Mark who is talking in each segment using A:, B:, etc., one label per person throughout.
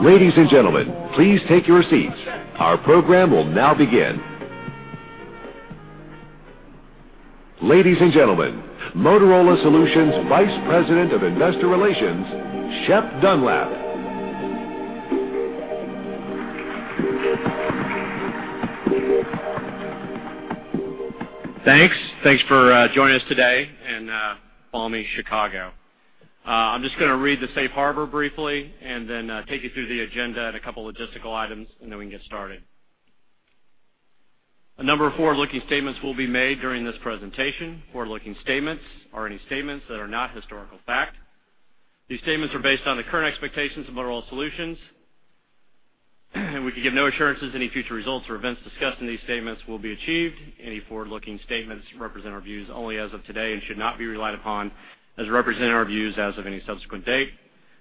A: Ladies and gentlemen, please take your seats. Our program will now begin. Ladies and gentlemen, Motorola Solutions Vice President of Investor Relations, Shep Dunlap.
B: Thanks. Thanks for joining us today in balmy Chicago. I'm just going to read the safe harbor briefly and then take you through the agenda and a couple logistical items, and then we can get started. A number of forward-looking statements will be made during this presentation. Forward-looking statements are any statements that are not historical fact. These statements are based on the current expectations of Motorola Solutions, and we can give no assurances any future results or events discussed in these statements will be achieved. Any forward-looking statements represent our views only as of today and should not be relied upon as representing our views as of any subsequent date.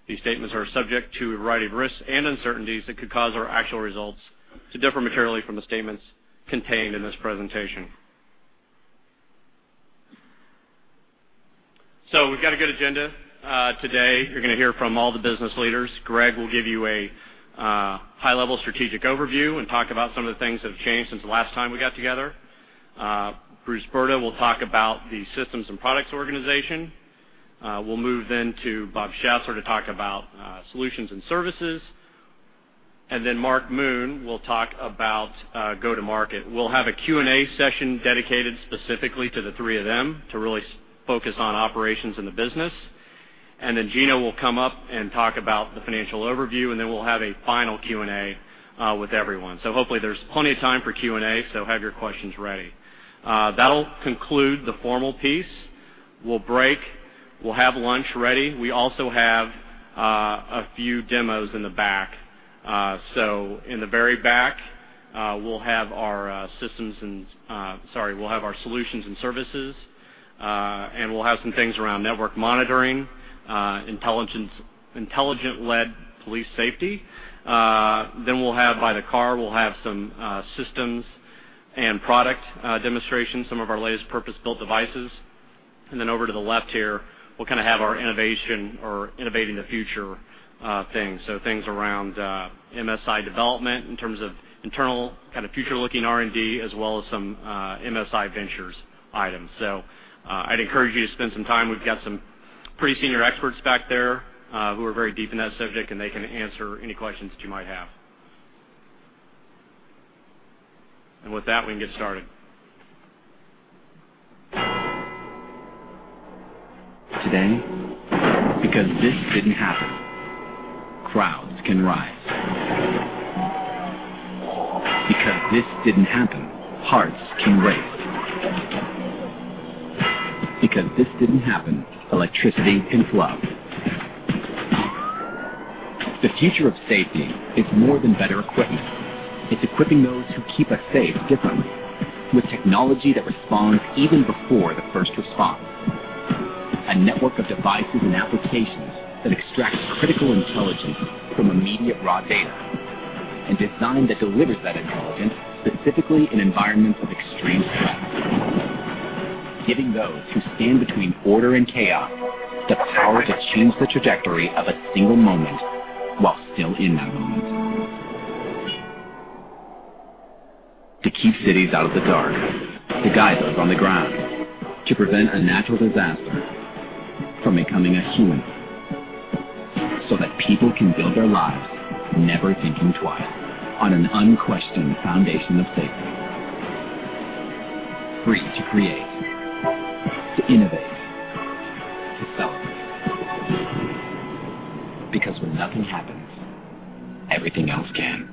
B: These statements are subject to a variety of risks and uncertainties that could cause our actual results to differ materially from the statements contained in this presentation. We've got a good agenda today. You're going to hear from all the business leaders. Greg will give you a high-level strategic overview and talk about some of the things that have changed since the last time we got together. Bruce Brda will talk about the systems and products organization. We'll move then to Bob Schassler to talk about solutions and services, and then Mark Moon will talk about go-to-market. We'll have a Q&A session dedicated specifically to the three of them, to really focus on operations in the business. Then Gino will come up and talk about the financial overview, and then we'll have a final Q&A with everyone. Hopefully there's plenty of time for Q&A, so have your questions ready. That'll conclude the formal piece. We'll break, we'll have lunch ready. We also have a few demos in the back. In the very back, we'll have our solutions and services, and we'll have some things around network monitoring, intelligence, intelligence-led public safety. Then we'll have, by the car, some systems and product demonstrations, some of our latest purpose-built devices. And then over to the left here, we'll kind of have our innovation or innovating the future things. Things around MSI development in terms of internal, kind of, future-looking R&D, as well as some MSI ventures items. I'd encourage you to spend some time. We've got some pretty senior experts back there who are very deep in that subject, and they can answer any questions that you might have. And with that, we can get started.
C: Today, because this didn't happen, crowds can rise. Because this didn't happen, hearts can race. Because this didn't happen, electricity can flow. The future of safety is more than better equipment. It's equipping those who keep us safe differently with technology that responds even before the first response. A network of devices and applications that extracts critical intelligence from immediate raw data, and design that delivers that intelligence, specifically in environments of extreme stress. Giving those who stand between order and chaos, the power to change the trajectory of a single moment while still in that moment. To keep cities out of the dark, to guide those on the ground, to prevent a natural disaster from becoming a human, so that people can build their lives, never thinking twice on an unquestioned foundation of safety. Free to create, to innovate, to sell. Because when nothing happens, everything else can.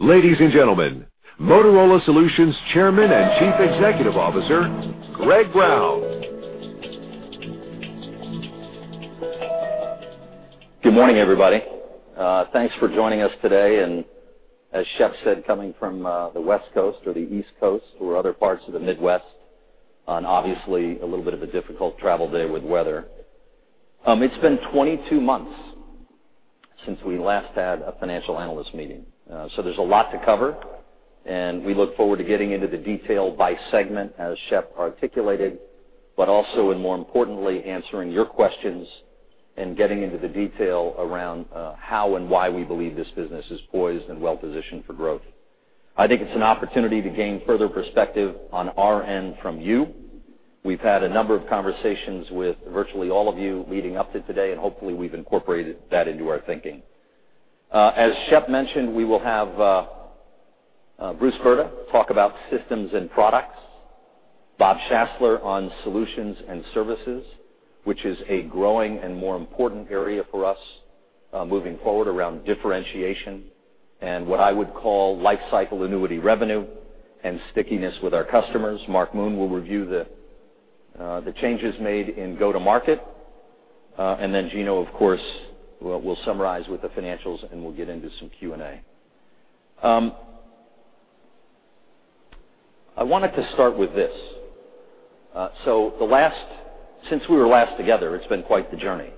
A: Ladies and gentlemen, Motorola Solutions Chairman and Chief Executive Officer, Greg Brown.
D: Good morning, everybody. Thanks for joining us today, and as Shep said, coming from the West Coast or the East Coast, or other parts of the Midwest, on obviously a little bit of a difficult travel day with weather. It's been 22 months since we last had a financial analyst meeting, so there's a lot to cover, and we look forward to getting into the detail by segment, as Shep articulated, but also and more importantly, answering your questions and getting into the detail around how and why we believe this business is poised and well positioned for growth. I think it's an opportunity to gain further perspective on our end from you. We've had a number of conversations with virtually all of you leading up to today, and hopefully, we've incorporated that into our thinking. As Shep mentioned, we will have Bruce Brda talk about systems and products, Bob Schassler on solutions and services, which is a growing and more important area for us, moving forward around differentiation and what I would call lifecycle annuity revenue, and stickiness with our customers. Mark Moon will review the changes made in go-to-market, and then Gino, of course, will summarize with the financials, and we'll get into some Q&A. I wanted to start with this. Since we were last together, it's been quite the journey.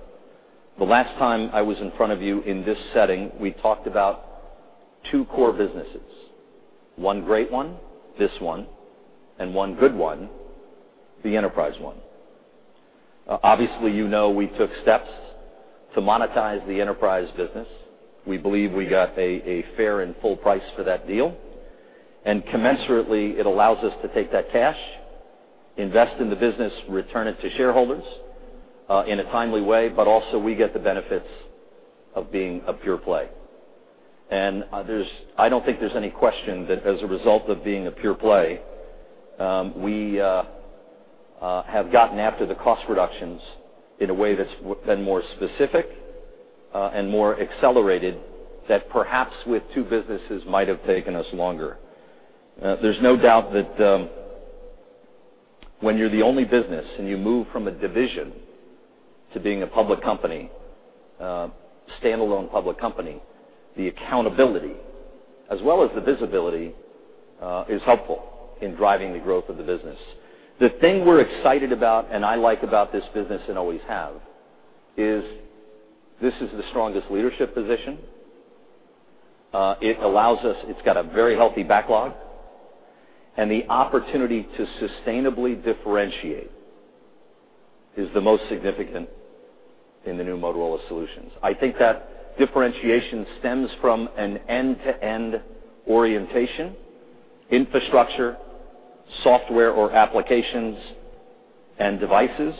D: The last time I was in front of you in this setting, we talked about two core businesses, one great one, this one, and one good one, the enterprise one. Obviously, you know we took steps to monetize the enterprise business. We believe we got a fair and full price for that deal, and commensurately, it allows us to take that cash, invest in the business, return it to shareholders, in a timely way, but also we get the benefits of being a pure play. There's, I don't think there's any question that as a result of being a pure play, we have gotten after the cost reductions in a way that's been more specific, and more accelerated, that perhaps with two businesses, might have taken us longer. There's no doubt that, when you're the only business and you move from a division to being a public company, a standalone public company, the accountability, as well as the visibility, is helpful in driving the growth of the business. The thing we're excited about, and I like about this business and always have, is this is the strongest leadership position. It allows us—it's got a very healthy backlog, and the opportunity to sustainably differentiate is the most significant in the new Motorola Solutions. I think that differentiation stems from an end-to-end orientation, infrastructure, software or applications, and devices.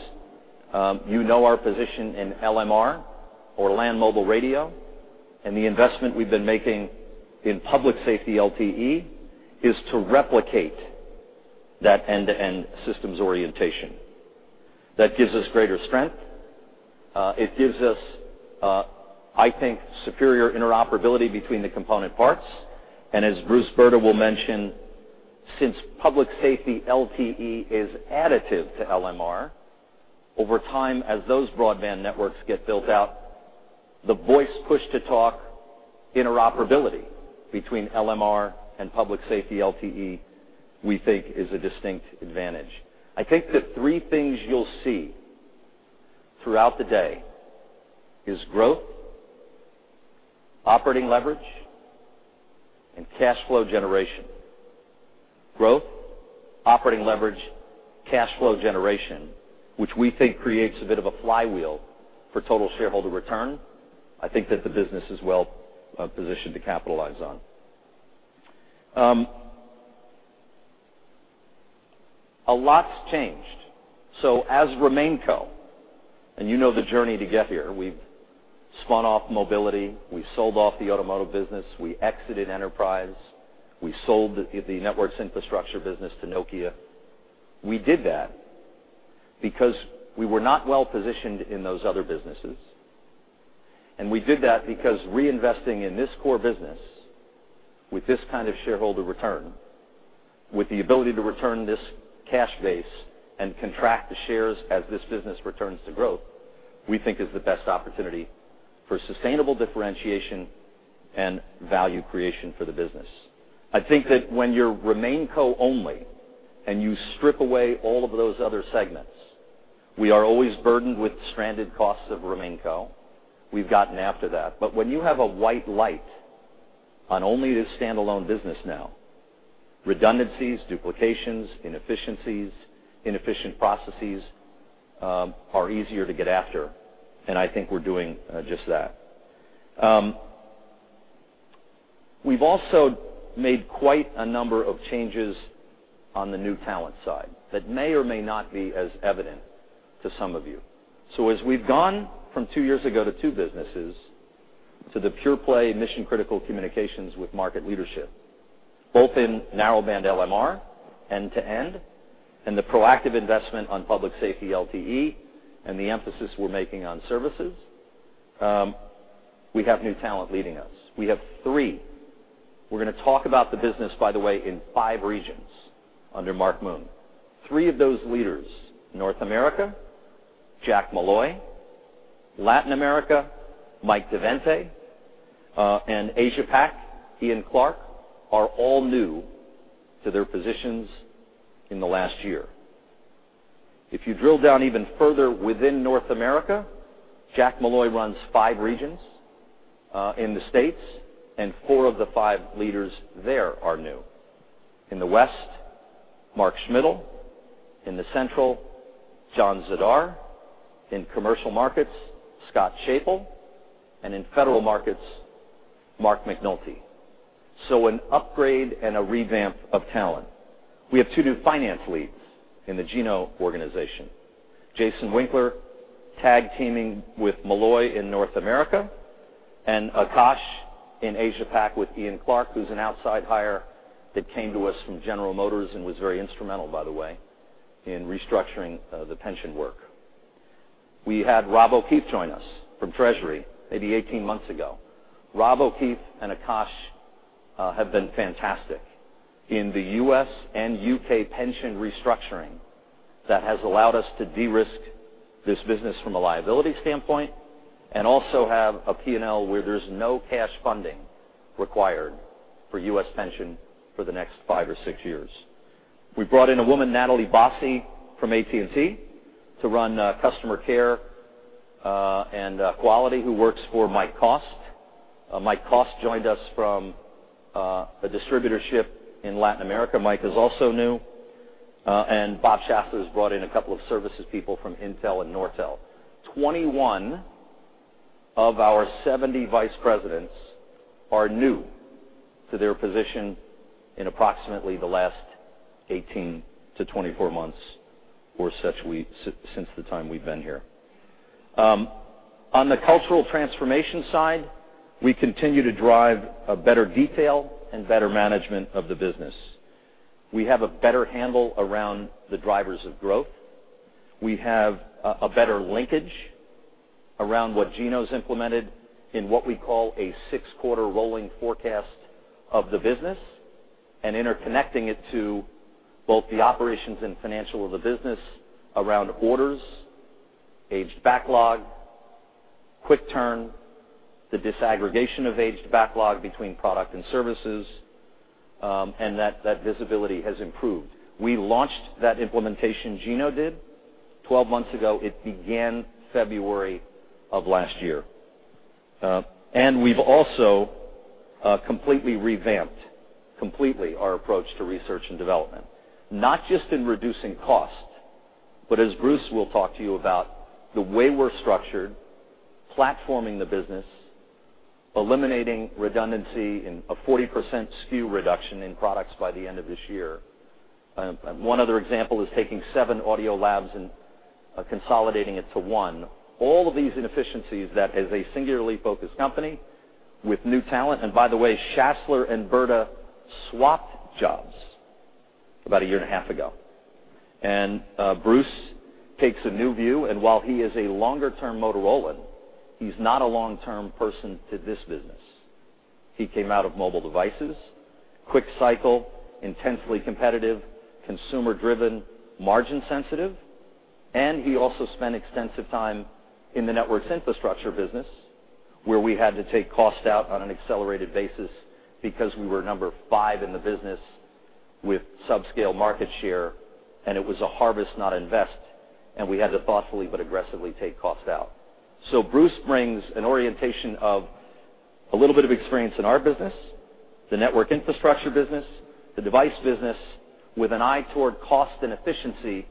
D: You know our position in LMR, or Land Mobile Radio, and the investment we've been making in public safety LTE, is to replicate that end-to-end systems orientation. That gives us greater strength. It gives us, I think, superior interoperability between the component parts, and as Bruce Brda will mention, since public safety LTE is additive to LMR, over time, as those broadband networks get built out, the voice push-to-talk interoperability between LMR and public safety LTE, we think, is a distinct advantage. I think the three things you'll see throughout the day is growth, operating leverage, and cash flow generation. Growth, operating leverage, cash flow generation, which we think creates a bit of a flywheel for total shareholder return. I think that the business is well positioned to capitalize on. A lot's changed. As RemainCo, and you know the journey to get here, we've spun off mobility, we sold off the automotive business, we exited enterprise, we sold the networks infrastructure business to Nokia. We did that because we were not well positioned in those other businesses, and we did that because reinvesting in this core business with this kind of shareholder return, with the ability to return this cash base and contract the shares as this business returns to growth, we think is the best opportunity for sustainable differentiation and value creation for the business. I think that when you're RemainCo only, and you strip away all of those other segments, we are always burdened with stranded costs of RemainCo. We've gotten after that. But when you have a white light on only this standalone business now, redundancies, duplications, inefficiencies, inefficient processes, are easier to get after, and I think we're doing just that. We've also made quite a number of changes on the new talent side, that may or may not be as evident to some of you. As we've gone from two years ago to two businesses, to the pure play mission-critical communications with market leadership, both in narrowband LMR, end-to-end, and the proactive investment on public safety LTE, and the emphasis we're making on services, we have new talent leading us. We have three. We're gonna talk about the business, by the way, in five regions under Mark Moon. Three of those leaders, North America, Jack Molloy, Latin America, Mike deVente, and Asia Pac, Iain Clarke, are all new to their positions in the last year. If you drill down even further within North America, Jack Molloy runs five regions in the States, and four of the five leaders there are new. In the West, Mark Schmidl, in the Central, John Zidar, in Commercial Markets, Scott Schoepel, and in Federal Markets, Mark McNulty. An upgrade and a revamp of talent. We have two new finance leads in the Gino organization, Jason Winkler, tag-teaming with Molloy in North America, and Akash in Asia Pac with Iain Clarke, who's an outside hire that came to us from General Motors and was very instrumental, by the way, in restructuring the pension work. We had Rob O'Keefe join us from Treasury, maybe 18 months ago. Rob O'Keefe and Akash have been fantastic in the U.S. and U.K. pension restructuring that has allowed us to de-risk this business from a liability standpoint and also have a P&L where there's no cash funding required for U.S. pension for the next five or six years. We brought in a woman, Natalie Bassi, from AT&T to run customer care and quality, who works for Mike Kost. Mike Kost joined us from a distributorship in Latin America. Mike is also new, and Bob Schassler has brought in a couple of services people from Intel and Nortel. 21 of our 70 vice presidents are new to their position in approximately the last 18-24 months, or such, since the time we've been here. On the cultural transformation side, we continue to drive a better detail and better management of the business. We have a better handle around the drivers of growth. We have a better linkage around what Gino's implemented in what we call a six-quarter rolling forecast of the business, and interconnecting it to both the operations and financial of the business around orders, aged backlog, quick turn, the disaggregation of aged backlog between product and services, and that visibility has improved. We launched that implementation, Gino did, 12 months ago. It began February of last year. We've also completely revamped our approach to research and development, not just in reducing cost, but as Bruce will talk to you about, the way we're structured, platforming the business, eliminating redundancy, and a 40% SKU reduction in products by the end of this year. One other example is taking seven audio labs and consolidating it to one. All of these inefficiencies that, as a singularly focused company with new talent. By the way, Schassler and Brda swapped jobs about a year and a half ago. Bruce takes a new view, and while he is a longer-term Motorolan, he's not a long-term person to this business. He came out of mobile devices, quick cycle, intensely competitive, consumer-driven, margin sensitive, and he also spent extensive time in the networks infrastructure business, where we had to take cost out on an accelerated basis because we were number five in the business with subscale market share, and it was a harvest, not invest, and we had to thoughtfully but aggressively take cost out. Bruce brings an orientation of a little bit of experience in our business, the network infrastructure business, the device business, with an eye toward cost and efficiency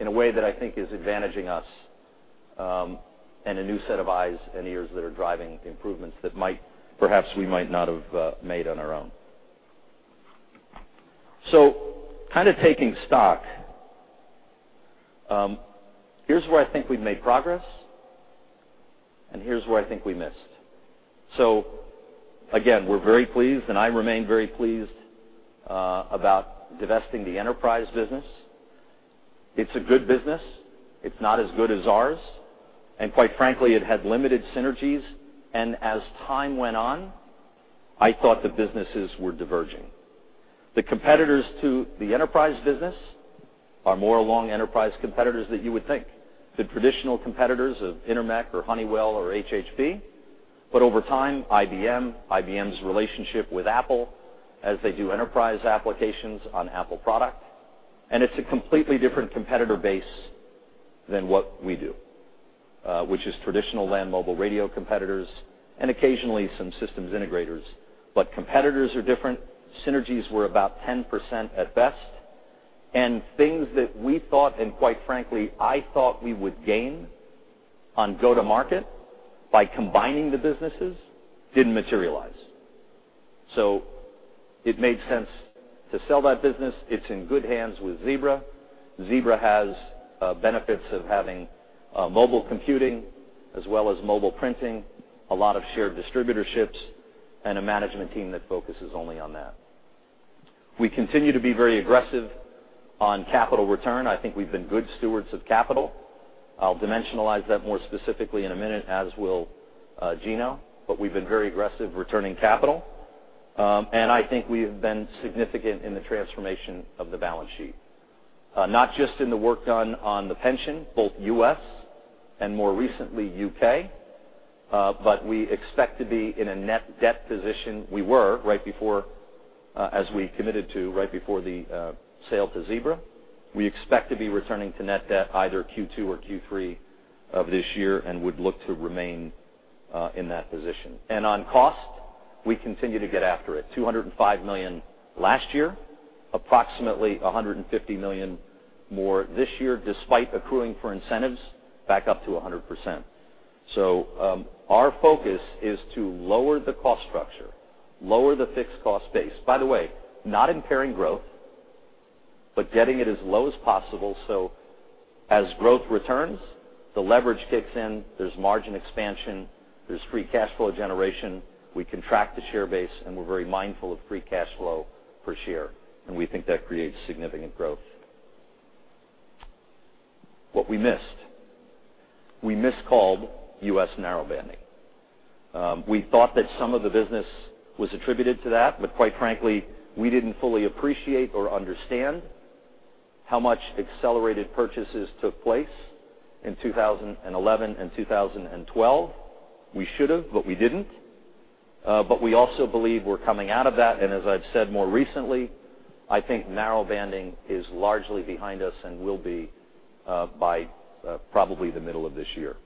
D: in a way that I think is advantaging us, and a new set of eyes and ears that are driving improvements that might, perhaps, we might not have made on our own. Kind of taking stock, here's where I think we've made progress, and here's where I think we missed. Again, we're very pleased, and I remain very pleased, about divesting the enterprise business. It's a good business. It's not as good as ours, and quite frankly, it had limited synergies, and as time went on, I thought the businesses were diverging. The competitors to the enterprise business are more along enterprise competitors that you would think, the traditional competitors of Intermec or Honeywell or HHP, but over time, IBM, IBM's relationship with Apple, as they do enterprise applications on Apple product, and it's a completely different competitor base than what we do, which is traditional land mobile radio competitors and occasionally some systems integrators. But competitors are different. Synergies were about 10% at best, and things that we thought, and quite frankly, I thought we would gain on go-to-market by combining the businesses, didn't materialize. It made sense to sell that business. It's in good hands with Zebra. Zebra has, benefits of having, mobile computing as well as mobile printing, a lot of shared distributorships, and a management team that focuses only on that. We continue to be very aggressive on capital return. I think we've been good stewards of capital. I'll dimensionalize that more specifically in a minute, as will, Gino, but we've been very aggressive returning capital. I think we have been significant in the transformation of the balance sheet, not just in the work done on the pension, both U.S. and more recently, U.K., but we expect to be in a net debt position. We were, right before, as we committed to, right before the, sale to Zebra. We expect to be returning to net debt either Q2 or Q3 of this year and would look to remain, in that position. On cost, we continue to get after it. $205 million last year, approximately $150 million more this year, despite accruing for incentives, back up to 100%. Our focus is to lower the cost structure, lower the fixed cost base. By the way, not impairing growth, but getting it as low as possible, so as growth returns, the leverage kicks in, there's margin expansion, there's free cash flow generation, we contract the share base, and we're very mindful of free cash flow per share, and we think that creates significant growth. What we missed: we miscalled U.S. Narrowbanding. We thought that some of the business was attributed to that, but quite frankly, we didn't fully appreciate or understand how much accelerated purchases took place in 2011 and 2012. We should have, but we didn't. But we also believe we're coming out of that, and as I've said more recently, I think Narrowbanding is largely behind us and will be, by probably the middle of this year.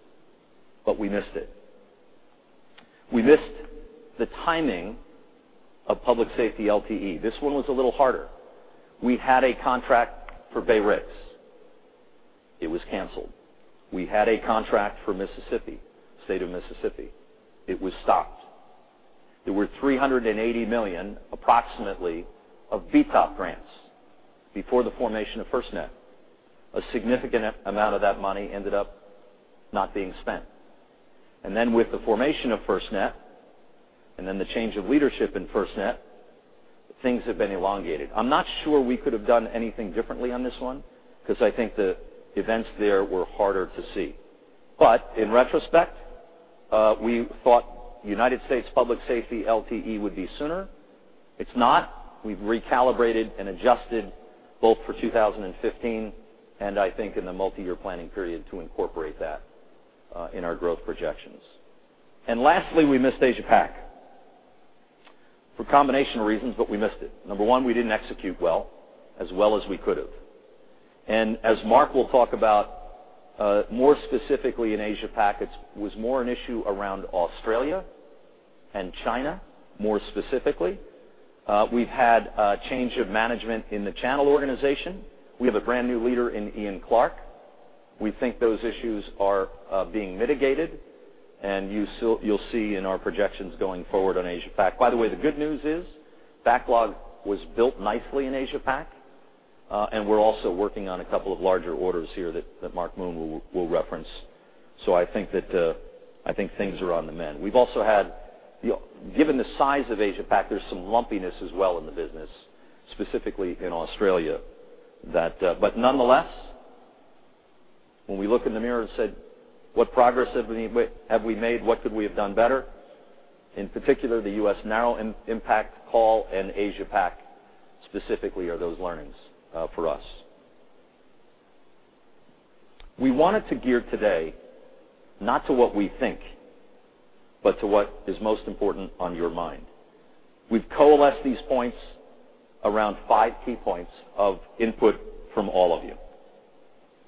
D: But we missed it. We missed the timing of public safety LTE. This one was a little harder. We had a contract for BayRICS. It was canceled. We had a contract for Mississippi, State of Mississippi. It was stopped. There were approximately $380 million of BTOP grants before the formation of FirstNet. A significant amount of that money ended up not being spent. Then with the formation of FirstNet, and then the change of leadership in FirstNet, things have been elongated. I'm not sure we could have done anything differently on this one, because I think the events there were harder to see. But in retrospect, we thought United States public safety LTE would be sooner. It's not. We've recalibrated and adjusted both for 2015, and I think in the multi-year planning period, to incorporate that, in our growth projections. Lastly, we missed Asia Pac. For a combination of reasons, but we missed it. Number one, we didn't execute well, as well as we could have. As Mark will talk about, more specifically in Asia Pac, it was more an issue around Australia and China, more specifically. We've had a change of management in the channel organization. We have a brand-new leader in Iain Clarke. We think those issues are being mitigated, and you'll see, you'll see in our projections going forward on Asia Pac. By the way, the good news is, backlog was built nicely in Asia Pac, and we're also working on a couple of larger orders here that Mark Moon will reference. I think that, I think things are on the mend. We've also had-- Given the size of Asia Pac, there's some lumpiness as well in the business, specifically in Australia. That but nonetheless, when we look in the mirror and said, "What progress have we made? What could we have done better?" In particular, the U.S. Narrowbanding impact call and Asia Pac, specifically, are those learnings for us. We wanted to gear today, not to what we think, but to what is most important on your mind. We've coalesced these points around five key points of input from all of you.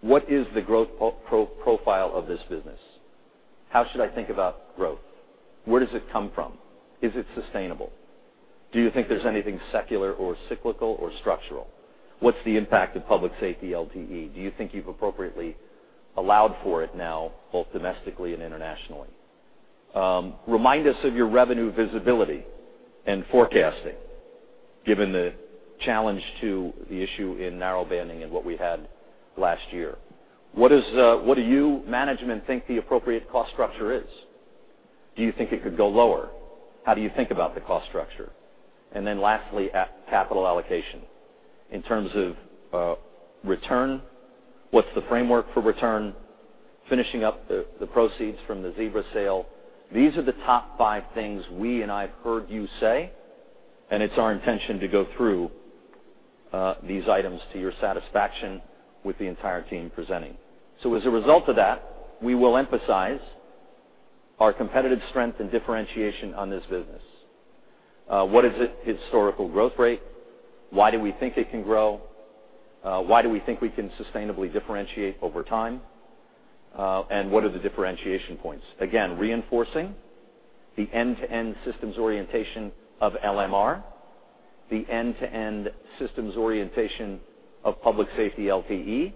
D: What is the growth profile of this business? How should I think about growth? Where does it come from? Is it sustainable? Do you think there's anything secular or cyclical or structural? What's the impact of public safety LTE? Do you think you've appropriately allowed for it now, both domestically and internationally? Remind us of your revenue visibility and forecasting, given the challenge to the issue in Narrowbanding and what we had last year. What is, what do you, management, think the appropriate cost structure is? Do you think it could go lower? How do you think about the cost structure? Then lastly, at capital allocation. In terms of, return, what's the framework for return, finishing up the, the proceeds from the Zebra sale? These are the top five things we, and I've heard you say, and it's our intention to go through, these items to your satisfaction with the entire team presenting. As a result of that, we will emphasize our competitive strength and differentiation on this business. What is its historical growth rate? Why do we think it can grow? Why do we think we can sustainably differentiate over time? What are the differentiation points? Again, reinforcing the end-to-end systems orientation of LMR, the end-to-end systems orientation of public safety LTE.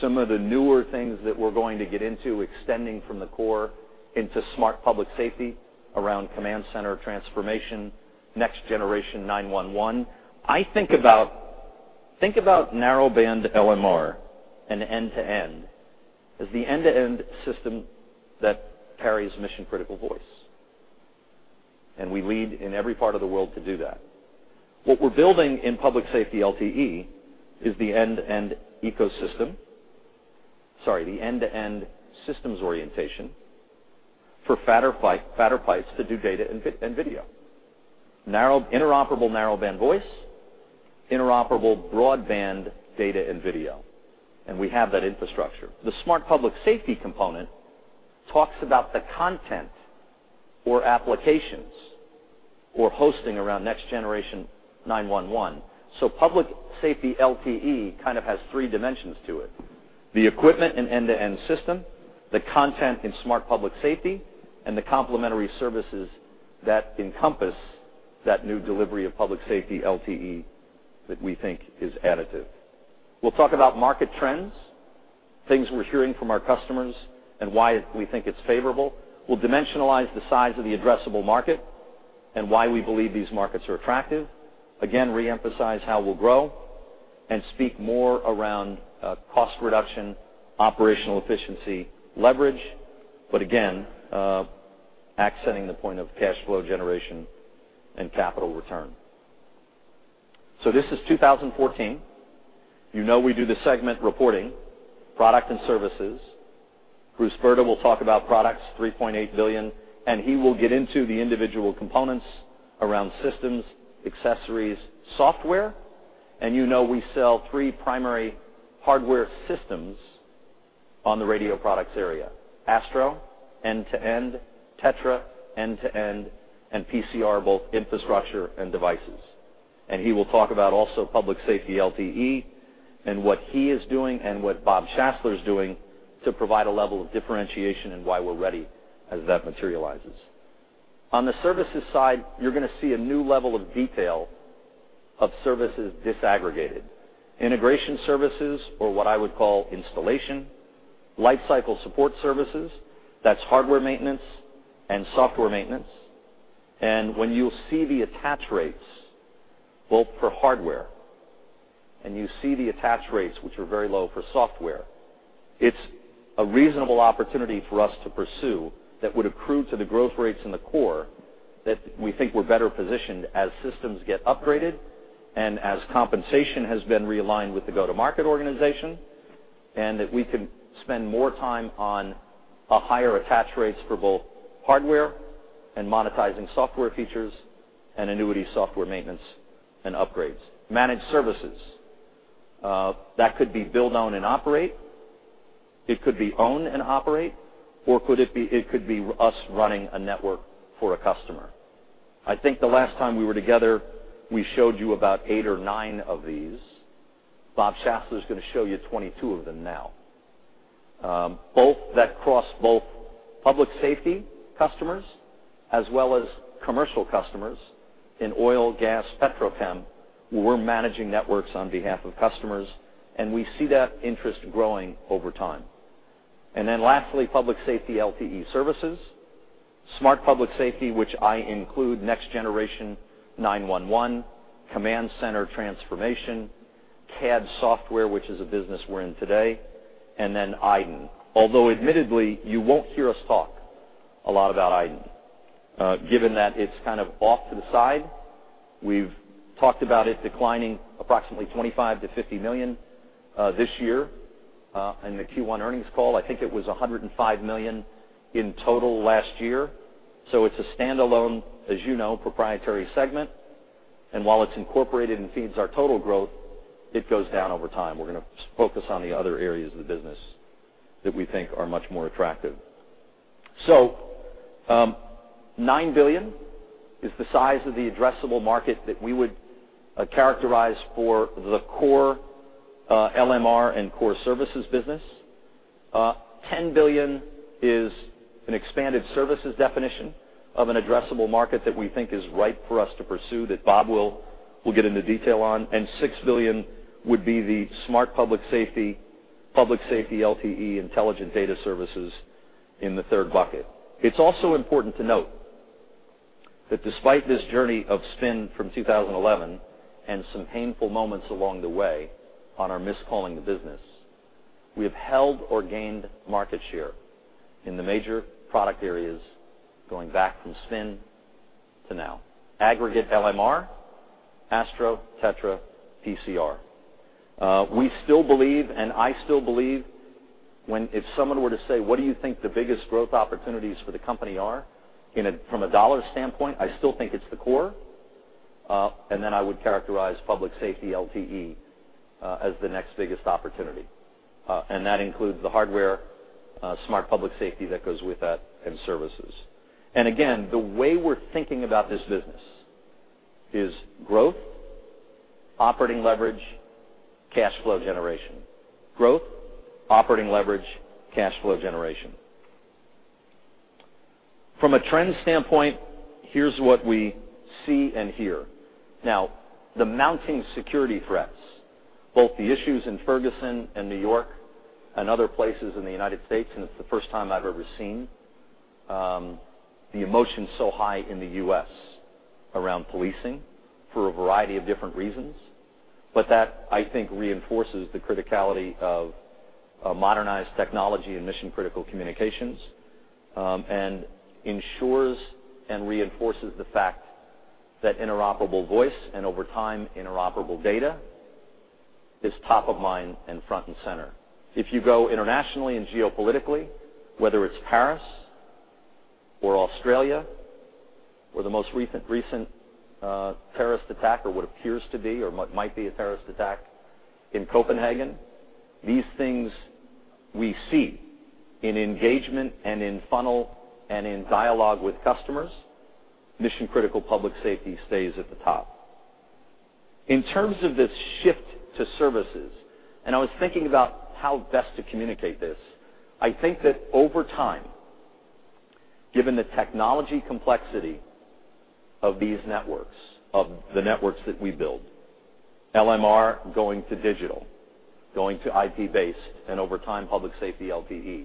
D: Some of the newer things that we're going to get into, extending from the core into smart public safety around command center transformation, Next Generation 9-1-1. I think about Narrowband LMR and end-to-end, as the end-to-end system that carries mission-critical voice, and we lead in every part of the world to do that. What we're building in public safety LTE is the end-to-end ecosystem. Sorry, the end-to-end systems orientation for fatter pipe, fatter pipes to do data and video. Interoperable Narrowband voice, interoperable broadband data and video, and we have that infrastructure. The smart public safety component talks about the content or applications or hosting around Next Generation 9-1-1. Public safety LTE kind of has three dimensions to it: the equipment and end-to-end system, the content in smart public safety, and the complementary services that encompass that new delivery of public safety LTE that we think is additive. We'll talk about market trends, things we're hearing from our customers, and why we think it's favorable. We'll dimensionalize the size of the addressable market and why we believe these markets are attractive. Again, reemphasize how we'll grow and speak more around, cost reduction, operational efficiency, leverage, but again, accenting the point of cash flow generation and capital return. This is 2014. You know we do the segment reporting, product and services. Bruce Brda will talk about products, $3.8 billion, and he will get into the individual components around systems, accessories, software. You know we sell three primary hardware systems on the radio products area, ASTRO end-to-end, TETRA end-to-end, and PCR, both infrastructure and devices. He will talk about also public safety LTE, and what he is doing, and what Bob Schassler is doing to provide a level of differentiation and why we're ready as that materializes. On the services side, you're going to see a new level of detail of services disaggregated. Integration services, or what I would call installation, lifecycle support services, that's hardware maintenance and software maintenance. When you'll see the attach rates, both for hardware, and you see the attach rates, which are very low for software, it's a reasonable opportunity for us to pursue that would accrue to the growth rates in the core, that we think we're better positioned as systems get upgraded and as compensation has been realigned with the go-to-market organization, and that we can spend more time on a higher attach rates for both hardware and monetizing software features and annuity software maintenance and upgrades. Managed services, that could be build, own, and operate, it could be own and operate, or could it be it could be us running a network for a customer. I think the last time we were together, we showed you about eight or nine of these. Bob Schassler is going to show you 22 of them now. Both that cross both public safety customers as well as commercial customers in oil, gas, petrochem, we're managing networks on behalf of customers, and we see that interest growing over time. Then lastly, public safety LTE services, Smart Public Safety, which I include Next Generation 9-1-1, command center transformation, CAD software, which is a business we're in today, and then iDEN. Although admittedly, you won't hear us talk a lot about iDEN, given that it's kind of off to the side. We've talked about it declining approximately $25 million-$50 million this year in the Q1 earnings call. I think it was $105 million in total last year. It's a standalone, as you know, proprietary segment, and while it's incorporated and feeds our total growth, it goes down over time. We're going to focus on the other areas of the business that we think are much more attractive. $9 billion is the size of the addressable market that we would characterize for the core, LMR and core services business. $10 billion is an expanded services definition of an addressable market that we think is right for us to pursue, that Bob will, will get into detail on, and $6 billion would be the smart public safety, public safety, LTE, intelligent data services in the third bucket. It's also important to note that despite this journey of spin from 2011 and some painful moments along the way on our miscalling the business, we have held or gained market share in the major product areas going back from spin to now. Aggregate LMR, ASTRO, TETRA, PCR. We still believe, and I still believe, when if someone were to say: What do you think the biggest growth opportunities for the company are? From a dollar standpoint, I still think it's the core, and then I would characterize public safety LTE as the next biggest opportunity. That includes the hardware, Smart Public Safety that goes with that, and services. Again, the way we're thinking about this business is growth, operating leverage, cash flow generation. Growth, operating leverage, cash flow generation. From a trend standpoint, here's what we see and hear. Now, the mounting security threats, both the issues in Ferguson and New York and other places in the United States, and it's the first time I've ever seen the emotion so high in the U.S. around policing for a variety of different reasons. But that, I think, reinforces the criticality of modernized technology and mission-critical communications, and ensures and reinforces the fact that interoperable voice and over time, interoperable data, is top of mind and front and center. If you go internationally and geopolitically, whether it's Paris or Australia, or the most recent terrorist attack, or what appears to be, or what might be a terrorist attack in Copenhagen, these things we see in engagement and in funnel and in dialogue with customers, mission-critical public safety stays at the top. In terms of this shift to services, and I was thinking about how best to communicate this, I think that over time, given the technology complexity of these networks, of the networks that we build, LMR going to digital, going to IP-based, and over time, public safety LTE,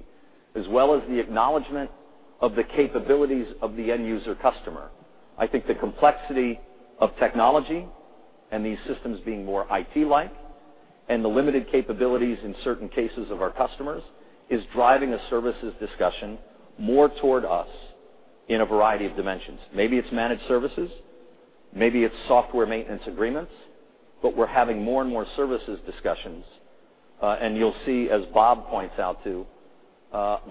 D: as well as the acknowledgment of the capabilities of the end user customer, I think the complexity of technology and these systems being more IT-like, and the limited capabilities in certain cases of our customers, is driving a services discussion more toward us in a variety of dimensions. Maybe it's managed services, maybe it's software maintenance agreements, but we're having more and more services discussions, and you'll see, as Bob points out, too,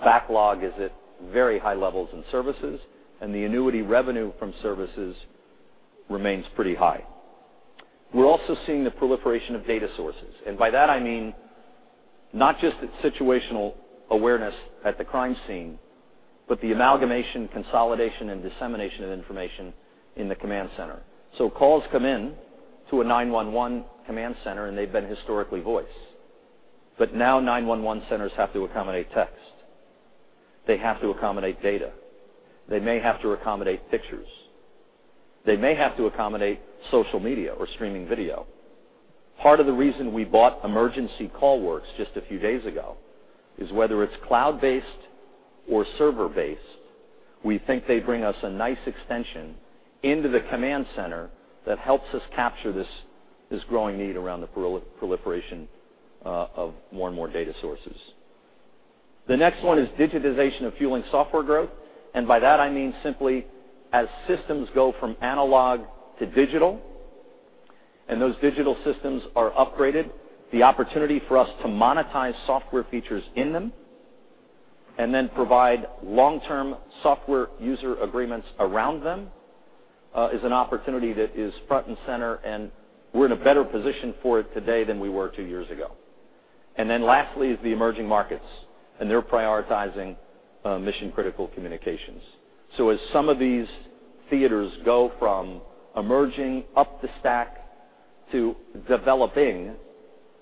D: backlog is at very high levels in services, and the annuity revenue from services remains pretty high. We're also seeing the proliferation of data sources, and by that I mean, not just situational awareness at the crime scene, but the amalgamation, consolidation, and dissemination of information in the command center. Calls come in to a 9-1-1 command center, and they've been historically voice. But now 9-1-1 centers have to accommodate text. They have to accommodate data. They may have to accommodate pictures. They may have to accommodate social media or streaming video. Part of the reason we bought Emergency CallWorks just a few days ago is whether it's cloud-based or server-based, we think they bring us a nice extension into the command center that helps us capture this growing need around the proliferation of more and more data sources. The next one is digitization fueling software growth, and by that I mean simply as systems go from analog to digital, and those digital systems are upgraded, the opportunity for us to monetize software features in them, and then provide long-term software user agreements around them, is an opportunity that is front and center, and we're in a better position for it today than we were two years ago. Then lastly, is the emerging markets, and they're prioritizing mission-critical communications. As some of these theaters go from emerging up the stack to developing,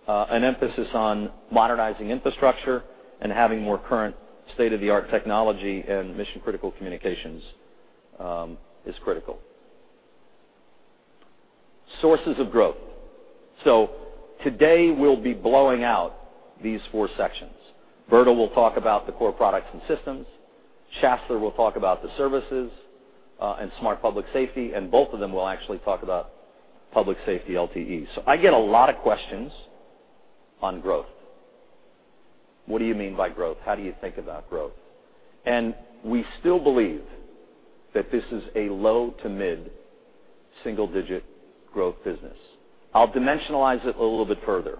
D: an emphasis on modernizing infrastructure and having more current state-of-the-art technology and mission-critical communications is critical. Sources of growth. Today, we'll be blowing out these four sections. Brda will talk about the core products and systems, Schassler will talk about the services and smart public safety, and both of them will actually talk about public safety LTE. I get a lot of questions on growth. What do you mean by growth? How do you think about growth? We still believe that this is a low to mid single-digit growth business. I'll dimensionalize it a little bit further.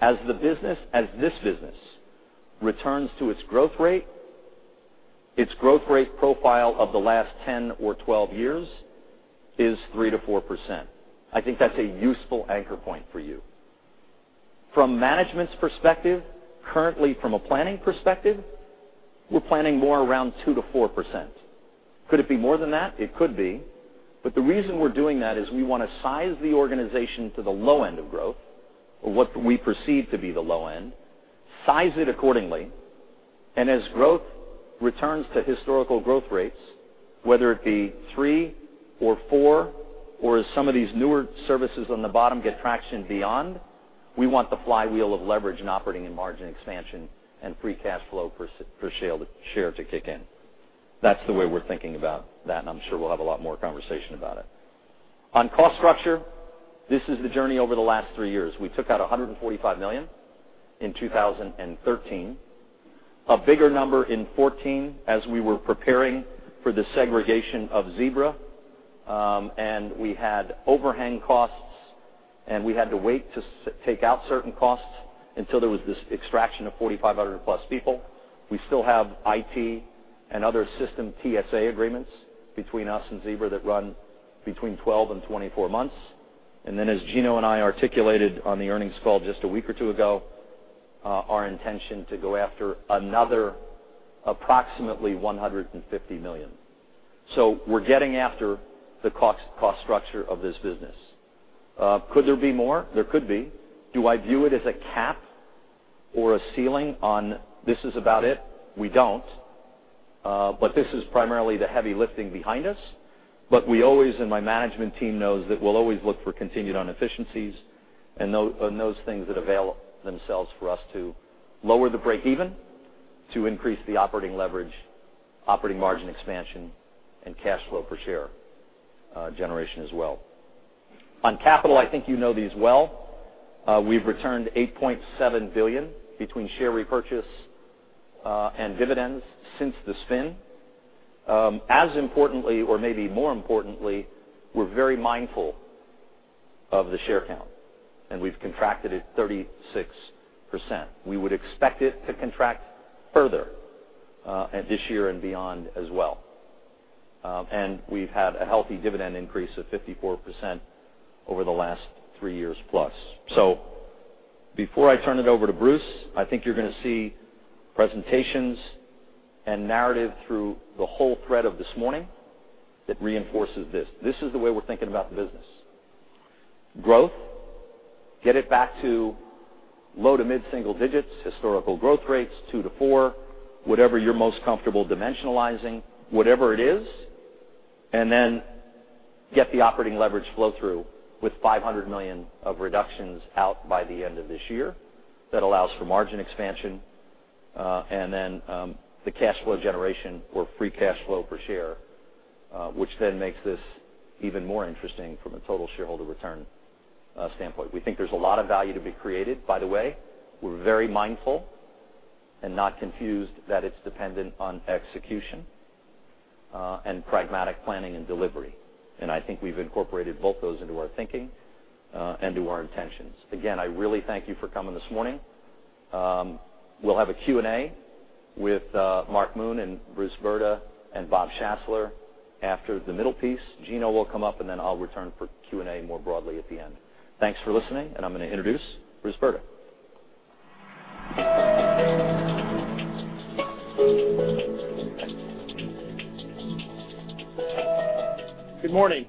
D: As the business, as this business returns to its growth rate, its growth rate profile of the last 10 or 12 years is 3%-4%. I think that's a useful anchor point for you. From management's perspective, currently from a planning perspective, we're planning more around 2%-4%. Could it be more than that? It could be, but the reason we're doing that is we want to size the organization to the low end of growth, or what we perceive to be the low end, size it accordingly, and as growth returns to historical growth rates, whether it be three or four, or as some of these newer services on the bottom get traction beyond, we want the flywheel of leverage and operating and margin expansion and free cash flow per share to kick in. That's the way we're thinking about that, and I'm sure we'll have a lot more conversation about it. On cost structure, this is the journey over the last three years. We took out $145 million in 2013. A bigger number in 2014 as we were preparing for the segregation of Zebra, and we had overhang costs, and we had to wait to take out certain costs until there was this extraction of 4,500+ people. We still have IT and other system TSA agreements between us and Zebra that run between 12-24 months. Then, as Gino and I articulated on the earnings call just a week or two ago, our intention to go after another approximately $150 million. We're getting after the cost, cost structure of this business. Could there be more? There could be. Do I view it as a cap or a ceiling on this is about it? We don't, but this is primarily the heavy lifting behind us. But we always, and my management team knows, that we'll always look for continued inefficiencies and those things that avail themselves for us to lower the break-even, to increase the operating leverage, operating margin expansion, and cash flow per share, generation as well. On capital, I think you know these well. We've returned $8.7 billion between share repurchase and dividends since the spin. As importantly or maybe more importantly, we're very mindful of the share count, and we've contracted it 36%. We would expect it to contract further this year and beyond as well. And we've had a healthy dividend increase of 54% over the last three years plus. Before I turn it over to Bruce, I think you're going to see presentations and narrative through the whole thread of this morning that reinforces this. This is the way we're thinking about the business. Growth, get it back to low to mid single digits, historical growth rates, 2-4, whatever you're most comfortable dimensionalizing, whatever it is, and then get the operating leverage flow through with $500 million of reductions out by the end of this year. That allows for margin expansion, and then the cash flow generation or free cash flow per share, which then makes this even more interesting from a total shareholder return standpoint. We think there's a lot of value to be created, by the way. We're very mindful and not confused that it's dependent on execution and pragmatic planning and delivery. I think we've incorporated both those into our thinking and to our intentions. Again, I really thank you for coming this morning. We'll have a Q&A with Mark Moon, and Bruce Brda, and Bob Schassler. After the middle piece, Gino will come up, and then I'll return for Q&A more broadly at the end. Thanks for listening, and I'm gonna introduce Bruce Brda.
E: Good morning.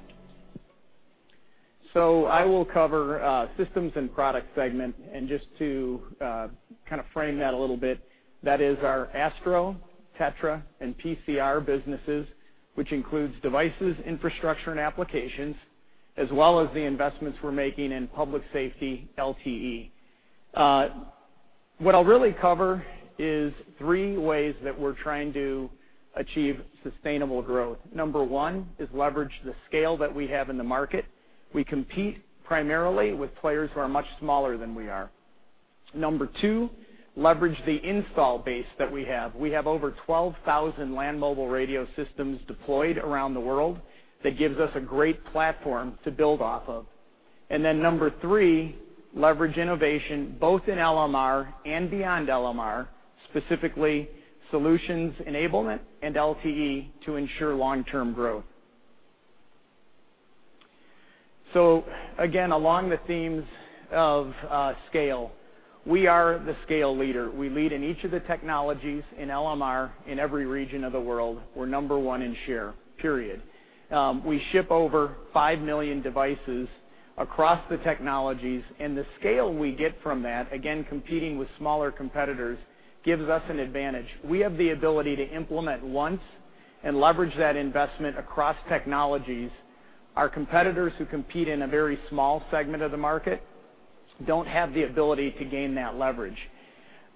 E: I will cover systems and products segment, and just to kind of frame that a little bit, that is our ASTRO, TETRA, and PCR businesses, which includes devices, infrastructure, and applications, as well as the investments we're making in public safety LTE. What I'll really cover is three ways that we're trying to achieve sustainable growth. Number one is leverage the scale that we have in the market. We compete primarily with players who are much smaller than we are. Number two, leverage the install base that we have. We have over 12,000 land mobile radio systems deployed around the world, that gives us a great platform to build off of. Number three, leverage innovation, both in LMR and beyond LMR, specifically solutions enablement and LTE to ensure long-term growth. Again, along the themes of scale, we are the scale leader. We lead in each of the technologies in LMR, in every region of the world, we're number one in share, period. We ship over 5 million devices across the technologies, and the scale we get from that, again, competing with smaller competitors, gives us an advantage. We have the ability to implement once and leverage that investment across technologies. Our competitors, who compete in a very small segment of the market, don't have the ability to gain that leverage.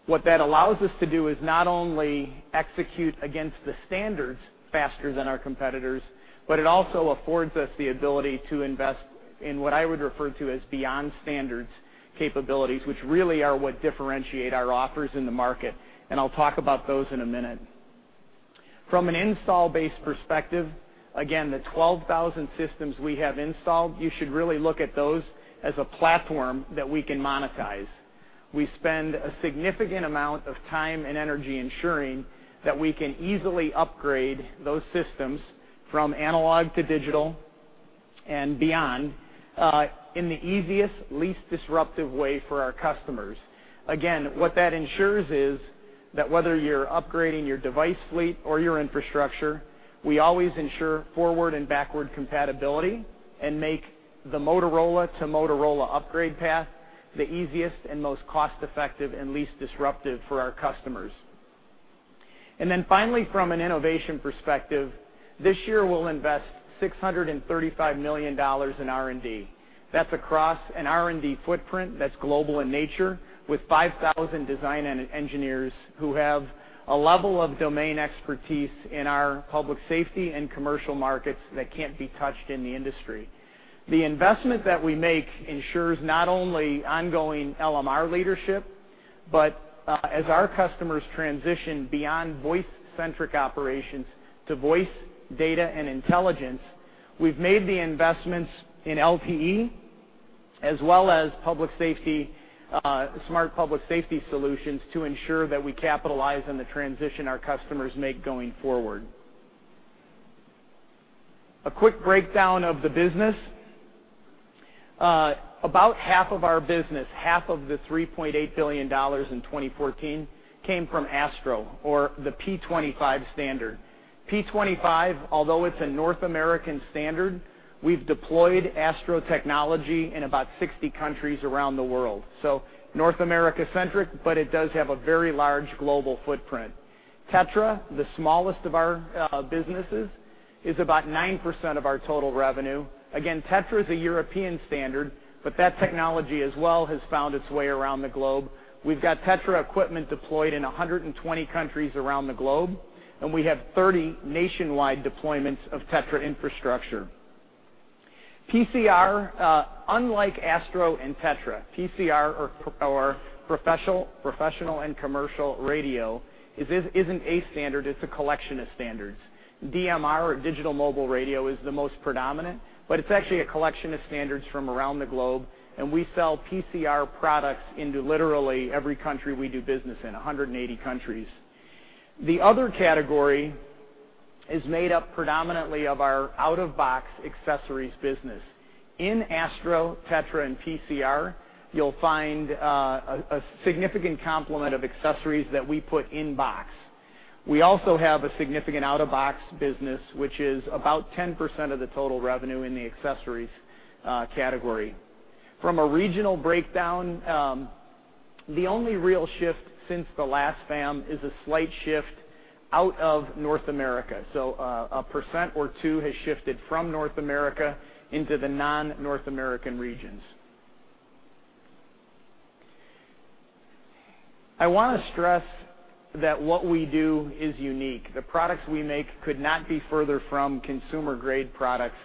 E: What that allows us to do is not only execute against the standards faster than our competitors, but it also affords us the ability to invest in what I would refer to as beyond standards capabilities, which really are what differentiate our offers in the market, and I'll talk about those in a minute. From an install base perspective, again, the 12,000 systems we have installed, you should really look at those as a platform that we can monetize. We spend a significant amount of time and energy ensuring that we can easily upgrade those systems from analog to digital, and beyond, in the easiest, least disruptive way for our customers. Again, what that ensures is that whether you're upgrading your device fleet or your infrastructure, we always ensure forward and backward compatibility and make the Motorola-to-Motorola upgrade path the easiest, and most cost-effective, and least disruptive for our customers. And then finally, from an innovation perspective, this year, we'll invest $635 million in R&D. That's across an R&D footprint that's global in nature, with 5,000 design and engineers who have a level of domain expertise in our public safety and commercial markets that can't be touched in the industry. The investment that we make ensures not only ongoing LMR leadership, but, as our customers transition beyond voice-centric operations to voice, data, and intelligence, we've made the investments in LTE, as well as public safety, Smart Public Safety Solutions, to ensure that we capitalize on the transition our customers make going forward. A quick breakdown of the business. About half of our business, half of the $3.8 billion in 2014, came from ASTRO or the P25 standard. P25, although it's a North American standard, we've deployed ASTRO technology in about 60 countries around the world. North America-centric, but it does have a very large global footprint. TETRA, the smallest of our businesses, is about 9% of our total revenue. Again, TETRA is a European standard, but that technology as well has found its way around the globe. We've got TETRA equipment deployed in 120 countries around the globe, and we have 30 nationwide deployments of TETRA infrastructure. PCR, unlike ASTRO and TETRA, PCR or Professional and Commercial Radio, isn't a standard, it's a collection of standards. DMR or Digital Mobile Radio is the most predominant, but it's actually a collection of standards from around the globe, and we sell PCR products into literally every country we do business in, 180 countries. The other category is made up predominantly of our out-of-box accessories business. In ASTRO, TETRA, and PCR, you'll find a significant complement of accessories that we put in-box. We also have a significant out-of-box business, which is about 10% of the total revenue in the accessories category. From a regional breakdown, the only real shift since the last fam is a slight shift out of North America. 1% or 2% has shifted from North America into the non-North American regions. I want to stress that what we do is unique. The products we make could not be further from consumer-grade products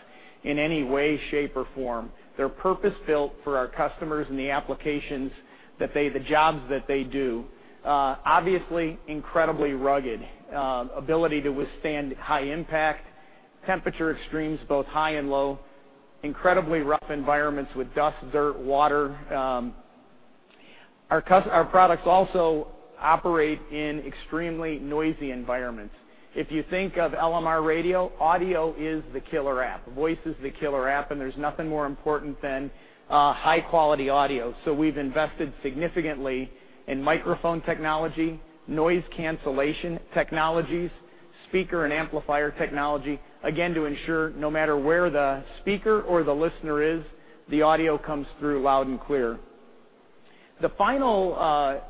E: in any way, shape, or form. They're purpose-built for our customers and the applications that they—the jobs that they do. Obviously, incredibly rugged, ability to withstand high impact, temperature extremes, both high and low.. incredibly rough environments with dust, dirt, water. Our products also operate in extremely noisy environments. If you think of LMR radio, audio is the killer app. Voice is the killer app, and there's nothing more important than high-quality audio. We've invested significantly in microphone technology, noise cancellation technologies, speaker and amplifier technology, again, to ensure no matter where the speaker or the listener is, the audio comes through loud and clear. The final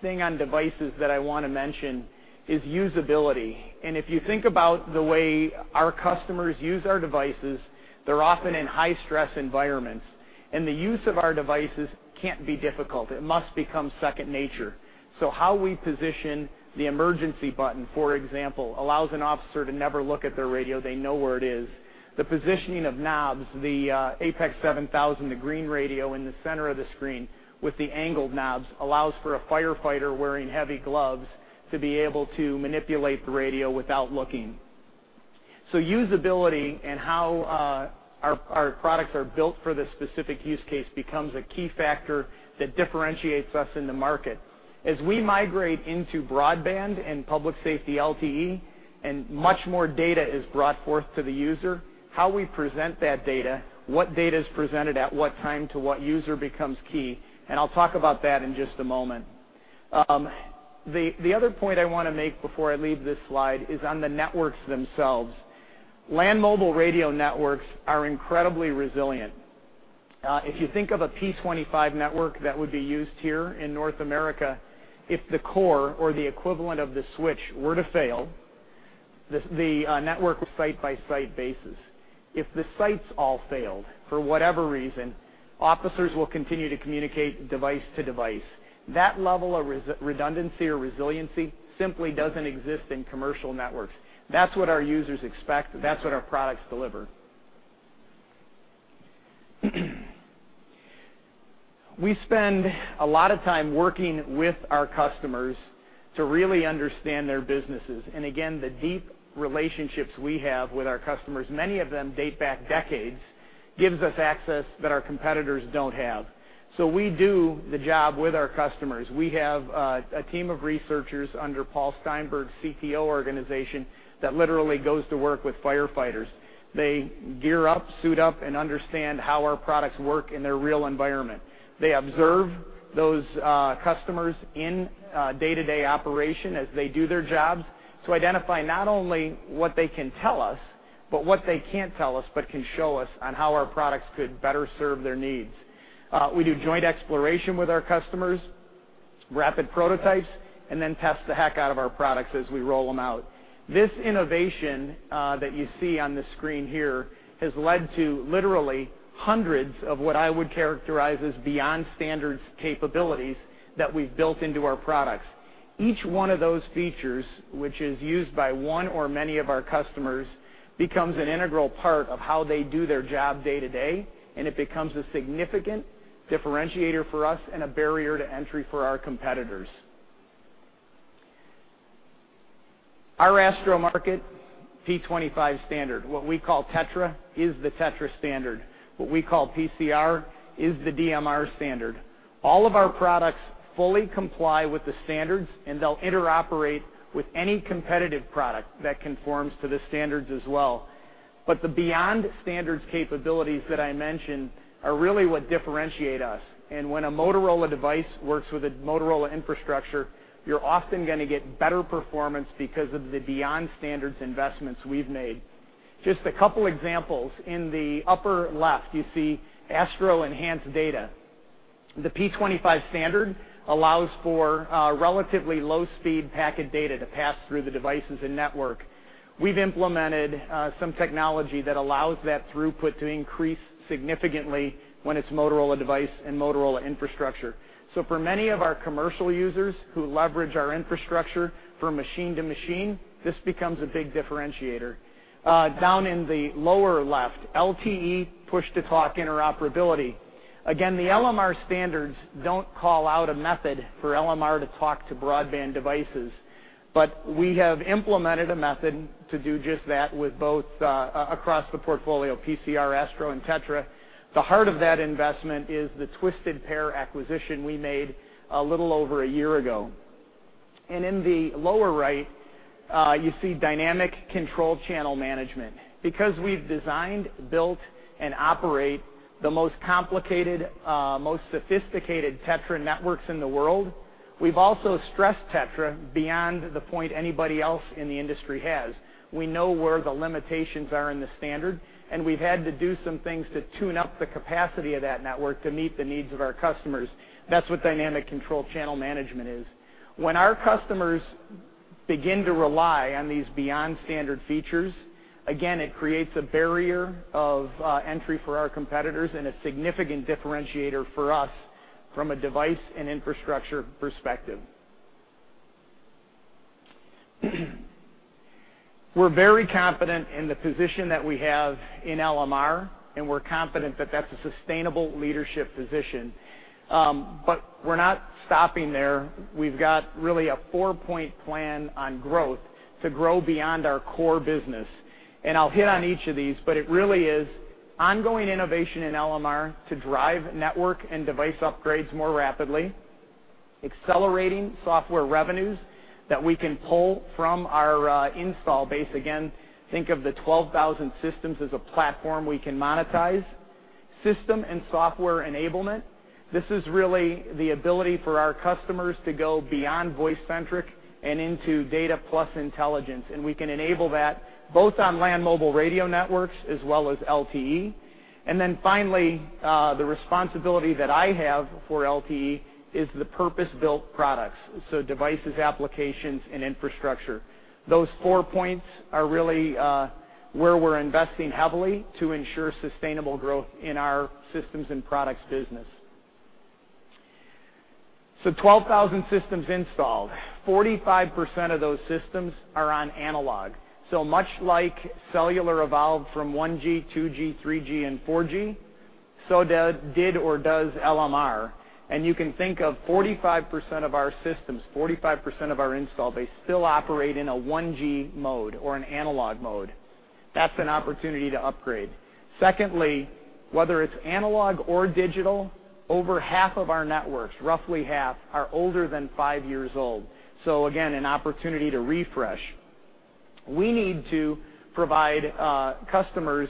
E: thing on devices that I want to mention is usability. If you think about the way our customers use our devices, they're often in high-stress environments, and the use of our devices can't be difficult. It must become second nature. How we position the emergency button, for example, allows an officer to never look at their radio. They know where it is. The positioning of knobs, the APX 7000, the green radio in the center of the screen with the angled knobs, allows for a firefighter wearing heavy gloves to be able to manipulate the radio without looking. Usability and how our products are built for this specific use case becomes a key factor that differentiates us in the market. As we migrate into broadband and public safety LTE, and much more data is brought forth to the user, how we present that data, what data is presented at what time to what user becomes key, and I'll talk about that in just a moment. The other point I want to make before I leave this slide is on the networks themselves. Land mobile radio networks are incredibly resilient. If you think of a P25 network that would be used here in North America, if the core or the equivalent of the switch were to fail, the network site by site basis. If the sites all failed, for whatever reason, officers will continue to communicate device to device. That level of redundancy or resiliency simply doesn't exist in commercial networks. That's what our users expect, that's what our products deliver. We spend a lot of time working with our customers to really understand their businesses. And again, the deep relationships we have with our customers, many of them date back decades, gives us access that our competitors don't have. We do the job with our customers. We have a team of researchers under Paul Steinberg, CTO organization, that literally goes to work with firefighters. They gear up, suit up, and understand how our products work in their real environment. They observe those, customers in, day-to-day operation as they do their jobs, to identify not only what they can tell us, but what they can't tell us, but can show us on how our products could better serve their needs. We do joint exploration with our customers, rapid prototypes, and then test the heck out of our products as we roll them out. This innovation, that you see on the screen here, has led to literally hundreds of what I would characterize as beyond standards capabilities that we've built into our products. Each one of those features, which is used by one or many of our customers, becomes an integral part of how they do their job day to day, and it becomes a significant differentiator for us and a barrier to entry for our competitors. Our ASTRO market, P25 standard, what we call TETRA, is the TETRA standard. What we call PCR is the DMR standard. All of our products fully comply with the standards, and they'll interoperate with any competitive product that conforms to the standards as well. But the beyond standards capabilities that I mentioned are really what differentiate us. And when a Motorola device works with a Motorola infrastructure, you're often gonna get better performance because of the beyond standards investments we've made. Just a couple examples. In the upper left, you see ASTRO Enhanced Data. The P25 standard allows for relatively low-speed packet data to pass through the devices and network. We've implemented some technology that allows that throughput to increase significantly when it's Motorola device and Motorola infrastructure. For many of our commercial users who leverage our infrastructure from machine to machine, this becomes a big differentiator. Down in the lower left, LTE push-to-talk interoperability. Again, the LMR standards don't call out a method for LMR to talk to broadband devices, but we have implemented a method to do just that with both across the portfolio, PCR, ASTRO, and TETRA. The heart of that investment is the Twisted Pair acquisition we made a little over a year ago. In the lower right, you see Dynamic Control Channel Management. Because we've designed, built, and operate the most complicated, most sophisticated TETRA networks in the world, we've also stressed TETRA beyond the point anybody else in the industry has. We know where the limitations are in the standard, and we've had to do some things to tune up the capacity of that network to meet the needs of our customers. That's what Dynamic Control Channel Management is. When our customers begin to rely on these beyond standard features, again, it creates a barrier of entry for our competitors and a significant differentiator for us from a device and infrastructure perspective. We're very confident in the position that we have in LMR, and we're confident that that's a sustainable leadership position. But we're not stopping there. We've got really a four-point plan on growth to grow beyond our core business, and I'll hit on each of these, but it really is ongoing innovation in LMR to drive network and device upgrades more rapidly. Accelerating software revenues that we can pull from our installed base. Again, think of the 12,000 systems as a platform we can monetize. System and software enablement. This is really the ability for our customers to go beyond voice-centric and into data plus intelligence, and we can enable that both on land mobile radio networks as well as LTE. Then finally, the responsibility that I have for LTE is the purpose-built products, so devices, applications, and infrastructure. Those four points are really where we're investing heavily to ensure sustainable growth in our systems and products business. 12,000 systems installed. 45% of those systems are on analog. Much like cellular evolved from 1G, 2G, 3G, and 4G, so did or does LMR, and you can think of 45% of our systems, 45% of our install base, still operate in a 1G mode or an analog mode. That's an opportunity to upgrade. Secondly, whether it's analog or digital, over half of our networks, roughly half, are older than 5 years old, so again, an opportunity to refresh. We need to provide customers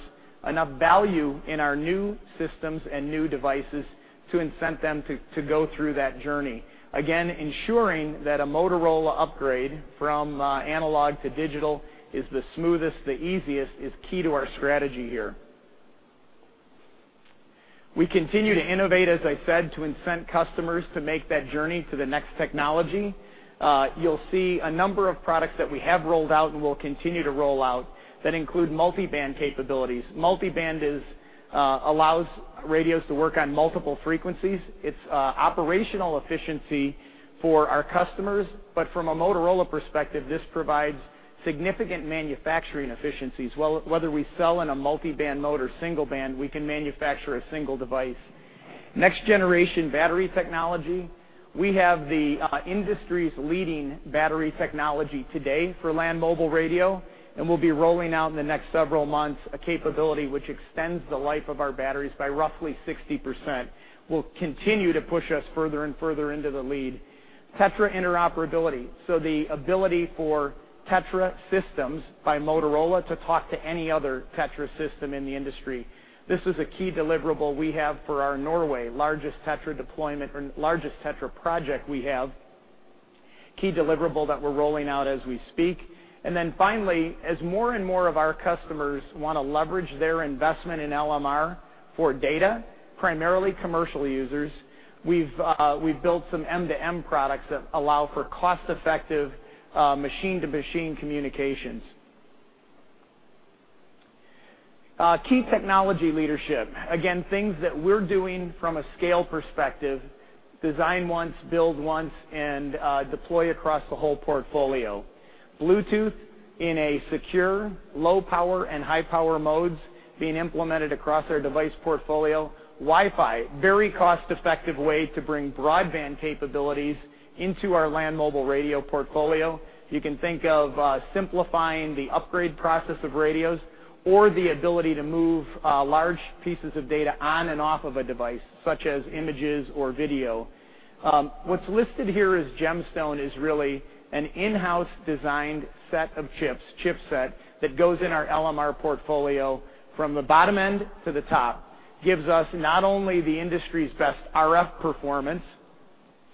E: enough value in our new systems and new devices to incent them to go through that journey. Again, ensuring that a Motorola upgrade from analog to digital is the smoothest, the easiest, is key to our strategy here. We continue to innovate, as I said, to incent customers to make that journey to the next technology. You'll see a number of products that we have rolled out and will continue to roll out that include multiband capabilities. Multiband is, allows radios to work on multiple frequencies. It's, operational efficiency for our customers, but from a Motorola perspective, this provides significant manufacturing efficiencies. Whether we sell in a multiband mode or single band, we can manufacture a single device. Next generation battery technology. We have the, industry's leading battery technology today for land mobile radio, and we'll be rolling out in the next several months, a capability which extends the life of our batteries by roughly 60%, will continue to push us further and further into the lead. TETRA interoperability, so the ability for TETRA systems by Motorola to talk to any other TETRA system in the industry. This is a key deliverable we have for our Norway largest TETRA deployment or largest TETRA project we have. Key deliverable that we're rolling out as we speak. Then finally, as more and more of our customers want to leverage their investment in LMR for data, primarily commercial users, we've built some M2M products that allow for cost-effective machine-to-machine communications. Key technology leadership. Again, things that we're doing from a scale perspective, design once, build once, and deploy across the whole portfolio. Bluetooth in a secure, low power, and high power modes being implemented across our device portfolio. Wi-Fi, very cost-effective way to bring broadband capabilities into our land mobile radio portfolio. You can think of simplifying the upgrade process of radios or the ability to move large pieces of data on and off of a device, such as images or video. What's listed here as Gemstone is really an in-house designed set of chips, chipset, that goes in our LMR portfolio from the bottom end to the top, gives us not only the industry's best RF performance,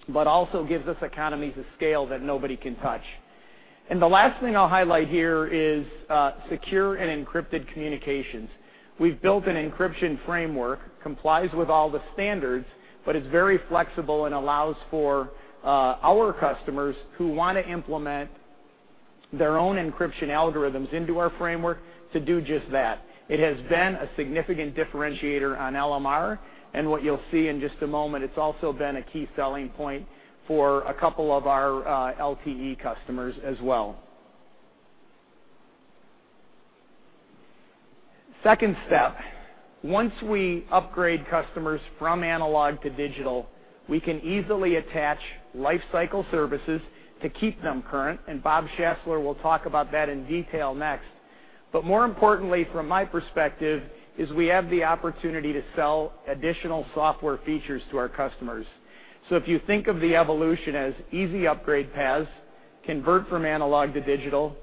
E: but also gives us economies of scale that nobody can touch. The last thing I'll highlight here is, secure and encrypted communications. We've built an encryption framework, complies with all the standards, but is very flexible and allows for, our customers who want to implement their own encryption algorithms into our framework to do just that. It has been a significant differentiator on LMR, and what you'll see in just a moment, it's also been a key selling point for a couple of our, LTE customers as well. Second step, once we upgrade customers from analog to digital, we can easily attach lifecycle services to keep them current, and Bob Schassler will talk about that in detail next. But more importantly, from my perspective, is we have the opportunity to sell additional software features to our customers. If you think of the evolution as easy upgrade paths, convert from analog to digital,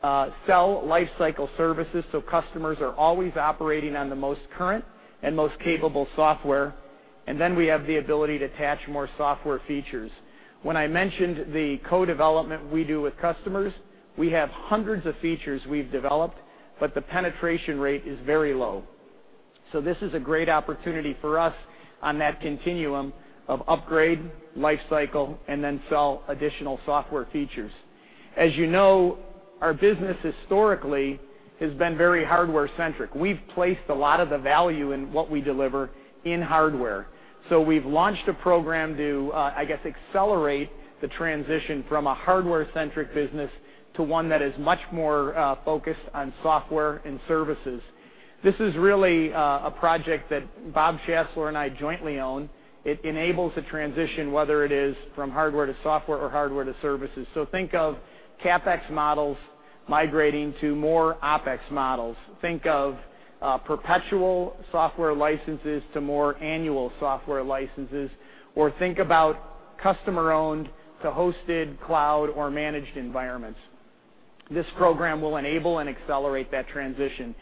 E: sell lifecycle services, so customers are always operating on the most current and most capable software, and then we have the ability to attach more software features. When I mentioned the co-development we do with customers, we have hundreds of features we've developed, but the penetration rate is very low. This is a great opportunity for us on that continuum of upgrade, lifecycle, and then sell additional software features. As you know, our business historically has been very hardware-centric. We've placed a lot of the value in what we deliver in hardware. We've launched a program to, I guess, accelerate the transition from a hardware-centric business to one that is much more focused on software and services. This is really a project that Bob Schassler and I jointly own. It enables a transition, whether it is from hardware to software or hardware to services. Think of CapEx models migrating to more OpEx models. Think of perpetual software licenses to more annual software licenses, or think about customer-owned to hosted cloud or managed environments. This program will enable and accelerate that transition.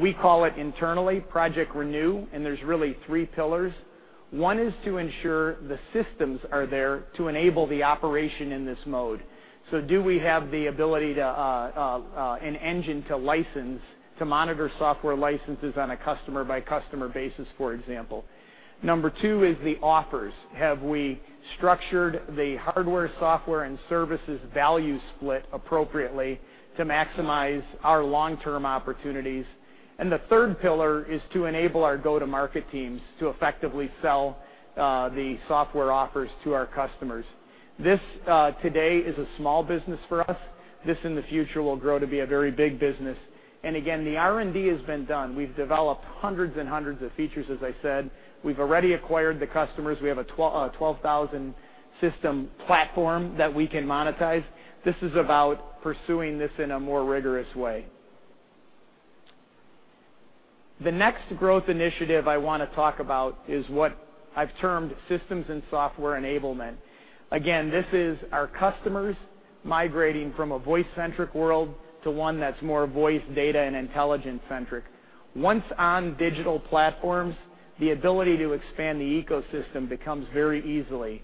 E: We call it internally Project Renew, and there's really three pillars. One is to ensure the systems are there to enable the operation in this mode. Do we have the ability to an engine to license, to monitor software licenses on a customer-by-customer basis, for example? Number two is the offers. Have we structured the hardware, software, and services value split appropriately to maximize our long-term opportunities? The third pillar is to enable our go-to-market teams to effectively sell the software offers to our customers. This, today, is a small business for us. This, in the future, will grow to be a very big business. Again, the R&D has been done. We've developed hundreds and hundreds of features, as I said. We've already acquired the customers. We have a 12,000 system platform that we can monetize. This is about pursuing this in a more rigorous way. The next growth initiative I want to talk about is what I've termed systems and software enablement. Again, this is our customers migrating from a voice-centric world to one that's more voice, data, and intelligence-centric. Once on digital platforms, the ability to expand the ecosystem becomes very easily,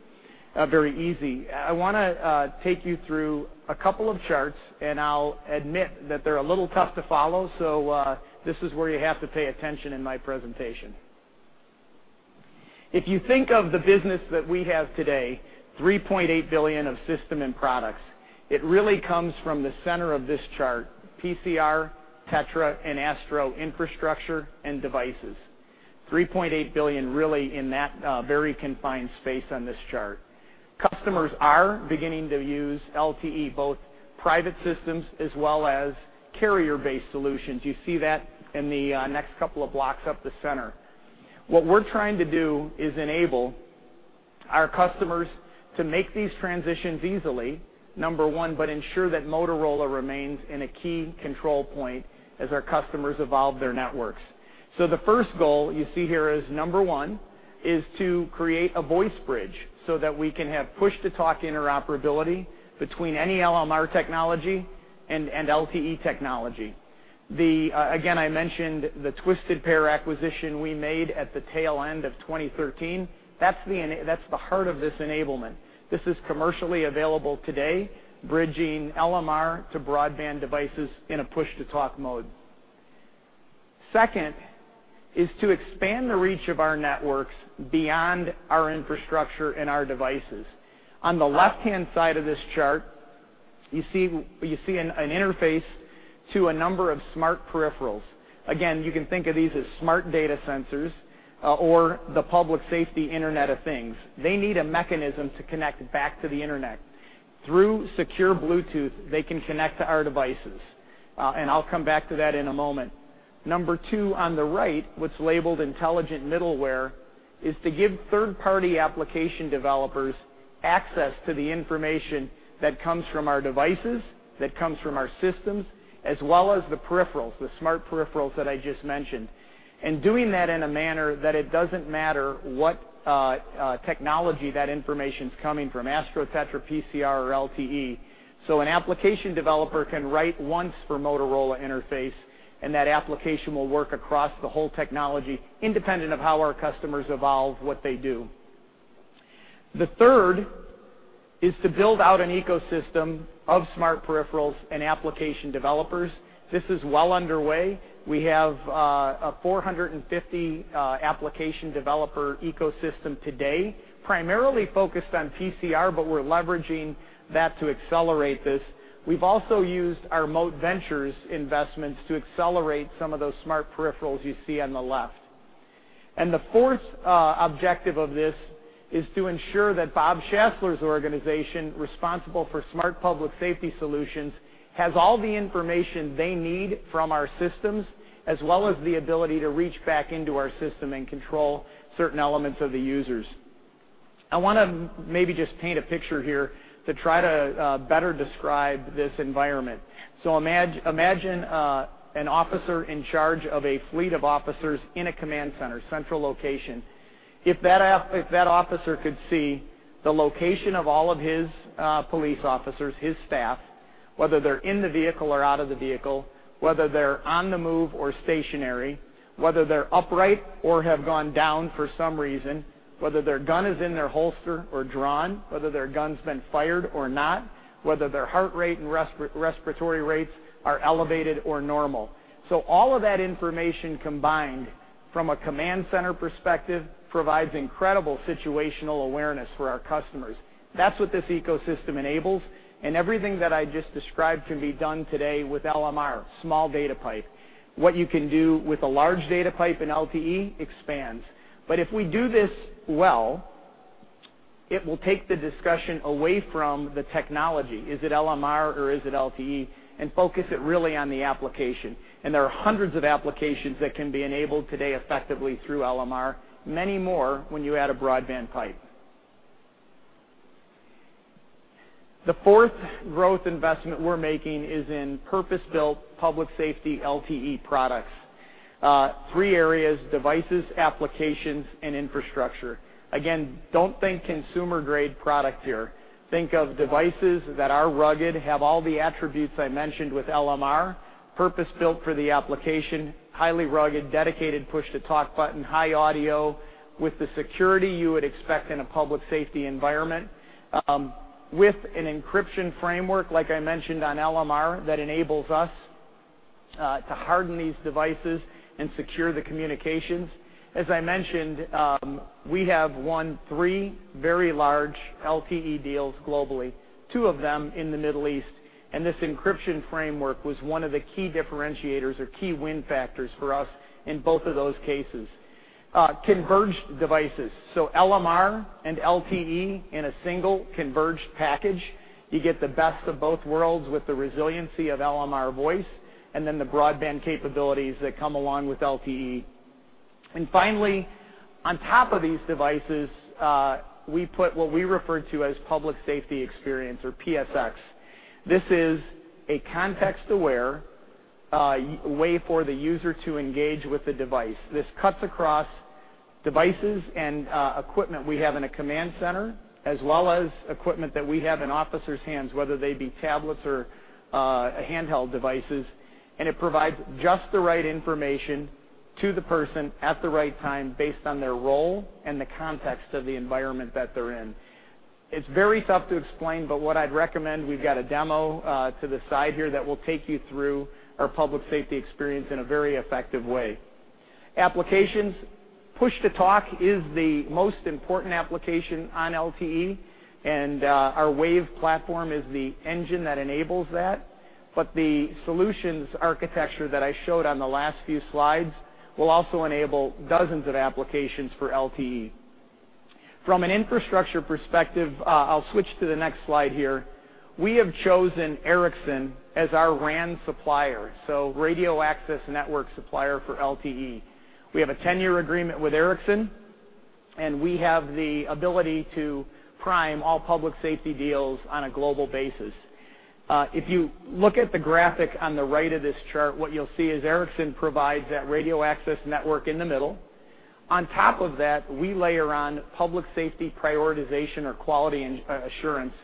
E: very easy. I want to, take you through a couple of charts, and I'll admit that they're a little tough to follow, so, this is where you have to pay attention in my presentation. If you think of the business that we have today, $3.8 billion of Systems and Products, it really comes from the center of this chart, PCR, TETRA, and ASTRO infrastructure and devices. $3.8 billion, really, in that, very confined space on this chart. Customers are beginning to use LTE, both private systems as well as carrier-based solutions. You see that in the, next couple of blocks up the center. What we're trying to do is enable our customers to make these transitions easily, number one, but ensure that Motorola remains in a key control point as our customers evolve their networks. The first goal you see here is, number one, is to create a voice bridge so that we can have push-to-talk interoperability between any LMR technology and LTE technology. The, again, I mentioned the Twisted Pair acquisition we made at the tail end of 2013, that's the heart of this enablement. This is commercially available today, bridging LMR to broadband devices in a push-to-talk mode. Second is to expand the reach of our networks beyond our infrastructure and our devices. On the left-hand side of this chart, you see an interface to a number of smart peripherals. Again, you can think of these as smart data sensors, or the public safety internet of things. They need a mechanism to connect back to the internet. Through secure Bluetooth, they can connect to our devices, and I'll come back to that in a moment. Number two, on the right, what's labeled intelligent Middleware, is to give third-party application developers access to the information that comes from our devices, that comes from our systems, as well as the peripherals, the smart peripherals that I just mentioned, and doing that in a manner that it doesn't matter what technology that information's coming from, ASTRO, TETRA, PCR, or LTE. An application developer can write once for Motorola interface, and that application will work across the whole technology, independent of how our customers evolve what they do. The third is to build out an ecosystem of smart peripherals and application developers. This is well underway. We have a 450 application developer ecosystem today, primarily focused on PCR, but we're leveraging that to accelerate this. We've also used our Motorola Ventures investments to accelerate some of those smart peripherals you see on the left. And the fourth objective of this is to ensure that Bob Schassler's organization, responsible for Smart Public Safety Solutions, has all the information they need from our systems, as well as the ability to reach back into our system and control certain elements of the users. I want to maybe just paint a picture here to try to better describe this environment. Imagine an officer in charge of a fleet of officers in a command center, central location. If that officer could see the location of all of his police officers, his staff, whether they're in the vehicle or out of the vehicle, whether they're on the move or stationary, whether they're upright or have gone down for some reason, whether their gun is in their holster or drawn, whether their gun's been fired or not, whether their heart rate and respiratory rates are elevated or normal. All of that information combined, from a command center perspective, provides incredible situational awareness for our customers. That's what this ecosystem enables, and everything that I just described can be done today with LMR, small data pipe. What you can do with a large data pipe in LTE expands. But if we do this well, it will take the discussion away from the technology, is it LMR or is it LTE, and focus it really on the application. There are hundreds of applications that can be enabled today effectively through LMR, many more when you add a broadband pipe. The fourth growth investment we're making is in purpose-built public safety LTE products. Three areas, devices, applications, and infrastructure. Again, don't think consumer-grade product here. Think of devices that are rugged, have all the attributes I mentioned with LMR, purpose-built for the application, highly rugged, dedicated push-to-talk button, high audio, with the security you would expect in a public safety environment, with an encryption framework, like I mentioned on LMR, that enables us, to harden these devices and secure the communications. As I mentioned, we have won three very large LTE deals globally, two of them in the Middle East, and this encryption framework was one of the key differentiators or key win factors for us in both of those cases. Converged devices, so LMR and LTE in a single converged package, you get the best of both worlds with the resiliency of LMR voice and then the broadband capabilities that come along with LTE. Finally, on top of these devices, we put what we refer to as Public Safety Experience or PSX. This is a context-aware way for the user to engage with the device. This cuts across devices and equipment we have in a command center, as well as equipment that we have in officers' hands, whether they be tablets or handheld devices, and it provides just the right information to the person at the right time based on their role and the context of the environment that they're in. It's very tough to explain, but what I'd recommend, we've got a demo to the side here that will take you through our Public Safety Experience in a very effective way. Applications. Push to talk is the most important application on LTE, and our WAVE platform is the engine that enables that. But the solutions architecture that I showed on the last few slides will also enable dozens of applications for LTE. From an infrastructure perspective, I'll switch to the next slide here. We have chosen Ericsson as our RAN supplier, so Radio Access Network supplier for LTE. We have a 10-year agreement with Ericsson, and we have the ability to prime all public safety deals on a global basis. If you look at the graphic on the right of this chart, what you'll see is Ericsson provides that Radio Access Network in the middle. On top of that, we layer on public safety prioritization or quality assurance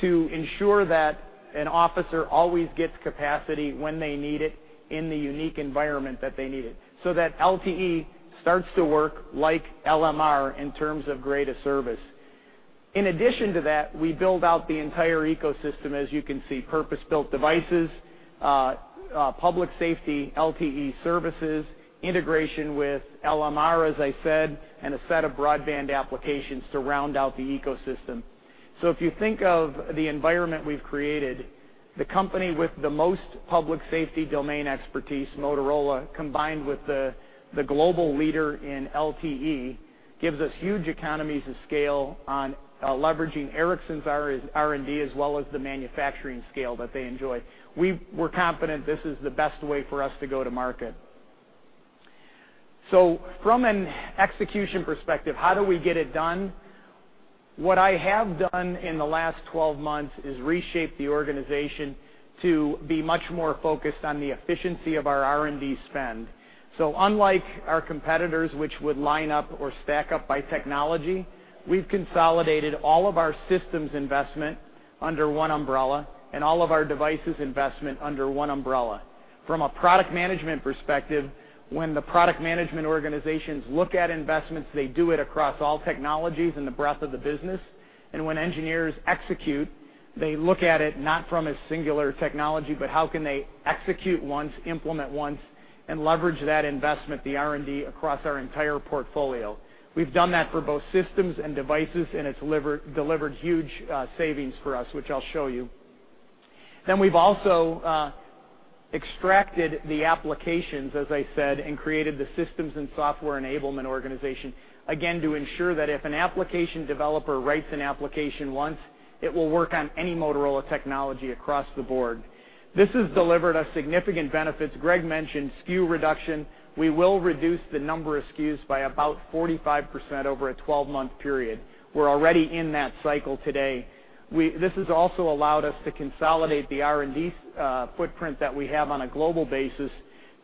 E: to ensure that an officer always gets capacity when they need it in the unique environment that they need it, so that LTE starts to work like LMR in terms of grade of service. In addition to that, we build out the entire ecosystem, as you can see, purpose-built devices, public safety, LTE services, integration with LMR, as I said, and a set of broadband applications to round out the ecosystem. If you think of the environment we've created, the company with the most public safety domain expertise, Motorola, combined with the global leader in LTE, gives us huge economies of scale on leveraging Ericsson's R&D, as well as the manufacturing scale that they enjoy. We're confident this is the best way for us to go to market. From an execution perspective, how do we get it done? What I have done in the last 12 months is reshape the organization to be much more focused on the efficiency of our R&D spend. Unlike our competitors, which would line up or stack up by technology, we've consolidated all of our systems investment under one umbrella and all of our devices investment under one umbrella. From a product management perspective, when the product management organizations look at investments, they do it across all technologies in the breadth of the business. When engineers execute, they look at it not from a singular technology, but how can they execute once, implement once, and leverage that investment, the R&D, across our entire portfolio. We've done that for both systems and devices, and it's delivered huge savings for us, which I'll show you. Then we've also extracted the applications, as I said, and created the systems and software enablement organization, again, to ensure that if an application developer writes an application once, it will work on any Motorola technology across the board. This has delivered us significant benefits. Greg mentioned SKU reduction. We will reduce the number of SKUs by about 45% over a 12-month period. We're already in that cycle today. This has also allowed us to consolidate the R&D footprint that we have on a global basis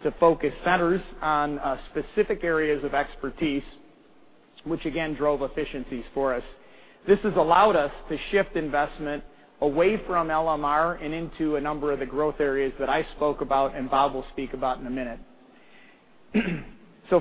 E: to focus centers on specific areas of expertise, which again, drove efficiencies for us. This has allowed us to shift investment away from LMR and into a number of the growth areas that I spoke about and Bob will speak about in a minute.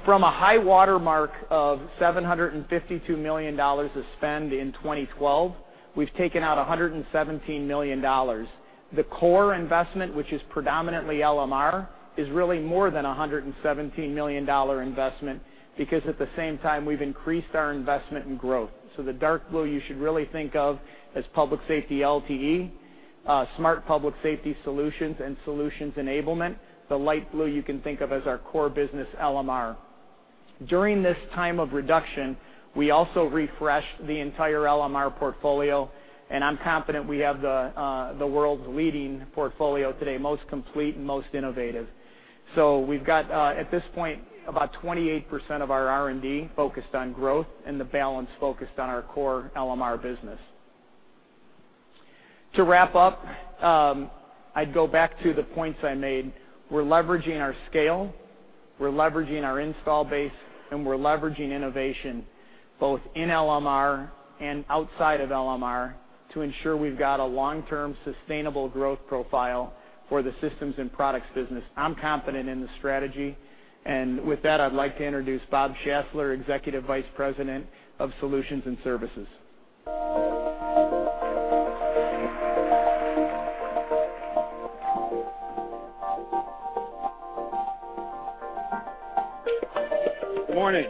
E: From a high water mark of $752 million of spend in 2012, we've taken out $117 million. The core investment, which is predominantly LMR, is really more than a $117 million investment because at the same time, we've increased our investment in growth. The dark blue you should really think of as public safety LTE, Smart Public Safety Solutions, and solutions enablement. The light blue you can think of as our core business, LMR. During this time of reduction, we also refreshed the entire LMR portfolio, and I'm confident we have the world's leading portfolio today, most complete and most innovative. We've got, at this point, about 28% of our R&D focused on growth and the balance focused on our core LMR business. To wrap up, I'd go back to the points I made. We're leveraging our scale, we're leveraging our install base, and we're leveraging innovation, both in LMR and outside of LMR, to ensure we've got a long-term sustainable growth profile for the systems and products business. I'm confident in the strategy, and with that, I'd like to introduce Bob Schassler, Executive Vice President of Solutions and Services.
F: Good morning!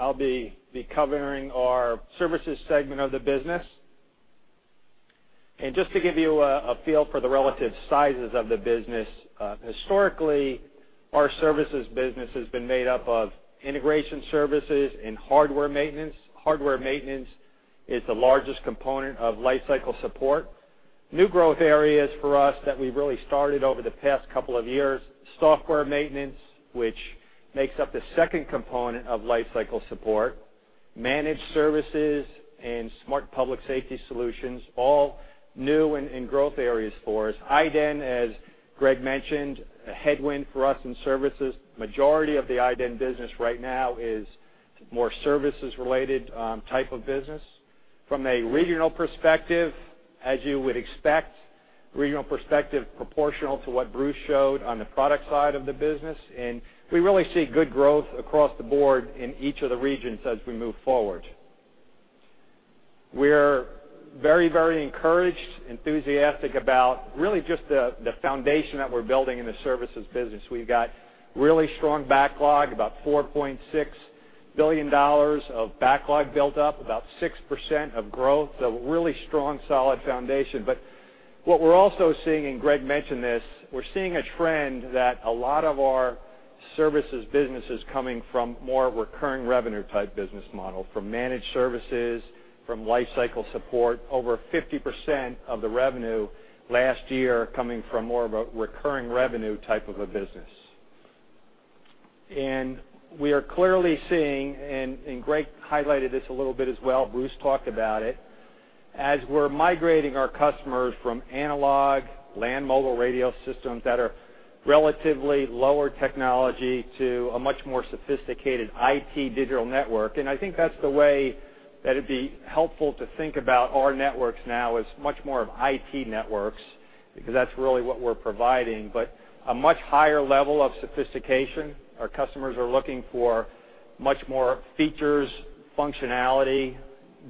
F: I'll be covering our services segment of the business. Just to give you a feel for the relative sizes of the business, historically, our services business has been made up of integration services and hardware maintenance. Hardware maintenance is the largest component of lifecycle support. New growth areas for us that we've really started over the past couple of years, software maintenance, which makes up the second component of lifecycle support, managed services, and Smart Public Safety Solutions, all new and growth areas for us. iDEN, as Greg mentioned, a headwind for us in services. Majority of the iDEN business right now is more services-related type of business. From a regional perspective, as you would expect, regional perspective proportional to what Bruce showed on the product side of the business, and we really see good growth across the board in each of the regions as we move forward. We're very, very encouraged, enthusiastic about really just the, the foundation that we're building in the services business. We've got really strong backlog, about $4.6 billion of backlog built up, about 6% of growth, so a really strong, solid foundation. But what we're also seeing, and Greg mentioned this, we're seeing a trend that a lot of our services business is coming from more recurring revenue-type business model, from managed services, from lifecycle support, over 50% of the revenue last year coming from more of a recurring revenue type of a business. We are clearly seeing, and, and Greg highlighted this a little bit as well, Bruce talked about it, as we're migrating our customers from analog, land mobile radio systems that are relatively lower technology to a much more sophisticated IT digital network. I think that's the way that it'd be helpful to think about our networks now as much more of IT networks, because that's really what we're providing, but a much higher level of sophistication. Our customers are looking for much more features, functionality,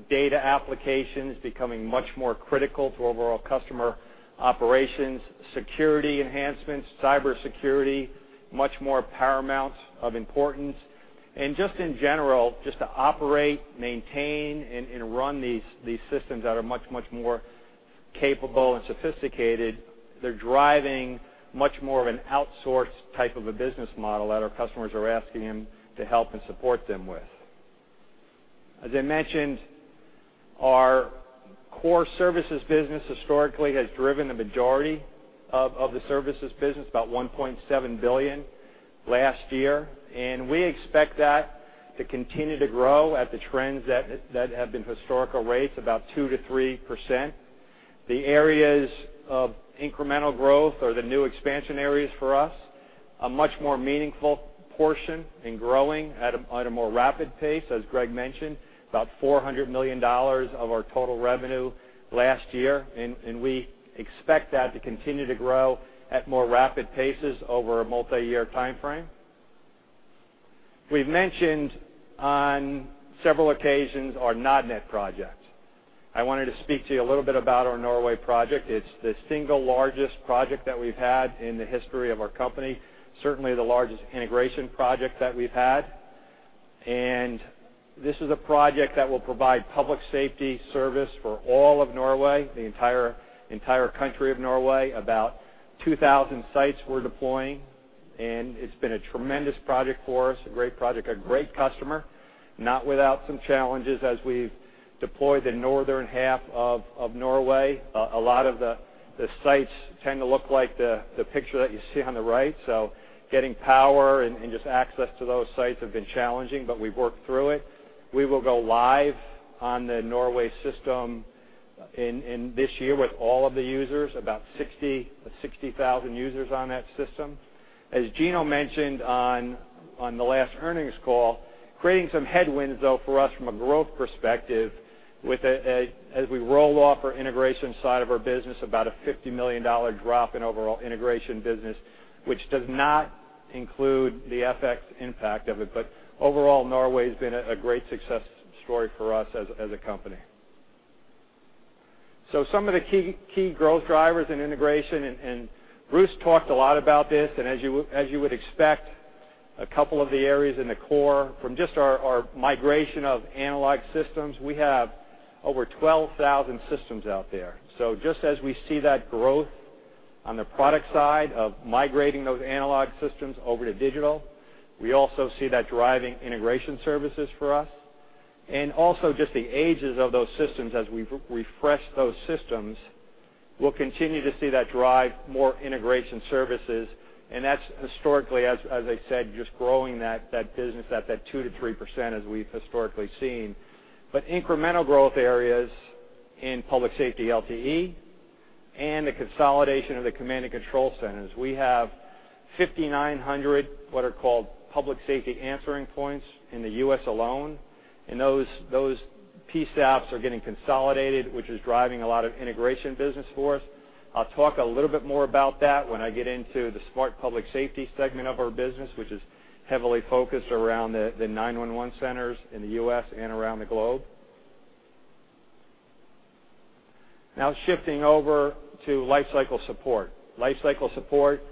F: data applications, becoming much more critical to overall customer operations, security enhancements, cybersecurity, much more paramount of importance. Just in general, just to operate, maintain, and run these systems that are much more capable and sophisticated, they're driving much more of an outsourced type of a business model that our customers are asking them to help and support them with. As I mentioned, our core services business historically has driven the majority of the services business, about $1.7 billion last year, and we expect that to continue to grow at the trends that have been historical rates, about 2%-3%. The areas of incremental growth or the new expansion areas for us, a much more meaningful portion in growing at a more rapid pace, as Greg mentioned, about $400 million of our total revenue last year, and we expect that to continue to grow at more rapid paces over a multi-year timeframe. We've mentioned on several occasions our Nødnett project. I wanted to speak to you a little bit about our Norway project. It's the single largest project that we've had in the history of our company, certainly the largest integration project that we've had. This is a project that will provide public safety service for all of Norway, the entire, entire country of Norway. About 2,000 sites we're deploying, and it's been a tremendous project for us, a great project, a great customer. Not without some challenges as we've deployed the northern half of Norway. A lot of the sites tend to look like the picture that you see on the right, so getting power and just access to those sites have been challenging, but we've worked through it. We will go live on the Norway system in this year with all of the users, about 60,000 users on that system. As Gino mentioned on the last earnings call, creating some headwinds, though, for us from a growth perspective, with, as we roll off our integration side of our business, about a $50 million drop in overall integration business, which does not include the FX impact of it. But overall, Norway has been a great success story for us as a company. Some of the key growth drivers in integration, and Bruce talked a lot about this, and as you would expect, a couple of the areas in the core from just our migration of analog systems, we have over 12,000 systems out there. Just as we see that growth on the product side of migrating those analog systems over to digital, we also see that driving integration services for us. Also, just the ages of those systems as we've refreshed those systems. We'll continue to see that drive more integration services, and that's historically, as, as I said, just growing that, that business at that 2%-3% as we've historically seen. But incremental growth areas in public safety LTE and the consolidation of the command and control centers. We have 5,900, what are called public safety answering points in the U.S. alone, and those, those PSAPs are getting consolidated, which is driving a lot of integration business for us. I'll talk a little bit more about that when I get into the Smart Public Safety segment of our business, which is heavily focused around the 9-1-1 centers in the U.S. and around the globe. Now, shifting over to lifecycle support. Lifecycle support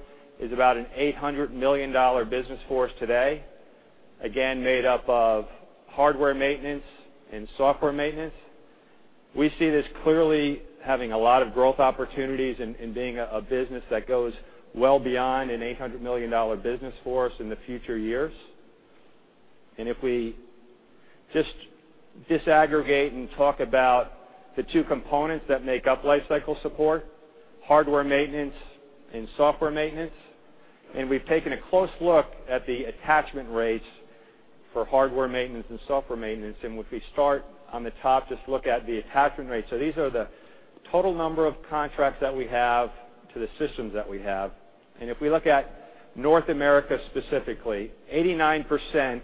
F: is about an $800 million business for us today, again, made up of hardware maintenance and software maintenance. We see this clearly having a lot of growth opportunities and being a business that goes well beyond an $800 million business for us in the future years. If we just disaggregate and talk about the two components that make up lifecycle support, hardware maintenance and software maintenance, we've taken a close look at the attachment rates for hardware maintenance and software maintenance. If we start on the top, just look at the attachment rates. These are the total number of contracts that we have to the systems that we have. If we look at North America, specifically, 89%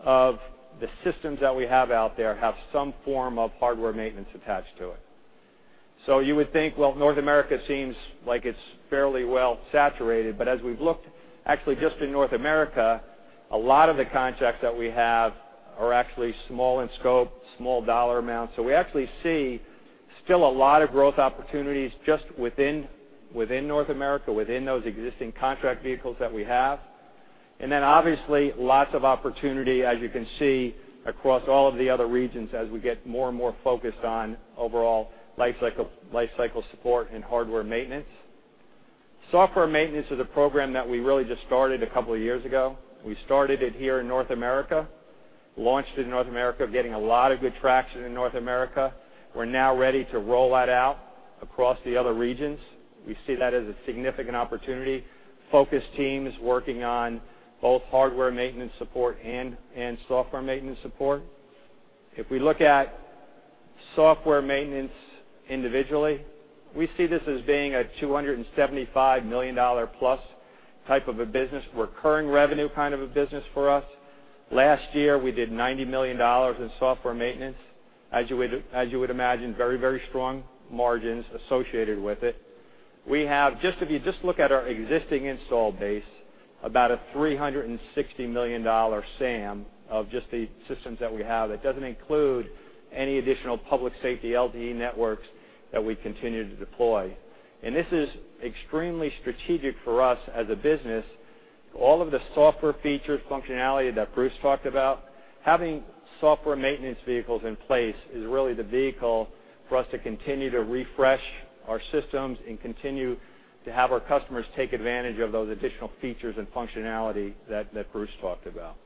F: of the systems that we have out there have some form of hardware maintenance attached to it. You would think, well, North America seems like it's fairly well saturated, but as we've looked, actually just in North America, a lot of the contracts that we have are actually small in scope, small dollar amounts. We actually see still a lot of growth opportunities just within, within North America, within those existing contract vehicles that we have. Then, obviously, lots of opportunity, as you can see, across all of the other regions as we get more and more focused on overall lifecycle, lifecycle support and hardware maintenance. Software maintenance is a program that we really just started a couple of years ago. We started it here in North America, launched it in North America, getting a lot of good traction in North America. We're now ready to roll that out across the other regions. We see that as a significant opportunity. Focus teams working on both hardware maintenance support and software maintenance support. If we look at software maintenance individually, we see this as being a $275 million+ type of a business, recurring revenue kind of a business for us. Last year, we did $90 million in software maintenance. As you would, as you would imagine, very, very strong margins associated with it. We have, just if you just look at our existing install base, about a $360 million SAM of just the systems that we have. That doesn't include any additional public safety LTE networks that we continue to deploy. This is extremely strategic for us as a business. All of the software features, functionality that Bruce talked about, having software maintenance vehicles in place is really the vehicle for us to continue to refresh our systems and continue to have our customers take advantage of those additional features and functionality that, that Bruce talked about.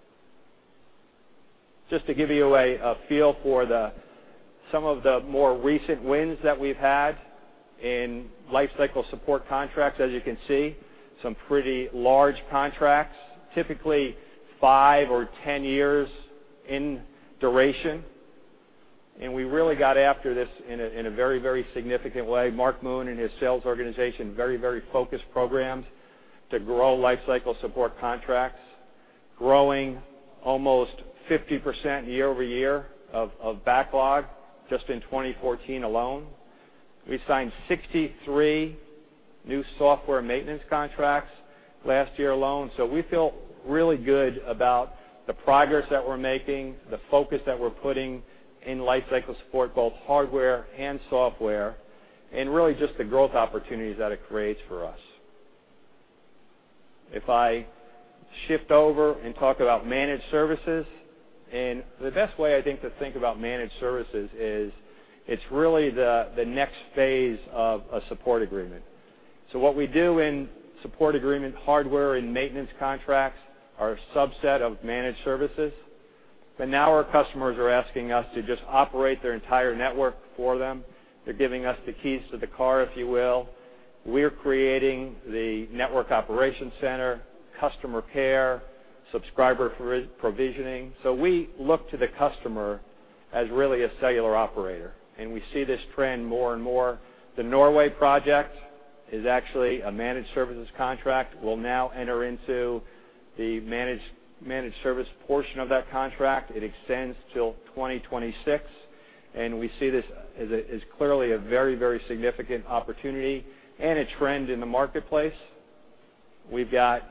F: Just to give you a feel for some of the more recent wins that we've had in lifecycle support contracts, as you can see, some pretty large contracts, typically five or 10 years in duration. We really got after this in a very, very significant way. Mark Moon and his sales organization, very, very focused programs to grow lifecycle support contracts, growing almost 50% year over year of backlog just in 2014 alone. We signed 63 new software maintenance contracts last year alone. We feel really good about the progress that we're making, the focus that we're putting in lifecycle support, both hardware and software, and really just the growth opportunities that it creates for us. If I shift over and talk about managed services, and the best way I think to think about managed services is it's really the next phase of a support agreement. What we do in support agreement, hardware and maintenance contracts, are a subset of managed services, but now our customers are asking us to just operate their entire network for them. They're giving us the keys to the car, if you will. We're creating the network operation center, customer care, subscriber provisioning. We look to the customer as really a cellular operator, and we see this trend more and more. The Norway project is actually a managed services contract. We'll now enter into the managed service portion of that contract. It extends till 2026, and we see this as clearly a very, very significant opportunity and a trend in the marketplace. We've got,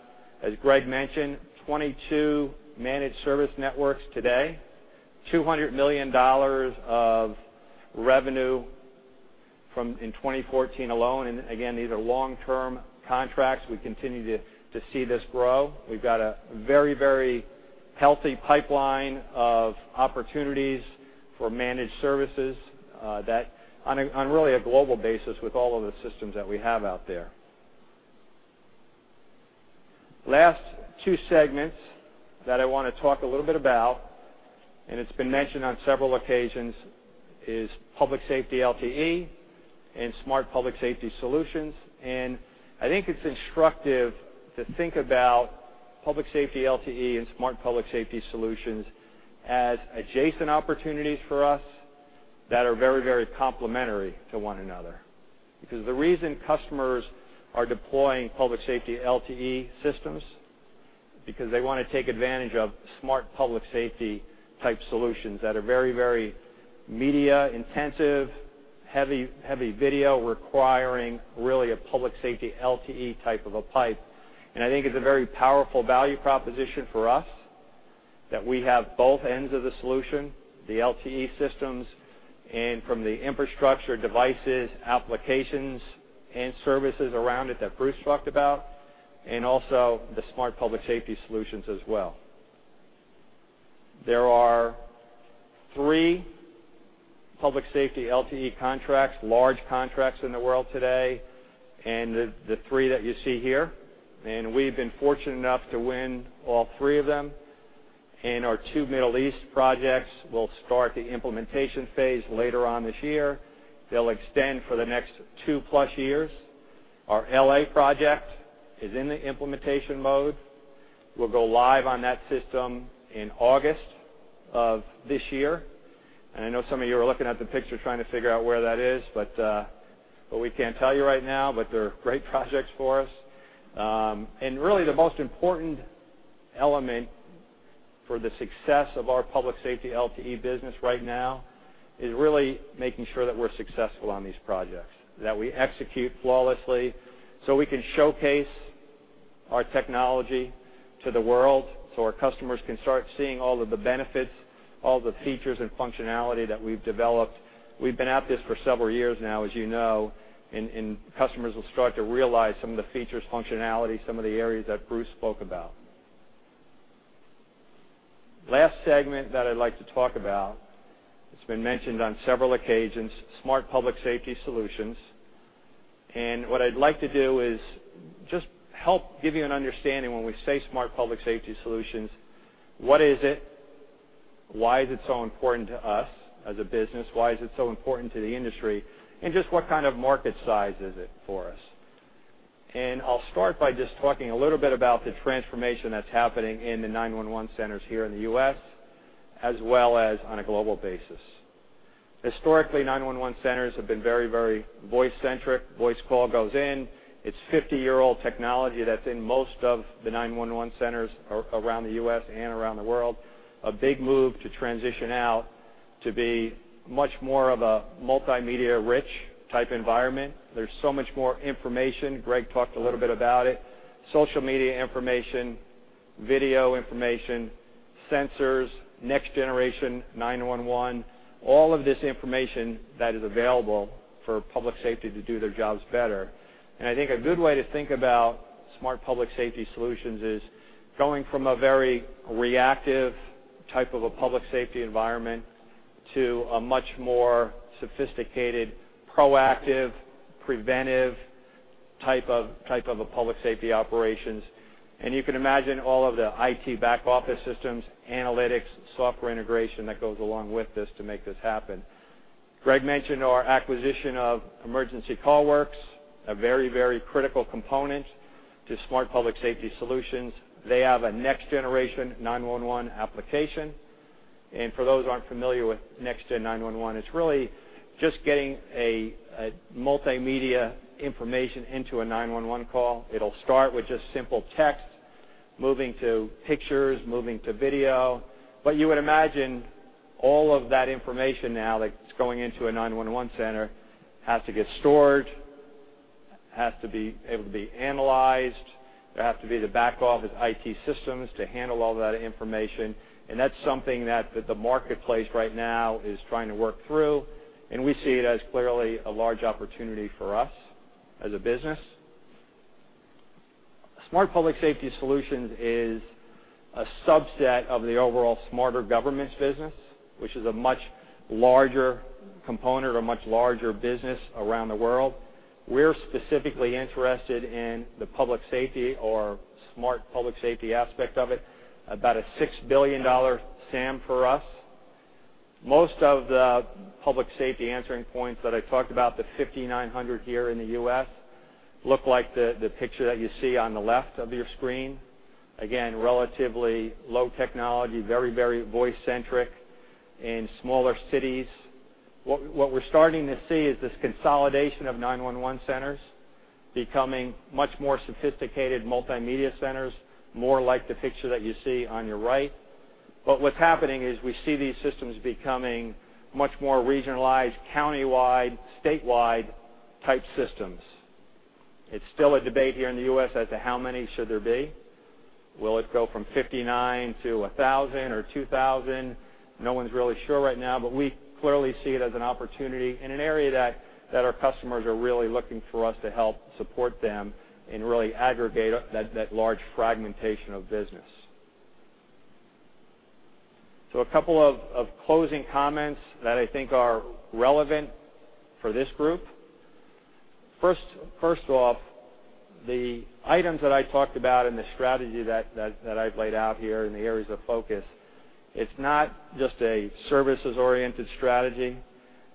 F: as Greg mentioned, 22 managed service networks today, $200 million of revenue from—in 2014 alone. Again, these are long-term contracts. We continue to, to see this grow. We've got a very, very healthy pipeline of opportunities for managed services, that on a, on really a global basis with all of the systems that we have out there. Last two segments that I want to talk a little bit about, and it's been mentioned on several occasions, is public safety LTE and Smart Public Safety Solutions. I think it's instructive to think about public safety LTE and Smart Public Safety Solutions as adjacent opportunities for us that are very, very complementary to one another. Because the reason customers are deploying public safety LTE systems, because they want to take advantage of smart public safety type solutions that are very, very media intensive, heavy, heavy video, requiring really a public safety LTE type of a pipe. I think it's a very powerful value proposition for us that we have both ends of the solution, the LTE systems, and from the infrastructure, devices, applications, and services around it that Bruce talked about, and also the Smart Public Safety Solutions as well. There are three public safety LTE contracts, large contracts in the world today, and the, the three that you see here, and we've been fortunate enough to win all three of them. Our two Middle East projects will start the implementation phase later on this year. They'll extend for the next two plus years. Our L.A. project is in the implementation mode. We'll go live on that system in August of this year. I know some of you are looking at the picture trying to figure out where that is, but, but we can't tell you right now, but they're great projects for us. Really, the most important element for the success of our public safety LTE business right now is really making sure that we're successful on these projects, that we execute flawlessly so we can showcase our technology to the world, so our customers can start seeing all of the benefits, all the features and functionality that we've developed. We've been at this for several years now, as you know, and customers will start to realize some of the features, functionality, some of the areas that Bruce spoke about. Last segment that I'd like to talk about, it's been mentioned on several occasions, Smart Public Safety Solutions. What I'd like to do is just help give you an understanding, when we say Smart Public Safety Solutions, what is it? Why is it so important to us as a business? Why is it so important to the industry? Just what kind of market size is it for us? I'll start by just talking a little bit about the transformation that's happening in the 9-1-1 centers here in the U.S., as well as on a global basis. Historically, 9-1-1 centers have been very, very voice-centric. Voice call goes in, it's 50-year-old technology that's in most of the 9-1-1 centers around the U.S. and around the world. A big move to transition out to be much more of a multimedia-rich type environment. There's so much more information. Greg talked a little bit about it. Social media information, video information, sensors, Next Generation 9-1-1, all of this information that is available for public safety to do their jobs better. I think a good way to think about Smart Public Safety Solutions is going from a very reactive type of a public safety environment to a much more sophisticated, proactive, preventive type of a public safety operations. You can imagine all of the IT back office systems, analytics, software integration that goes along with this to make this happen. Greg mentioned our acquisition of Emergency CallWorks, a very, very critical component to Smart Public Safety Solutions. They have a Next Generation 9-1-1 application, and for those who aren't familiar with Next Gen 9-1-1, it's really just getting a multimedia information into a 9-1-1 call. It'll start with just simple text, moving to pictures, moving to video. But you would imagine all of that information now that's going into a 9-1-1 center has to get stored, has to be able to be analyzed. There have to be the back office IT systems to handle all that information, and that's something that the marketplace right now is trying to work through, and we see it as clearly a large opportunity for us as a business. Smart Public Safety solutions is a subset of the overall smarter governments business, which is a much larger component or much larger business around the world. We're specifically interested in the public safety or smart public safety aspect of it, about a $6 billion SAM for us. Most of the public safety answering points that I talked about, the 5,900 here in the U.S., look like the picture that you see on the left of your screen. Again, relatively low technology, very, very voice centric in smaller cities. What we're starting to see is this consolidation of 9-1-1 centers becoming much more sophisticated multimedia centers, more like the picture that you see on your right. But what's happening is we see these systems becoming much more regionalized, countywide, statewide type systems. It's still a debate here in the U.S. as to how many should there be. Will it go from 59 to 1,000 or 2,000? No one's really sure right now, but we clearly see it as an opportunity in an area that our customers are really looking for us to help support them and really aggregate that large fragmentation of business. A couple of closing comments that I think are relevant for this group. First off, the items that I talked about and the strategy that I've laid out here in the areas of focus, it's not just a services-oriented strategy.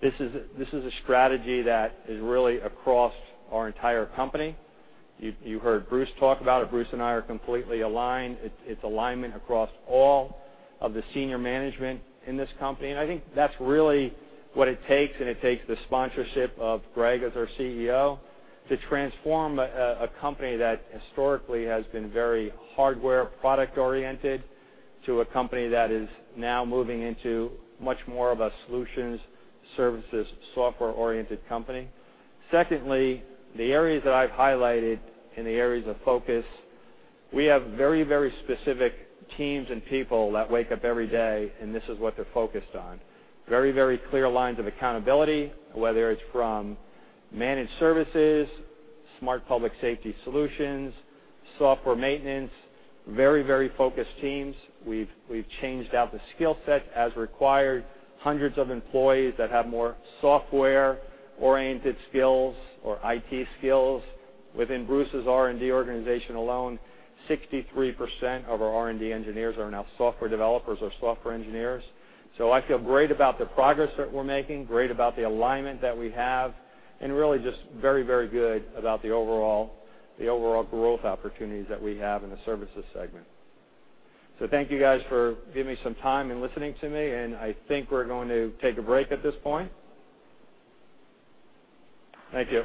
F: This is a strategy that is really across our entire company. You heard Bruce talk about it. Bruce and I are completely aligned. It's alignment across all of the senior management in this company, and I think that's really what it takes, and it takes the sponsorship of Greg as our CEO, to transform a company that historically has been very hardware product-oriented, to a company that is now moving into much more of a solutions, services, software-oriented company. Secondly, the areas that I've highlighted in the areas of focus, we have very, very specific teams and people that wake up every day, and this is what they're focused on. Very, very clear lines of accountability, whether it's from managed services, Smart Public Safety Solutions, software maintenance, very, very focused teams. We've changed out the skill set as required, hundreds of employees that have more software-oriented skills or IT skills. Within Bruce's R&D organization alone, 63% of our R&D engineers are now software developers or software engineers. I feel great about the progress that we're making, great about the alignment that we have, and really just very, very good about the overall, the overall growth opportunities that we have in the services segment. Thank you, guys, for giving me some time and listening to me, and I think we're going to take a break at this point. Thank you.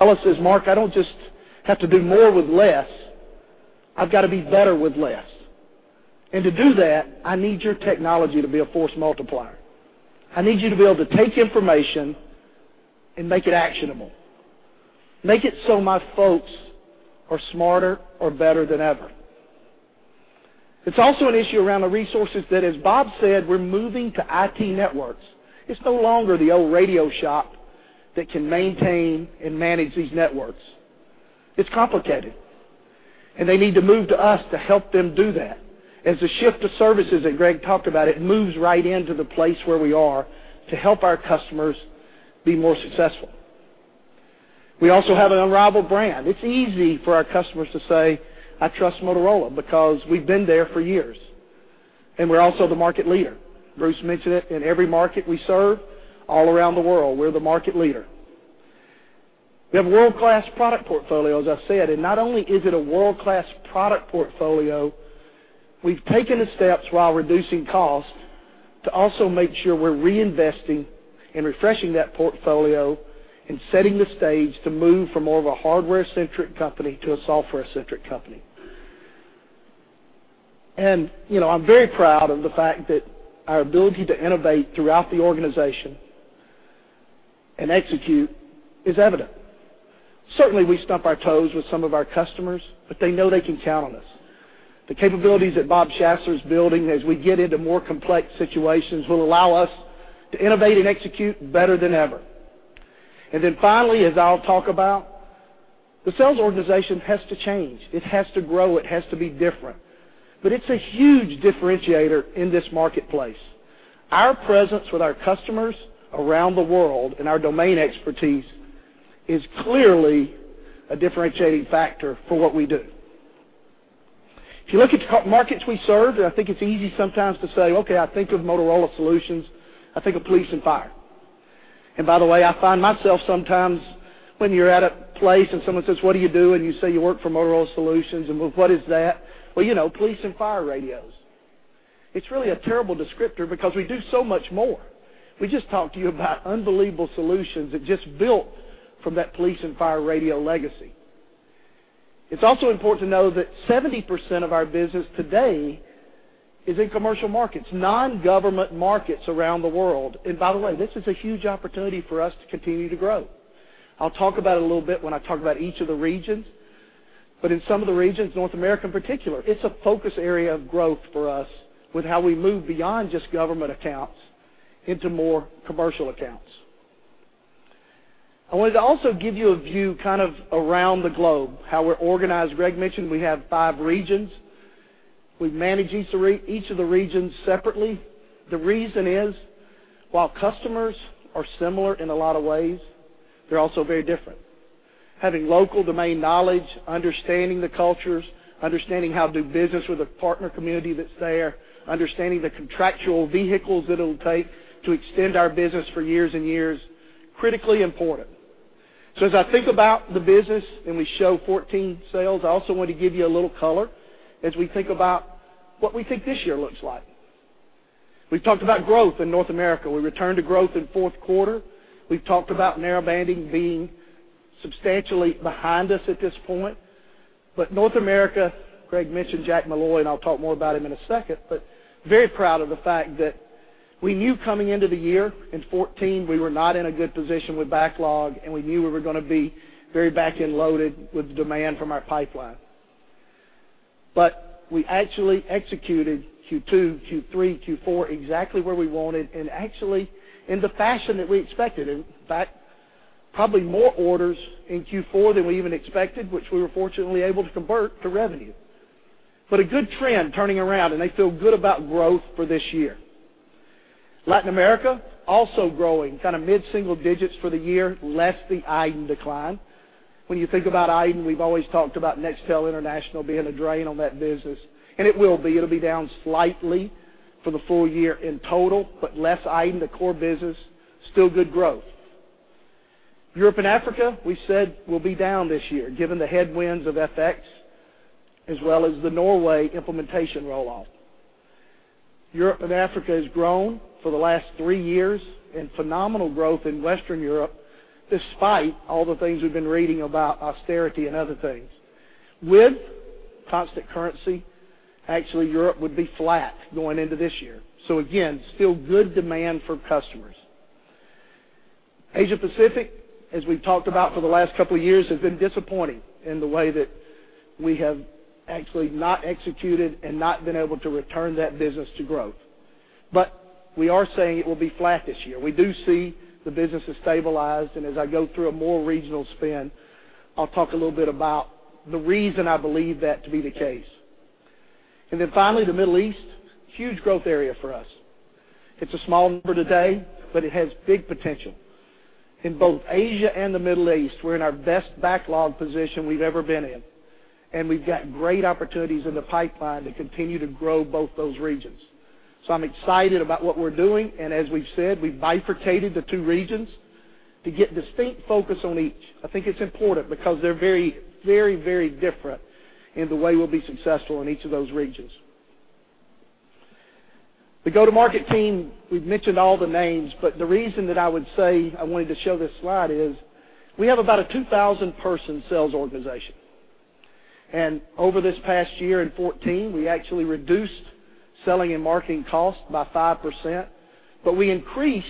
G: Ella says, "Mark, I don't just have to do more with less, I've got to be better with less. To do that, I need your technology to be a force multiplier. I need you to be able to take information and make it actionable, make it so my folks are smarter or better than ever." It's also an issue around the resources that, as Bob said, we're moving to IT networks. It's no longer the old radio shop that can maintain and manage these networks. It's complicated, and they need to move to us to help them do that. As the shift to services that Greg talked about, it moves right into the place where we are to help our customers be more successful. We also have an unrivaled brand. It's easy for our customers to say, "I trust Motorola," because we've been there for years, and we're also the market leader. Bruce mentioned it, in every market we serve, all around the world, we're the market leader. We have world-class product portfolio, as I said, and not only is it a world-class product portfolio, we've taken the steps while reducing cost to also make sure we're reinvesting and refreshing that portfolio and setting the stage to move from more of a hardware-centric company to a software-centric company. You know, I'm very proud of the fact that our ability to innovate throughout the organization and execute is evident. Certainly, we stump our toes with some of our customers, but they know they can count on us. The capabilities that Bob Schassler is building, as we get into more complex situations, will allow us to innovate and execute better than ever. Then finally, as I'll talk about, the sales organization has to change, it has to grow, it has to be different, but it's a huge differentiator in this marketplace. Our presence with our customers around the world and our domain expertise is clearly a differentiating factor for what we do. If you look at the markets we serve, and I think it's easy sometimes to say, "Okay, I think of Motorola Solutions, I think of police and fire." By the way, I find myself sometimes when you're at a place and someone says, "What do you do?" You say, "You work for Motorola Solutions." "Well, what is that?" "Well, you know, police and fire radios." It's really a terrible descriptor because we do so much more. We just talked to you about unbelievable solutions that just built from that police and fire radio legacy. It's also important to know that 70% of our business today is in commercial markets, non-government markets around the world. By the way, this is a huge opportunity for us to continue to grow. I'll talk about it a little bit when I talk about each of the regions, but in some of the regions, North America in particular, it's a focus area of growth for us with how we move beyond just government accounts into more commercial accounts. I wanted to also give you a view kind of around the globe, how we're organized. Greg mentioned we have five regions. We manage each of the regions separately. The reason is, while customers are similar in a lot of ways, they're also very different. Having local domain knowledge, understanding the cultures, understanding how to do business with the partner community that's there, understanding the contractual vehicles that it'll take to extend our business for years and years, critically important. As I think about the business and we show 14 sales, I also want to give you a little color as we think about what we think this year looks like. We've talked about growth in North America. We returned to growth in fourth quarter. We've talked about Narrowbanding being substantially behind us at this point. But North America, Greg mentioned Jack Molloy, and I'll talk more about him in a second, but very proud of the fact that we knew coming into the year in 2014, we were not in a good position with backlog, and we knew we were gonna be very back-loaded with demand from our pipeline. But we actually executed Q2, and Q3, and Q4 exactly where we wanted and actually in the fashion that we expected. In fact, probably more orders in Q4 than we even expected, which we were fortunately able to convert to revenue. But a good trend turning around, and they feel good about growth for this year. Latin America, also growing kind of mid-single digits for the year, less the iDEN decline. When you think about iDEN, we've always talked about Nextel International being a drain on that business, and it will be. It'll be down slightly for the full year in total, but less iDEN, the core business, still good growth. Europe and Africa, we said, will be down this year, given the headwinds of FX as well as the Norway implementation roll-off. Europe and Africa has grown for the last three years, and phenomenal growth in Western Europe, despite all the things we've been reading about austerity and other things. With constant currency, actually, Europe would be flat going into this year. Again, still good demand for customers. Asia Pacific, as we've talked about for the last couple of years, has been disappointing in the way that we have actually not executed and not been able to return that business to growth. But we are saying it will be flat this year. We do see the business is stabilized, and as I go through a more regional spin, I'll talk a little bit about the reason I believe that to be the case. Then finally, the Middle East, huge growth area for us. It's a small number today, but it has big potential. In both Asia and the Middle East, we're in our best backlog position we've ever been in, and we've got great opportunities in the pipeline to continue to grow both those regions. I'm excited about what we're doing, and as we've said, we bifurcated the two regions to get distinct focus on each. I think it's important because they're very, very, very different in the way we'll be successful in each of those regions. The go-to-market team, we've mentioned all the names, but the reason that I would say I wanted to show this slide is we have about a 2,000-person sales organization. Over this past year, in 2014, we actually reduced selling and marketing costs by 5%, but we increased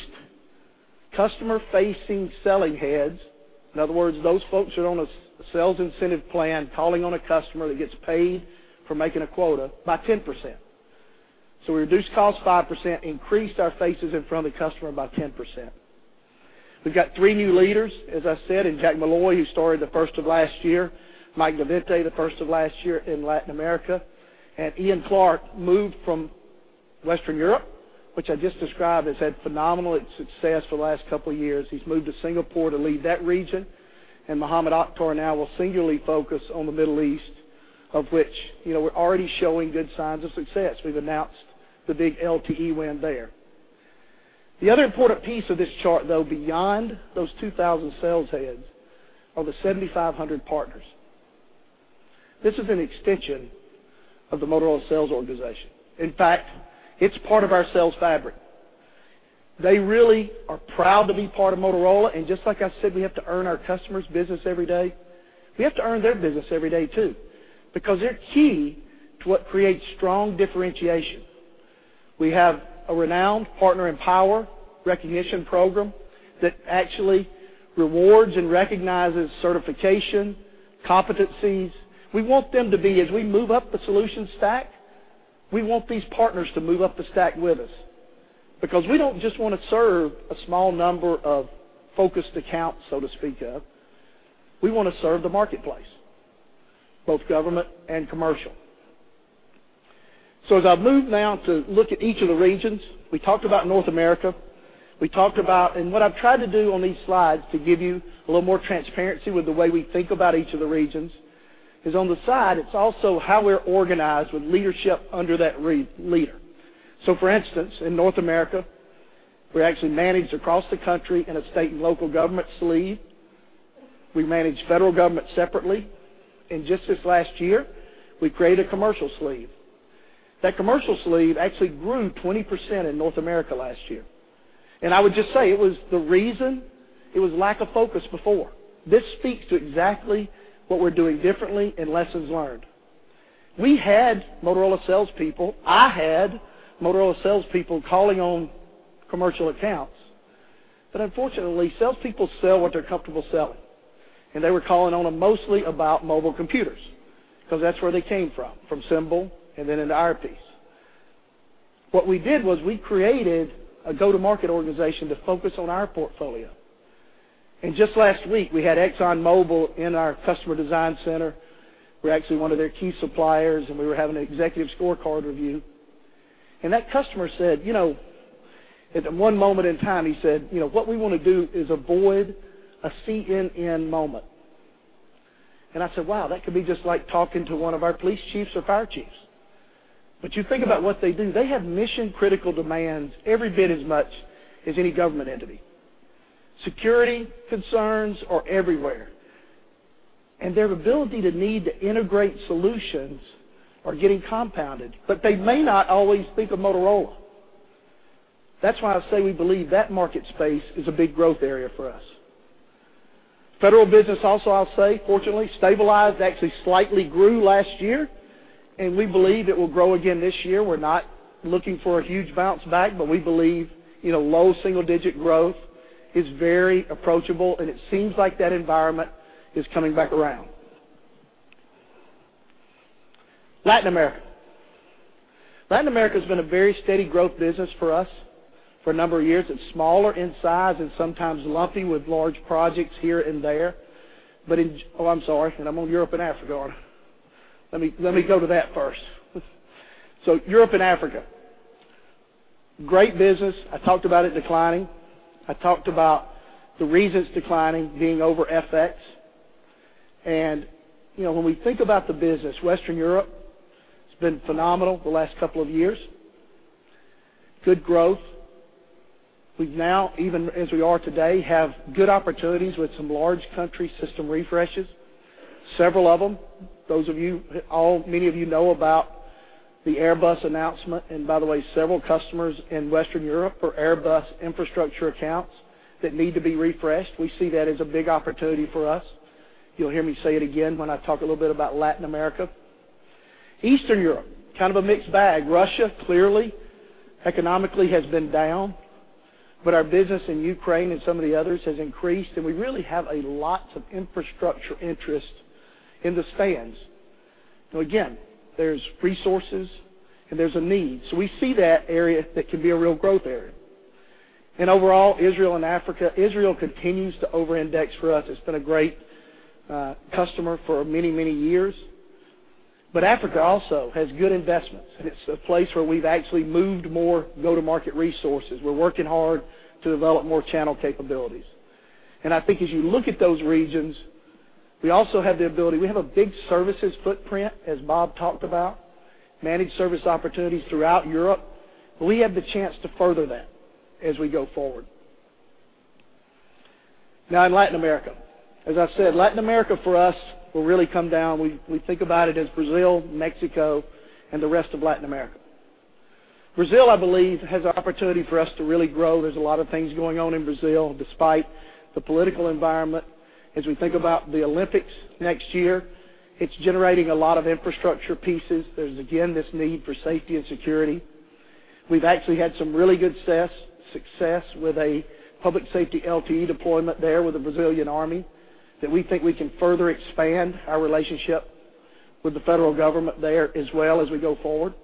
G: customer-facing selling heads, in other words, those folks are on a sales incentive plan, calling on a customer that gets paid for making a quota by 10%. We reduced costs 5%, increased our faces in front of the customer by 10%. We've got three new leaders, as I said, in Jack Molloy, who started the first of last year, Mike deVente, the first of last year in Latin America, and Iain Clarke moved from Western Europe, which I just described, has had phenomenal success for the last couple of years. He's moved to Singapore to lead that region, and Mohammad Akhtar now will singularly focus on the Middle East, of which, you know, we're already showing good signs of success. We've announced the big LTE win there. The other important piece of this chart, though, beyond those 2,000 sales heads, are the 7,500 partners. This is an extension of the Motorola sales organization. In fact, it's part of our sales fabric. They really are proud to be part of Motorola, and just like I said, we have to earn our customers' business every day. We have to earn their business every day, too, because they're key to what creates strong differentiation. We have a renowned PartnerEmpower recognition program that actually rewards and recognizes certification, competencies. We want them to be, as we move up the solution stack, we want these partners to move up the stack with us because we don't just want to serve a small number of focused accounts, so to speak of, we want to serve the marketplace, both government and commercial. As I move now to look at each of the regions, we talked about North America, we talked about. What I've tried to do on these slides to give you a little more transparency with the way we think about each of the regions, is on the side, it's also how we're organized with leadership under that region leader. For instance, in North America, we're actually managed across the country in a state and local government sleeve. We manage federal government separately, and just this last year, we created a commercial sleeve. That commercial sleeve actually grew 20% in North America last year. I would just say it was the reason. It was lack of focus before. This speaks to exactly what we're doing differently and lessons learned. We had Motorola salespeople. I had Motorola salespeople calling on commercial accounts, but unfortunately, salespeople sell what they're comfortable selling, and they were calling on them mostly about mobile computers, because that's where they came from, from Symbol, and then into our piece. What we did was we created a go-to-market organization to focus on our portfolio. Just last week, we had ExxonMobil in our customer design center. We're actually one of their key suppliers, and we were having an executive scorecard review. That customer said, "You know," at one moment in time, he said, "You know, what we want to do is avoid a CNN moment." I said, "Wow, that could be just like talking to one of our police chiefs or fire chiefs." You think about what they do. They have mission-critical demands every bit as much as any government entity. Security concerns are everywhere, and their ability to need to integrate solutions are getting compounded, but they may not always think of Motorola. That's why I say we believe that market space is a big growth area for us. Federal business also, I'll say, fortunately, stabilized, actually slightly grew last year, and we believe it will grow again this year. We're not looking for a huge bounce back, but we believe, you know, low single-digit growth is very approachable, and it seems like that environment is coming back around. Latin America. Latin America has been a very steady growth business for us for a number of years. It's smaller in size and sometimes lumpy with large projects here and there, but in. Oh, I'm sorry, and I'm on Europe and Africa. Let me, let me go to that first. Europe and Africa, great business. I talked about it declining. I talked about the reasons declining being over FX. You know, when we think about the business, Western Europe, it's been phenomenal the last couple of years. Good growth. We've now, even as we are today, have good opportunities with some large country system refreshes, several of them. Those of you, all, many of you know about the Airbus announcement, and by the way, several customers in Western Europe are Airbus infrastructure accounts that need to be refreshed. We see that as a big opportunity for us. You'll hear me say it again when I talk a little bit about Latin America. Eastern Europe, kind of a mixed bag. Russia, clearly, economically, has been down, but our business in Ukraine and some of the others has increased, and we really have a lots of infrastructure interest in the stands. Again, there's resources, and there's a need. We see that area, that can be a real growth area. And overall, Israel and Africa, Israel continues to over-index for us. It's been a great customer for many, many years. But Africa also has good investments, and it's a place where we've actually moved more go-to-market resources. We're working hard to develop more channel capabilities. I think as you look at those regions, we also have the ability, we have a big services footprint, as Bob talked about, managed service opportunities throughout Europe. We have the chance to further that as we go forward. Now, in Latin America, as I've said, Latin America, for us, will really come down. We think about it as Brazil, Mexico, and the rest of Latin America. Brazil, I believe, has an opportunity for us to really grow. There's a lot of things going on in Brazil, despite the political environment. As we think about the Olympics next year, it's generating a lot of infrastructure pieces. There's, again, this need for safety and security. We've actually had some really good success, success with a public safety LTE deployment there with the Brazilian Army, that we think we can further expand our relationship with the federal government there as well as we go forward.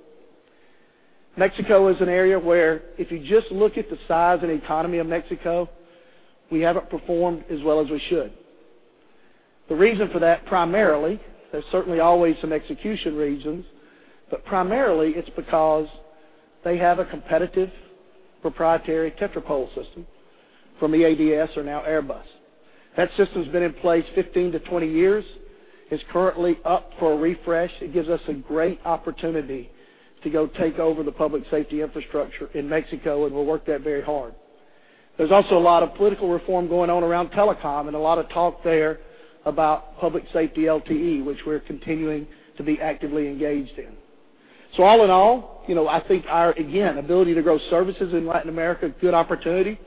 G: Mexico is an area where if you just look at the size and economy of Mexico, we haven't performed as well as we should. The reason for that, primarily, there's certainly always some execution reasons, but primarily, it's because they have a competitive proprietary Tetrapol system from EADS or now Airbus. That system's been in place 15-20 years. It's currently up for a refresh. It gives us a great opportunity to go take over the public safety infrastructure in Mexico, and we'll work that very hard. There's also a lot of political reform going on around telecom and a lot of talk there about public safety LTE, which we're continuing to be actively engaged in. All in all, you know, I think our, again, ability to grow services in Latin America, good opportunity,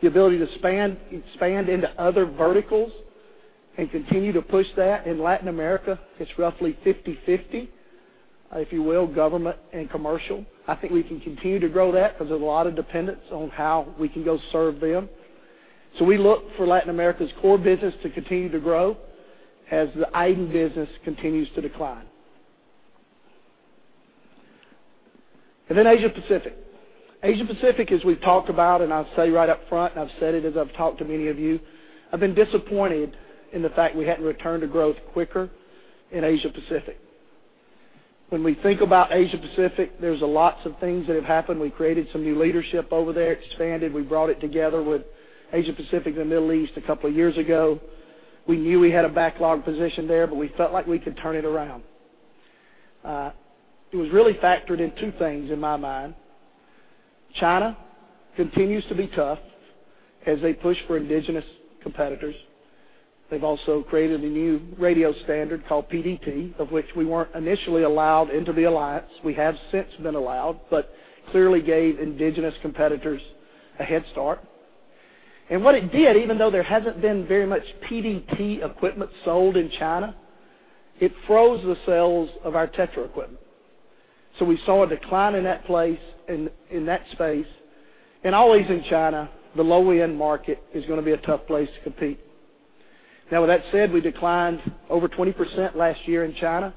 G: the ability to expand into other verticals and continue to push that. In Latin America, it's roughly 50/50, if you will, government and commercial. I think we can continue to grow that because there's a lot of dependence on how we can go serve them. We look for Latin America's core business to continue to grow as the iDEN business continues to decline. And then Asia Pacific. Asia Pacific, as we've talked about, and I'll say right up front, I've said it as I've talked to many of you, I've been disappointed in the fact we hadn't returned to growth quicker in Asia Pacific. When we think about Asia Pacific, there's lots of things that have happened. We created some new leadership over there, expanded. We brought it together with Asia Pacific and the Middle East a couple of years ago. We knew we had a backlog position there, but we felt like we could turn it around. It was really factored in two things in my mind. China continues to be tough as they push for indigenous competitors. They've also created a new radio standard called PDT, of which we weren't initially allowed into the alliance. We have since been allowed, but clearly gave indigenous competitors a head start. What it did, even though there hasn't been very much PDT equipment sold in China, it froze the sales of our TETRA equipment. We saw a decline in that place, in that space, and always in China, the low-end market is going to be a tough place to compete. Now, with that said, we declined over 20% last year in China,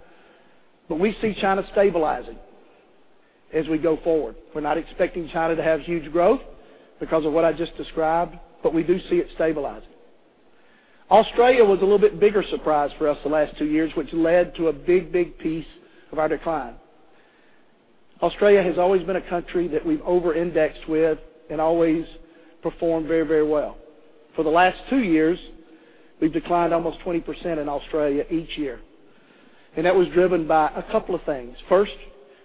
G: but we see China stabilizing as we go forward. We're not expecting China to have huge growth because of what I just described, but we do see it stabilizing. Australia was a little bit bigger surprise for us the last two years, which led to a big, big piece of our decline. Australia has always been a country that we've over-indexed with and always performed very, very well. For the last two years, we've declined almost 20% in Australia each year, and that was driven by a couple of things. First,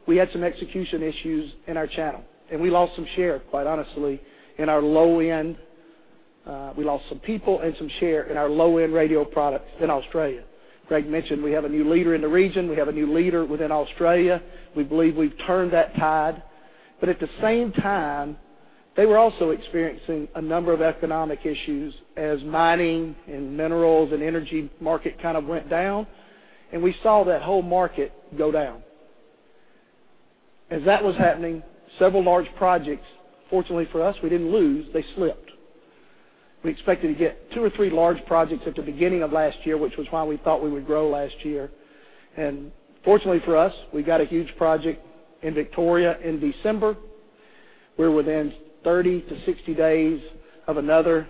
G: we had some execution issues in our channel, and we lost some share, quite honestly, in our low end. We lost some people and some share in our low-end radio products in Australia. Greg mentioned we have a new leader in the region. We have a new leader within Australia. We believe we've turned that tide, but at the same time, they were also experiencing a number of economic issues as mining and minerals and energy market kind of went down, and we saw that whole market go down. As that was happening, several large projects, fortunately for us, we didn't lose, they slipped. We expected to get two or three large projects at the beginning of last year, which was why we thought we would grow last year. Fortunately for us, we got a huge project in Victoria in December. We're within 30-60 days of another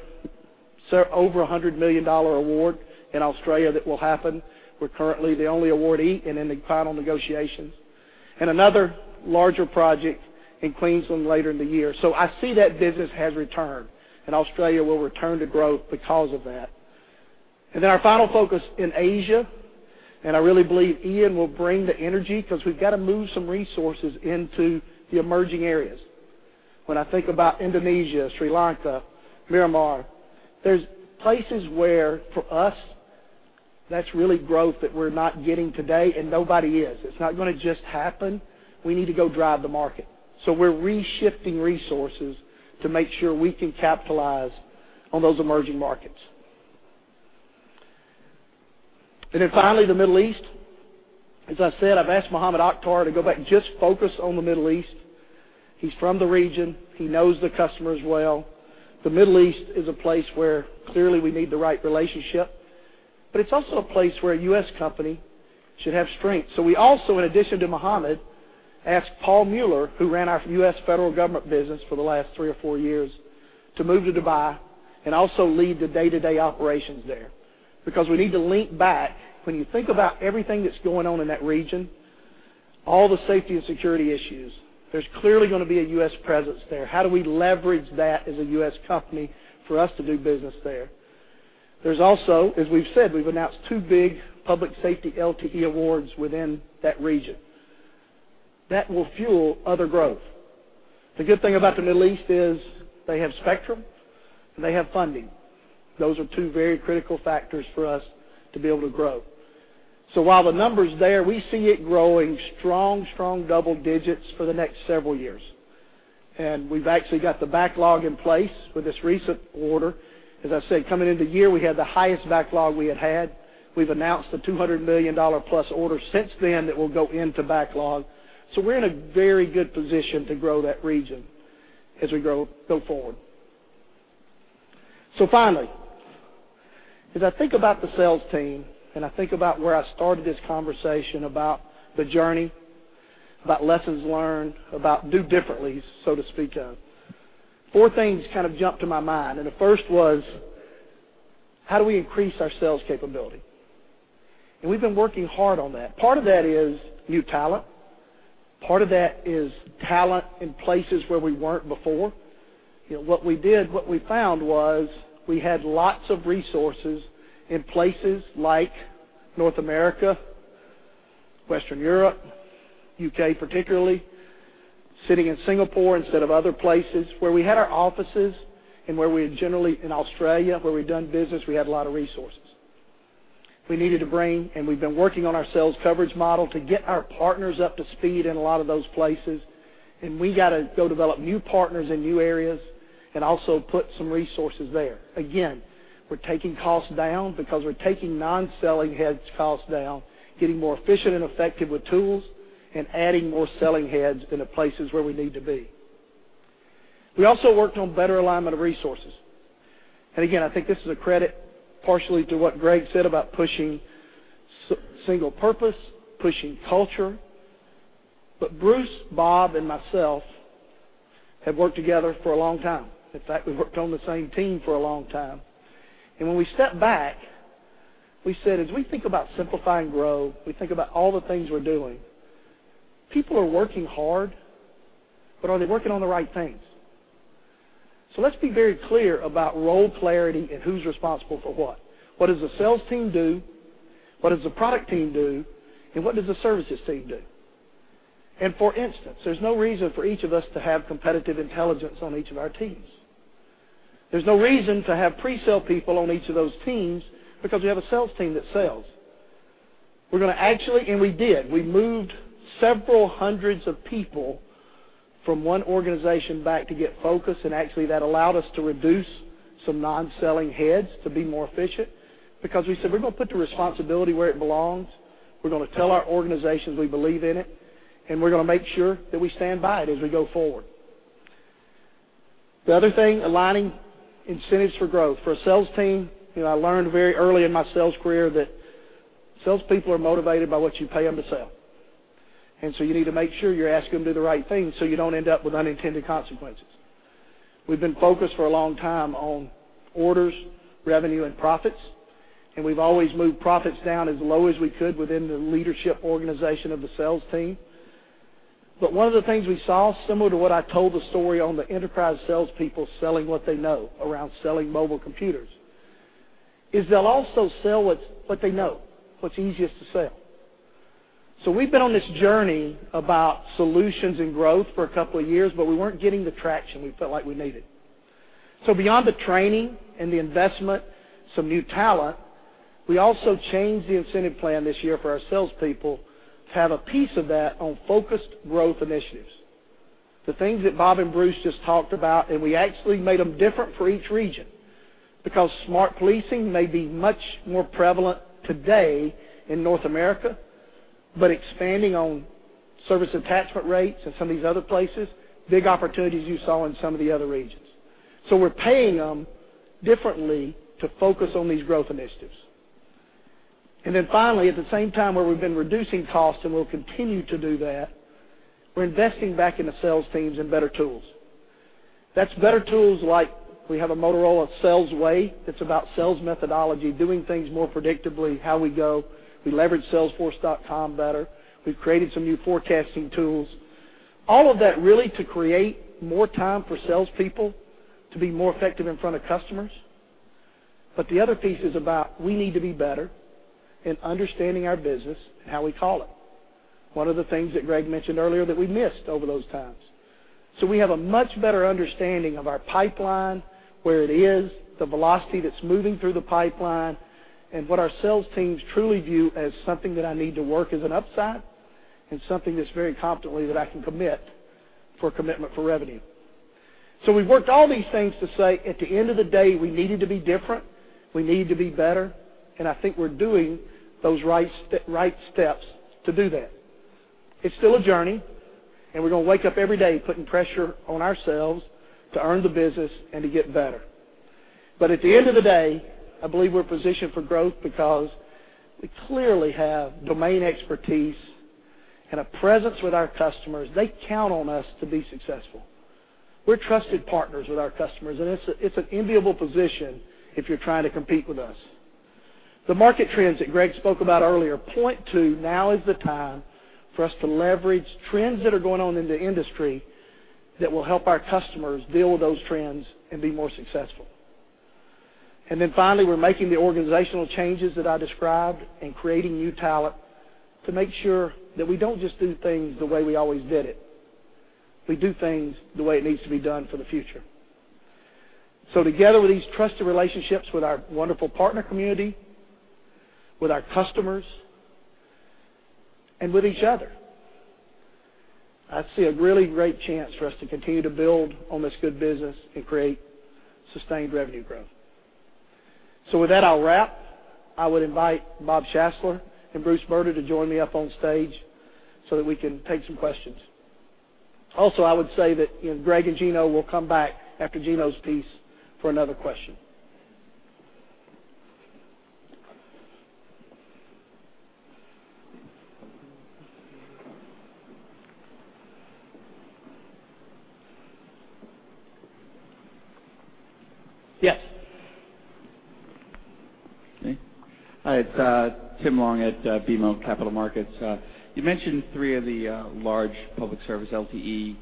G: over $100 million award in Australia that will happen. We're currently the only awardee and in the final negotiations, and another larger project in Queensland later in the year. I see that business has returned, and Australia will return to growth because of that. Then our final focus in Asia, and I really believe Ian will bring the energy, because we've got to move some resources into the emerging areas. When I think about Indonesia, Sri Lanka, Myanmar, there's places where, for us, that's really growth that we're not getting today, and nobody is. It's not gonna just happen. We need to go drive the market. We're reshifting resources to make sure we can capitalize on those emerging markets. Then finally, the Middle East. As I said, I've asked Mohammad Akhtar to go back and just focus on the Middle East. He's from the region. He knows the customers well. The Middle East is a place where, clearly, we need the right relationship, but it's also a place where a U.S. company should have strength. We also, in addition to Mohammad, asked Paul Mueller, who ran our U.S. federal government business for the last three or four years, to move to Dubai and also lead the day-to-day operations there, because we need to link back. When you think about everything that's going on in that region, all the safety and security issues, there's clearly gonna be a U.S. presence there. How do we leverage that as a U.S. company for us to do business there? There's also, as we've said, we've announced two big public safety LTE awards within that region. That will fuel other growth. The good thing about the Middle East is they have spectrum, and they have funding. Those are two very critical factors for us to be able to grow. While the number's there, we see it growing strong, strong double digits for the next several years, and we've actually got the backlog in place with this recent order. As I said, coming into the year, we had the highest backlog we had had. We've announced a $200 million-plus order since then that will go into backlog. We're in a very good position to grow that region as we go forward. Finally, as I think about the sales team, and I think about where I started this conversation, about the journey, about lessons learned, about do differently, so to speak of, four things kind of jumped to my mind, and the first was: how do we increase our sales capability? We've been working hard on that. Part of that is new talent. Part of that is talent in places where we weren't before. You know, what we did, what we found was we had lots of resources in places like North America, Western Europe, UK particularly, sitting in Singapore instead of other places, where we had our offices and where we had generally, in Australia, where we've done business, we had a lot of resources. We needed to bring, and we've been working on our sales coverage model to get our partners up to speed in a lot of those places, and we got to go develop new partners in new areas and also put some resources there. Again, we're taking costs down because we're taking non-selling heads costs down, getting more efficient and effective with tools, and adding more selling heads into places where we need to be. We also worked on better alignment of resources. Again, I think this is a credit, partially to what Greg said about pushing single purpose, pushing culture. But Bruce, Bob, and myself have worked together for a long time. In fact, we've worked on the same team for a long time. When we stepped back, we said, as we think about simplify and grow, we think about all the things we're doing, people are working hard, but are they working on the right things? Let's be very clear about role clarity and who's responsible for what. What does the sales team do? What does the product team do, and what does the services team do? For instance, there's no reason for each of us to have competitive intelligence on each of our teams. There's no reason to have presale people on each of those teams because we have a sales team that sells. We're gonna actually, and we did. We moved several hundreds of people from one organization back to get focused, and actually, that allowed us to reduce some non-selling heads to be more efficient because we said, we're gonna put the responsibility where it belongs. We're gonna tell our organizations we believe in it, and we're gonna make sure that we stand by it as we go forward. The other thing, aligning incentives for growth. For a sales team, you know, I learned very early in my sales career that salespeople are motivated by what you pay them to sell. You need to make sure you're asking them to do the right thing, so you don't end up with unintended consequences. We've been focused for a long time on orders, revenue, and profits, and we've always moved profits down as low as we could within the leadership organization of the sales team. But one of the things we saw, similar to what I told the story on the enterprise salespeople selling what they know around selling mobile computers, is they'll also sell what they know, what's easiest to sell. We've been on this journey about solutions and growth for a couple of years, but we weren't getting the traction we felt like we needed. Beyond the training and the investment, some new talent, we also changed the incentive plan this year for our salespeople to have a piece of that on focused growth initiatives, the things that Bob and Bruce just talked about, and we actually made them different for each region, because smart policing may be much more prevalent today in North America, but expanding on service attachment rates in some of these other places, big opportunities you saw in some of the other regions. We're paying them differently to focus on these growth initiatives. Then finally, at the same time, where we've been reducing costs, and we'll continue to do that, we're investing back in the sales teams and better tools. That's better tools like we have a Motorola Sales Way, that's about sales methodology, doing things more predictably, how we go. We leverage Salesforce.com better. We've created some new forecasting tools. All of that, really, to create more time for salespeople to be more effective in front of customers. But the other piece is about we need to be better in understanding our business and how we call it, one of the things that Greg mentioned earlier that we missed over those times. We have a much better understanding of our pipeline, where it is, the velocity that's moving through the pipeline, and what our sales teams truly view as something that I need to work as an upside and something that's very confidently that I can commit for commitment for revenue. We've worked all these things to say, at the end of the day, we needed to be different, we need to be better, and I think we're doing those right steps to do that. It's still a journey, and we're going to wake up every day putting pressure on ourselves to earn the business and to get better. But at the end of the day, I believe we're positioned for growth because we clearly have domain expertise and a presence with our customers. They count on us to be successful. We're trusted partners with our customers, and it's, it's an enviable position if you're trying to compete with us. The market trends that Greg spoke about earlier point to now is the time for us to leverage trends that are going on in the industry that will help our customers deal with those trends and be more successful. Then finally, we're making the organizational changes that I described and creating new talent to make sure that we don't just do things the way we always did it. We do things the way it needs to be done for the future. Together with these trusted relationships, with our wonderful partner community, with our customers, and with each other, I see a really great chance for us to continue to build on this good business and create sustained revenue growth. With that, I'll wrap. I would invite Bob Schassler and Bruce Brda to join me up on stage so that we can take some questions. Also, I would say that, you know, Greg and Gino will come back after Gino's piece for another question. Yes?
H: Hi, it's Tim Long at BMO Capital Markets. You mentioned three of the large public service LTE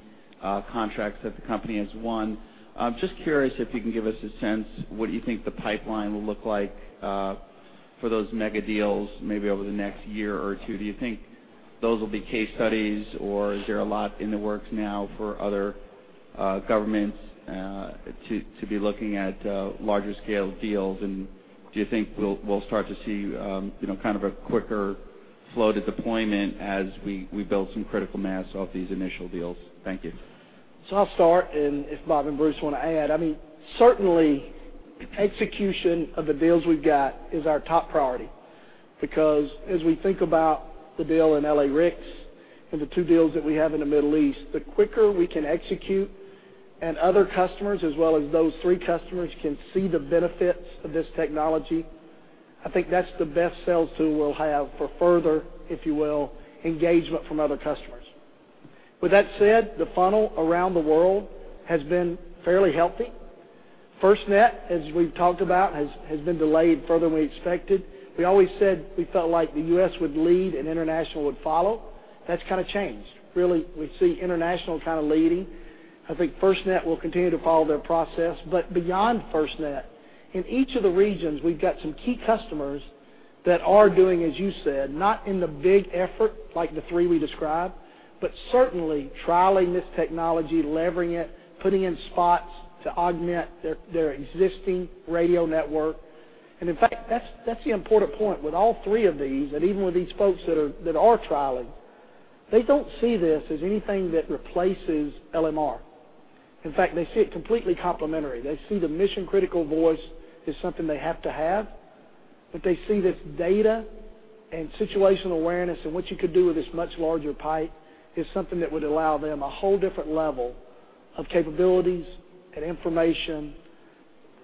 H: contracts that the company has won. I'm just curious if you can give us a sense, what do you think the pipeline will look like for those mega deals maybe over the next year or two? Do you think those will be case studies, or is there a lot in the works now for other governments to be looking at larger-scale deals? Do you think we'll start to see, you know, kind of a quicker flow to deployment as we build some critical mass off these initial deals? Thank you.
G: I'll start, and if Bob and Bruce want to add, I mean, certainly, execution of the deals we've got is our top priority because as we think about the deal in LA-RICS and the two deals that we have in the Middle East, the quicker we can execute, and other customers, as well as those three customers, can see the benefits of this technology, I think that's the best sales tool we'll have for further, if you will, engagement from other customers. With that said, the funnel around the world has been fairly healthy. FirstNet, as we've talked about, has, has been delayed further than we expected. We always said we felt like the U.S. would lead and international would follow. That's kind of changed. Really, we see international kind of leading. I think FirstNet will continue to follow their process, but beyond FirstNet, in each of the regions, we've got some key customers that are doing, as you said, not in the big effort like the three we described, but certainly trialing this technology, leveraging it, putting in spots to augment their existing radio network. In fact, that's the important point with all three of these, and even with these folks that are trialing, they don't see this as anything that replaces LMR. In fact, they see it completely complementary. They see the mission-critical voice as something they have to have, but they see this data and situational awareness and what you could do with this much larger pipe is something that would allow them a whole different level of capabilities and information,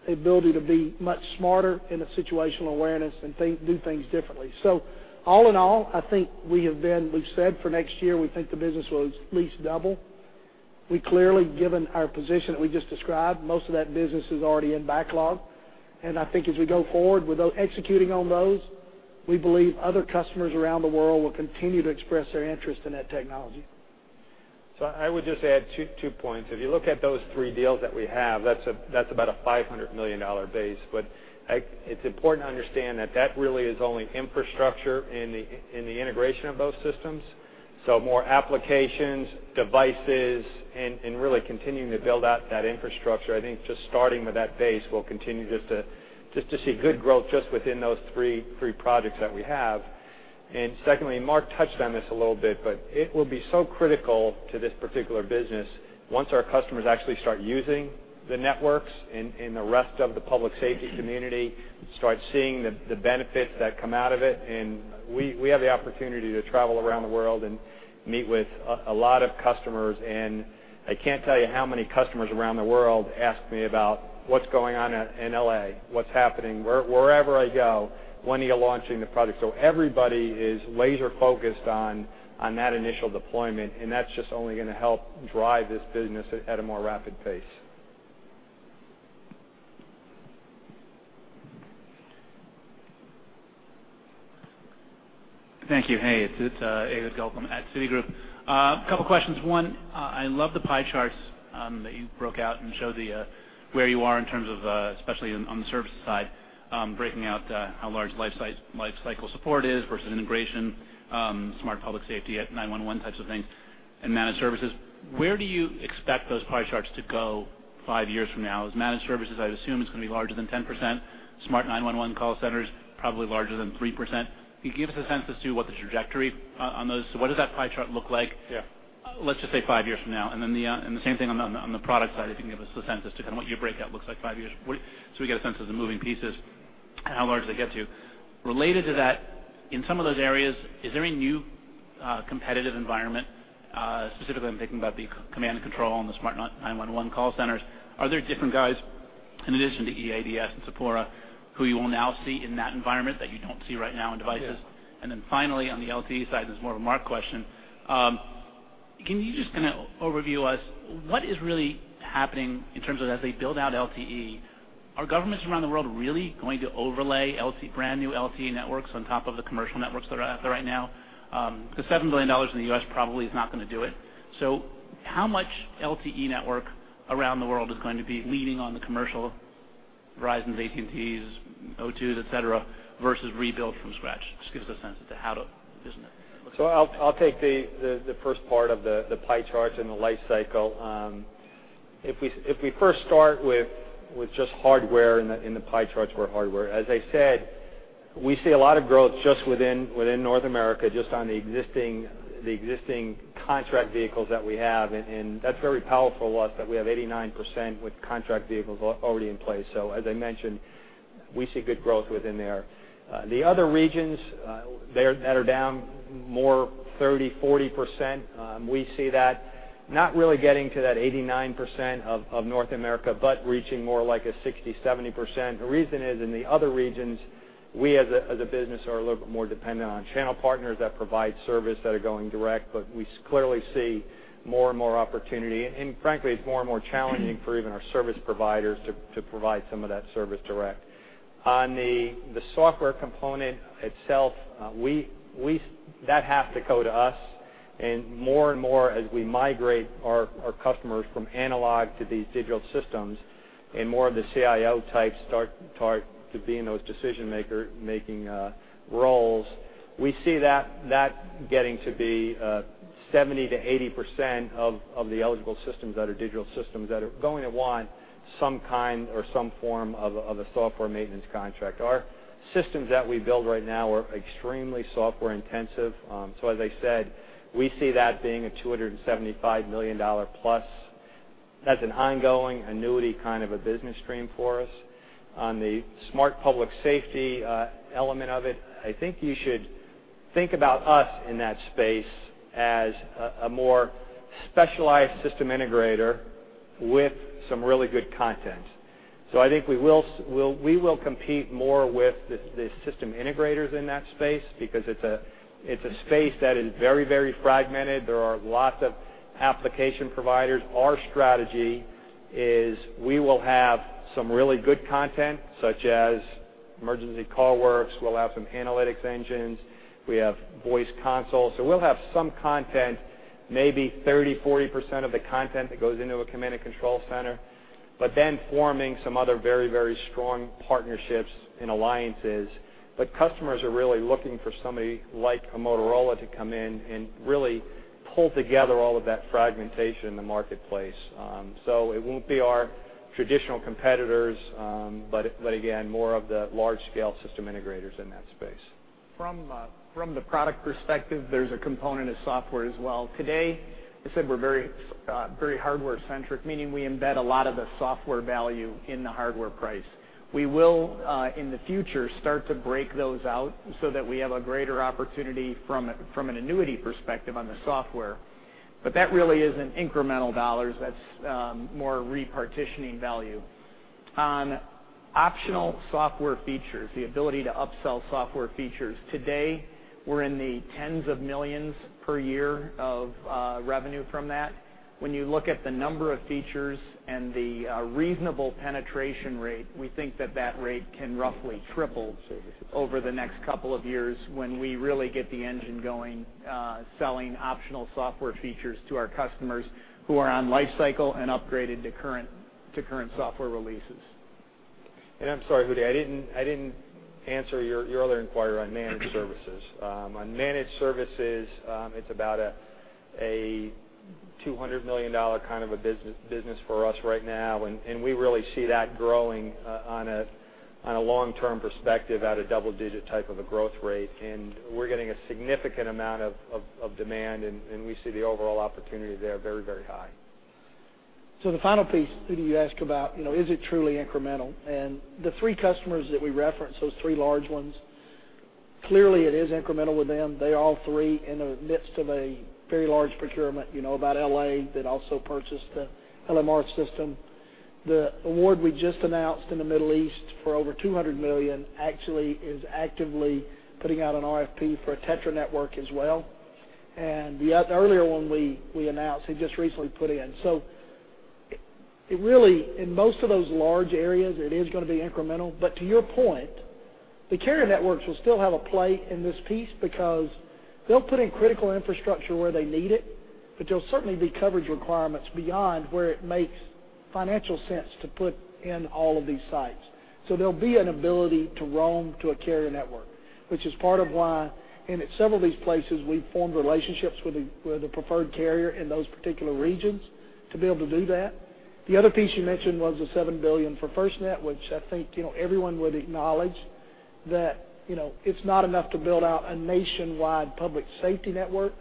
G: the ability to be much smarter in a situational awareness and thing—do things differently. All in all, I think we have been. We've said for next year, we think the business will at least double. We clearly, given our position that we just described, most of that business is already in backlog, and I think as we go forward with executing on those, we believe other customers around the world will continue to express their interest in that technology.
F: I would just add two, two points. If you look at those three deals that we have, that's about a $500 million base. It's important to understand that that really is only infrastructure in the integration of both systems. More applications, devices, and, and really continuing to build out that infrastructure, I think just starting with that base will continue just to, just to see good growth just within those three, three projects that we have. Secondly, Mark touched on this a little bit, but it will be so critical to this particular business once our customers actually start using the networks and, and the rest of the public safety community starts seeing the benefits that come out of it. We have the opportunity to travel around the world and meet with a lot of customers, and I can't tell you how many customers around the world ask me about what's going on in L.A., what's happening wherever I go, when are you launching the product? Everybody is laser focused on that initial deployment, and that's just only gonna help drive this business at a more rapid pace.
I: Thank you. Hey, it's Ehud Gelblum at Citigroup. Couple questions. One, I love the pie charts that you broke out and showed the where you are in terms of, especially on the services side, breaking out how large lifecycle support is versus integration, smart public safety at 9-1-1 types of things and managed services. Where do you expect those pie charts to go five years from now? As managed services, I'd assume, is gonna be larger than 10%, smart 9-1-1 call centers, probably larger than 3%. Can you give us a sense as to what the trajectory on those, what does that pie chart look like, let's just say, five years from now? Then the same thing on the product side, if you can give us a sense as to kind of what your breakout looks like in five years. What, so we get a sense of the moving pieces and how large they get to. Related to that, in some of those areas, is there a new competitive environment, specifically I'm thinking about the command and control and the smart 9-1-1 call centers. Are there different guys in addition to EADS and Sepura, who you will now see in that environment that you don't see right now in devices? Then finally, on the LTE side, this is more of a Mark question. Can you just kinda overview us what is really happening in terms of as they build out LTE, are governments around the world really going to overlay brand new LTE networks on top of the commercial networks that are out there right now? The $7 billion in the U.S. probably is not gonna do it. How much LTE network around the world is going to be leaning on the commercial, Verizon, AT&Ts, O2s, et cetera, versus rebuilt from scratch? Just give us a sense as to how to, isn't it?
F: I'll take the first part of the pie charts and the lifecycle. If we first start with just hardware in the pie charts for hardware, as I said, we see a lot of growth just within North America, just on the existing contract vehicles that we have. That's very powerful to us that we have 89% with contract vehicles already in place. As I mentioned, we see good growth within there. The other regions that are down more 30%-40%, we see that not really getting to that 89% of North America, but reaching more like a 60%-70%. The reason is, in the other regions, we as a business are a little bit more dependent on channel partners that provide service that are going direct, but we clearly see more and more opportunity. Frankly, it's more and more challenging for even our service providers to provide some of that service direct. On the software component itself, that has to go to us, and more and more, as we migrate our customers from analog to these digital systems, and more of the CIO types start to be in those decision making roles, we see that getting to be 70%-80% of the eligible systems that are digital systems that are going to want some kind or some form of a software maintenance contract. Our systems that we build right now are extremely software intensive. As I said, we see that being a $275 million plus. That's an ongoing annuity, kind of a business stream for us. On the Smart Public Safety element of it, I think you should think about us in that space as a more specialized system integrator with some really good content. I think we will compete more with the system integrators in that space because it's a space that is very, very fragmented. There are lots of application providers. Our strategy is we will have some really good content, such as Emergency CallWorks. We'll have some analytics engines. We have voice consoles, so we'll have some content, maybe 30%-40% of the content that goes into a command and control center, but then forming some other very, very strong partnerships and alliances. But customers are really looking for somebody like a Motorola to come in and really pull together all of that fragmentation in the marketplace. It won't be our traditional competitors, but again, more of the large-scale system integrators in that space.
E: From, from the product perspective, there's a component of software as well. Today, I said we're very, very hardware centric, meaning we embed a lot of the software value in the hardware price. We will, in the future, start to break those out so that we have a greater opportunity from a, from an annuity perspective on the software. But that really isn't incremental dollars, that's, more repartitioning value. On optional software features, the ability to upsell software features, today, we're in the tens of millions per year of revenue from that. When you look at the number of features and the reasonable penetration rate, we think that that rate can roughly triple over the next couple of years when we really get the engine going, selling optional software features to our customers who are on lifecycle and upgraded to current software releases.
F: I'm sorry, Udi, I didn't answer your other inquiry on managed services. On managed services, it's about a $200 million kind of a business for us right now, and we really see that growing on a long-term perspective at a double-digit type of a growth rate. We're getting a significant amount of demand, and we see the overall opportunity there very, very high.
G: The final piece, Udi, you asked about, you know, is it truly incremental? And the three customers that we referenced, those three large ones, clearly, it is incremental with them. They're all three in the midst of a very large procurement, you know, about L.A. that also purchased the LMR system. The award we just announced in the Middle East for over $200 million actually is actively putting out an RFP for a TETRA network as well. And the earlier one we announced, he just recently put in. It really, in most of those large areas, it is gonna be incremental. But to your point, the carrier networks will still have a play in this piece because they'll put in critical infrastructure where they need it, but there'll certainly be coverage requirements beyond where it makes financial sense to put in all of these sites. There'll be an ability to roam to a carrier network, which is part of why, and at several of these places, we've formed relationships with the, with the preferred carrier in those particular regions to be able to do that. The other piece you mentioned was the $7 billion for FirstNet, which I think, you know, everyone would acknowledge that, you know, it's not enough to build out a nationwide public safety network,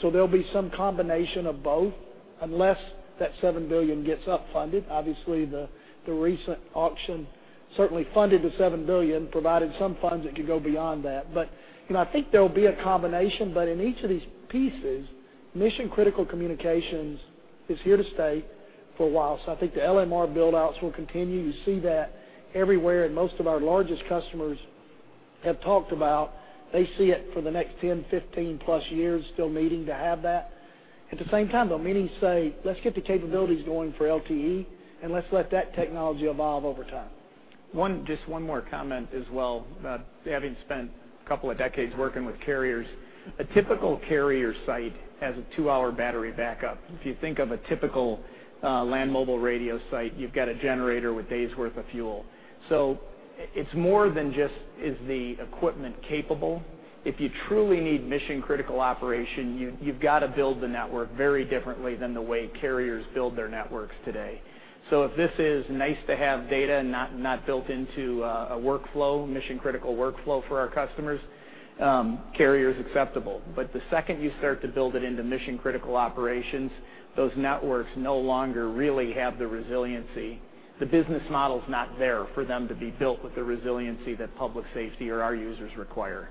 G: so there'll be some combination of both unless that $7 billion gets up-funded. Obviously, the, the recent auction certainly funded the $7 billion, provided some funds that could go beyond that. But, you know, I think there'll be a combination, but in each of these pieces, mission-critical communications is here to stay for a while. I think the LMR build-outs will continue. You see that everywhere, and most of our largest customers have talked about they see it for the next 10, 15 plus years, still needing to have that. At the same time, though, many say, "Let's get the capabilities going for LTE, and let's let that technology evolve over time.
E: One just one more comment as well. Having spent a couple of decades working with carriers, a typical carrier site has a 2-hour battery backup. If you think of a typical land mobile radio site, you've got a generator with days' worth of fuel. It's more than just, is the equipment capable? If you truly need mission-critical operation, you've got to build the network very differently than the way carriers build their networks today. If this is nice to have data and not built into a mission-critical workflow for our customers, carrier is acceptable. But the second you start to build it into mission-critical operations, those networks no longer really have the resiliency. The business model is not there for them to be built with the resiliency that public safety or our users require.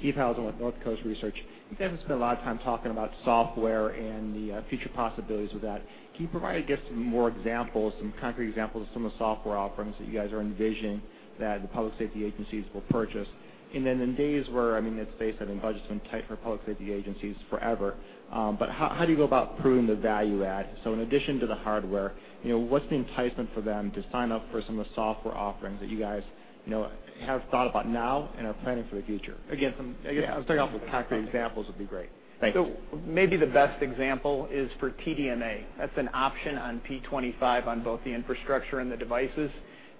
J: Keith Housum with North Coast Research. You guys have spent a lot of time talking about software and the future possibilities with that. Can you provide, I guess, some more examples, some concrete examples of some of the software offerings that you guys are envisioning that the public safety agencies will purchase? Then in days where, I mean, let's face it, I think budgets have been tight for public safety agencies forever, but how, how do you go about proving the value add? In addition to the hardware, you know, what's the enticement for them to sign up for some of the software offerings that you guys, you know, have thought about now and are planning for the future? Again, some, I guess, starting off with concrete examples would be great. Thank you.
E: Maybe the best example is for TDMA. That's an option on P25 on both the infrastructure and the devices.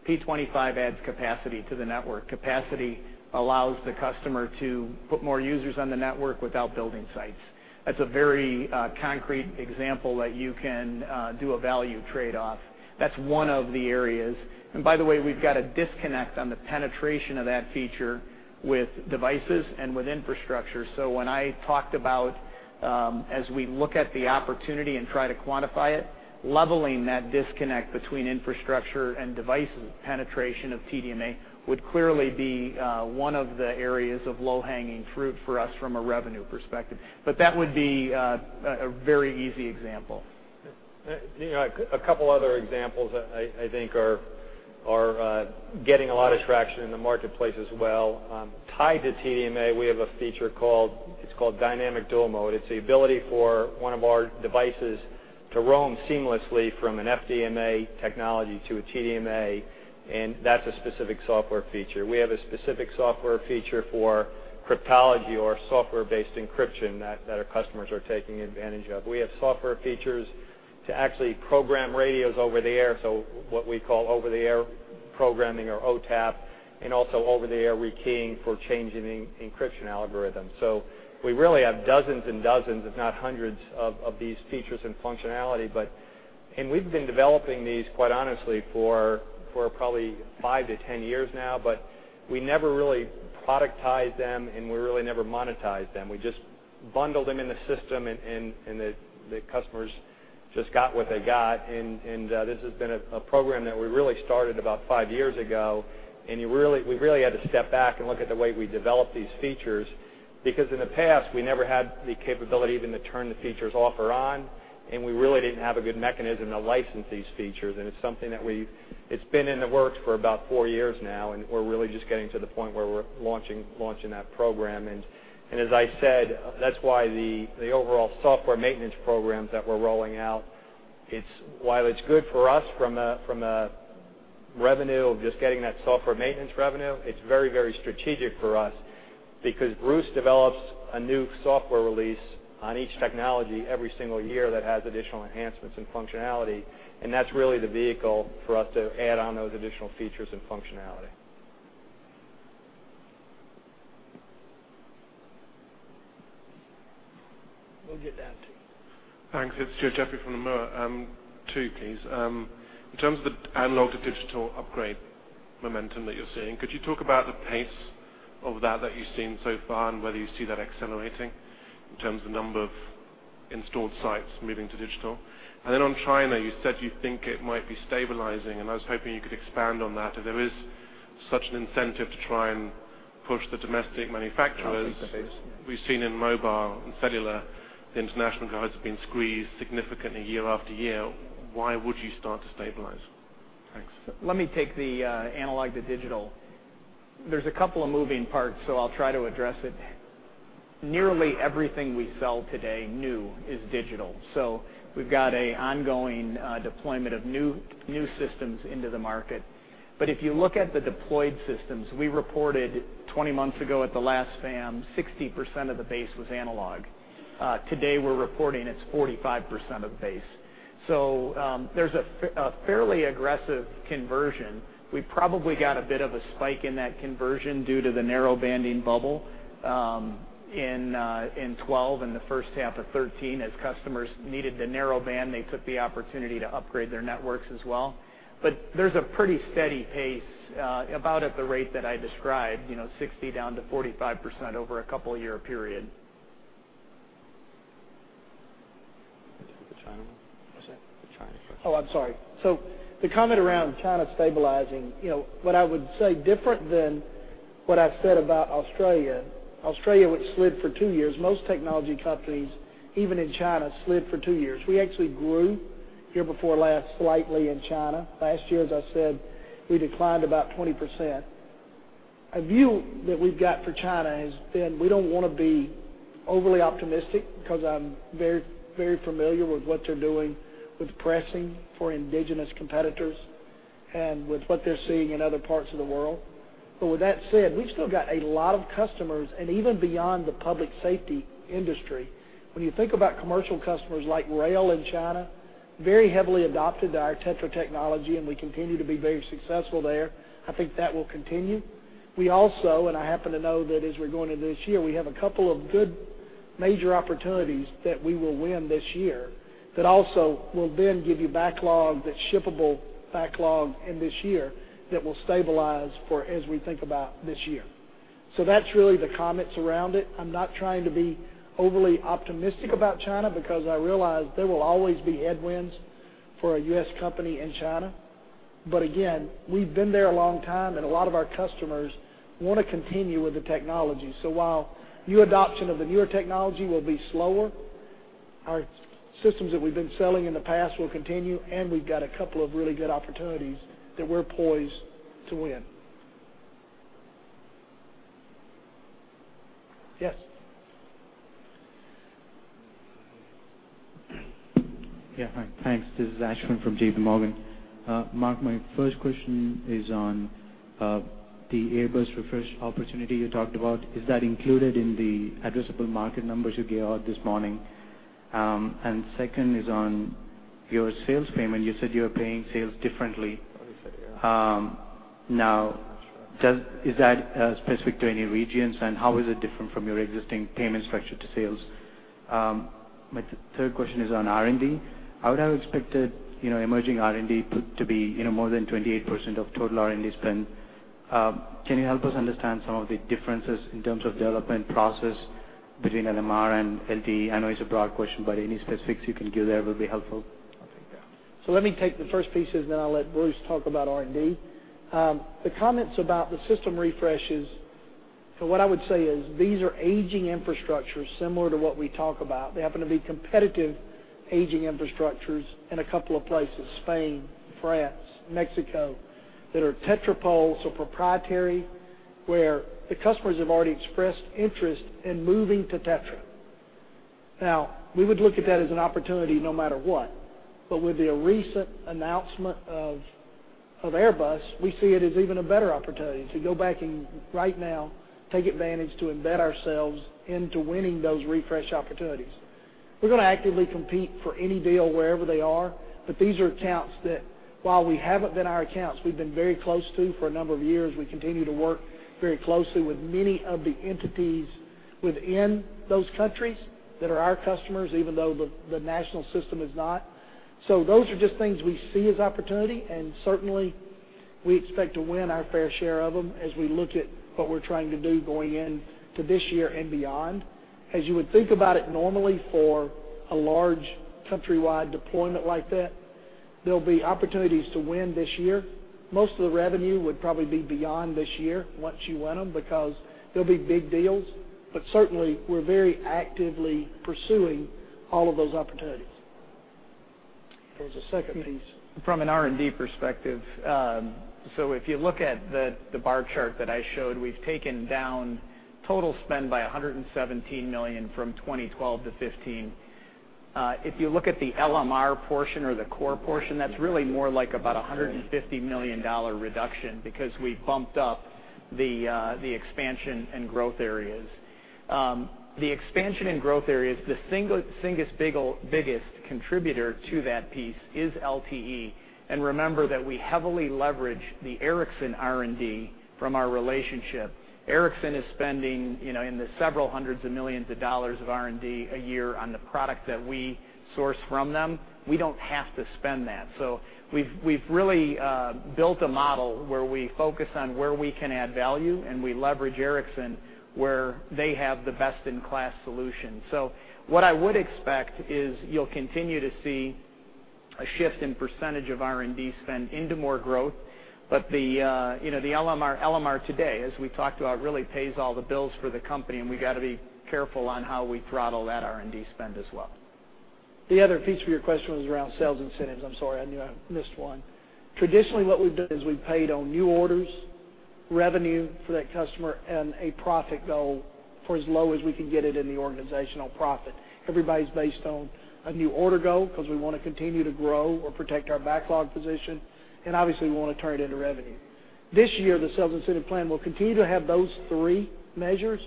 E: P25 adds capacity to the network. Capacity allows the customer to put more users on the network without building sites. That's a very concrete example that you can do a value trade-off. That's one of the areas. By the way, we've got a disconnect on the penetration of that feature with devices and with infrastructure. When I talked about as we look at the opportunity and try to quantify it, leveling that disconnect between infrastructure and device penetration of TDMA would clearly be one of the areas of low-hanging fruit for us from a revenue perspective. But that would be a very easy example.
F: You know, a couple other examples I think are getting a lot of traction in the marketplace as well. Tied to TDMA, we have a feature called, it's called Dynamic Dual Mode. It's the ability for one of our devices to roam seamlessly from an FDMA technology to a TDMA, and that's a specific software feature. We have a specific software feature for cryptology or software-based encryption that our customers are taking advantage of. We have software features to actually program radios over the air, so what we call over-the-air programming or OTAP, and also over-the-air rekeying for changing the encryption algorithm. We really have dozens and dozens, if not hundreds, of these features and functionality. We've been developing these, quite honestly, for probably 5-10 years now, but we never really productized them, and we really never monetized them. We just bundled them in the system, and the customers just got what they got. This has been a program that we really started about five years ago, and we really had to step back and look at the way we developed these features. Because in the past, we never had the capability even to turn the features off or on, and we really didn't have a good mechanism to license these features, and it's something that we- it's been in the works for about four years now, and we're really just getting to the point where we're launching that program. As I said, that's why the overall software maintenance programs that we're rolling out, it's - while it's good for us from a revenue, of just getting that software maintenance revenue, it's very, very strategic for us because Bruce develops a new software release on each technology every single year that has additional enhancements and functionality, and that's really the vehicle for us to add on those additional features and functionality.
G: We'll get down to you.
K: Thanks. It's Jeffrey Kvaal from Nomura. Two, please. In terms of the analog-to-digital upgrade momentum that you're seeing, could you talk about the pace of that, that you've seen so far, and whether you see that accelerating in terms of the number of installed sites moving to digital? Then on China, you said you think it might be stabilizing, and I was hoping you could expand on that. If there is such an incentive to try and push the domestic manufacturers, we've seen in mobile and cellular, the international guys have been squeezed significantly year after year. Why would you start to stabilize? Thanks.
E: Let me take the analog to digital. There's a couple of moving parts, so I'll try to address it. Nearly everything we sell today new is digital, so we've got an ongoing deployment of new systems into the market. But if you look at the deployed systems, we reported 20 months ago at the last FAM, 60% of the base was analog. Today, we're reporting it's 45% of the base. There's a fairly aggressive conversion. We probably got a bit of a spike in that conversion due to the narrowbanding bubble in 2012, and the first half of 2013. As customers needed the narrowband, they took the opportunity to upgrade their networks as well. But there's a pretty steady pace, about at the rate that I described, you know, 60% down to 45% over a couple-year period.
F: The China one.
G: What's that?
F: The China question.
G: Oh, I'm sorry. The comment around China stabilizing, you know, what I would say, different than what I've said about Australia, which slid for two years, most technology companies, even in China, slid for two years. We actually grew year before last, slightly in China. Last year, as I said, we declined about 20%. A view that we've got for China has been, we don't want to be overly optimistic because I'm very, very familiar with what they're doing with pressing for indigenous competitors and with what they're seeing in other parts of the world. But with that said, we've still got a lot of customers, and even beyond the public safety industry, when you think about commercial customers like rail in China, very heavily adopted our TETRA technology, and we continue to be very successful there. I think that will continue. We also, and I happen to know that as we're going into this year, we have a couple of good major opportunities that we will win this year, that also will then give you backlog, that shippable backlog in this year, that will stabilize for as we think about this year. So that's really the comments around it. I'm not trying to be overly optimistic about China because I realize there will always be headwinds for a U.S. company in China. But again, we've been there a long time, and a lot of our customers want to continue with the technology. So while new adoption of the newer technology will be slower, our systems that we've been selling in the past will continue, and we've got a couple of really good opportunities that we're poised to win. Yes.
L: Yeah. Hi, thanks. This is Ashwin from J.P. Morgan. Mark, my first question is on the Airbus refresh opportunity you talked about. Is that included in the addressable market numbers you gave out this morning? And second is on your sales payment. You said you are paying sales differently. Now, is that specific to any regions, and how is it different from your existing payment structure to sales? My third question is on R&D. I would have expected, you know, emerging R&D to be, you know, more than 28% of total R&D spend. Can you help us understand some of the differences in terms of development process between LMR and LTE? I know it's a broad question, but any specifics you can give there will be helpful.
G: I'll take that. Let me take the first piece, and then I'll let Bruce talk about R&D. The comments about the system refreshes, so what I would say is these are aging infrastructures, similar to what we talk about. They happen to be competitive, aging infrastructures in a couple of places, Spain, France, Mexico, that are Tetrapols, so proprietary, where the customers have already expressed interest in moving to TETRA. Now, we would look at that as an opportunity no matter what. But with the recent announcement of Airbus, we see it as even a better opportunity to go back and, right now, take advantage to embed ourselves into winning those refresh opportunities. We're going to actively compete for any deal wherever they are, but these are accounts that, while we haven't been our accounts, we've been very close to for a number of years. We continue to work very closely with many of the entities within those countries that are our customers, even though the national system is not. Those are just things we see as opportunity, and certainly, we expect to win our fair share of them as we look at what we're trying to do going in to this year and beyond. As you would think about it, normally, for a large countrywide deployment like that, there'll be opportunities to win this year. Most of the revenue would probably be beyond this year once you win them, because they'll be big deals, but certainly, we're very actively pursuing all of those opportunities. There was a second piece.
E: From an R&D perspective, so if you look at the bar chart that I showed, we've taken down total spend by $117 million from 2012 to 2015. If you look at the LMR portion or the core portion, that's really more like about a $150 million reduction because we bumped up the expansion and growth areas. The expansion and growth areas, the single biggest contributor to that piece is LTE. Remember that we heavily leverage the Ericsson R&D from our relationship. Ericsson is spending, you know, in the several hundred million dollars of R&D a year on the product that we source from them. We don't have to spend that. We've really built a model where we focus on where we can add value, and we leverage Ericsson, where they have the best-in-class solution. What I would expect is you'll continue to see a shift in percentage of R&D spend into more growth. But the, you know, the LMR, LMR today, as we talked about, really pays all the bills for the company, and we've got to be careful on how we throttle that R&D spend as well.
G: The other piece of your question was around sales incentives. I'm sorry, I knew I missed one. Traditionally, what we've done is we've paid on new orders, revenue for that customer, and a profit goal for as low as we can get it in the organizational profit. Everybody's based on a new order goal because we want to continue to grow or protect our backlog position, and obviously, we want to turn it into revenue. This year, the sales incentive plan will continue to have those three measures,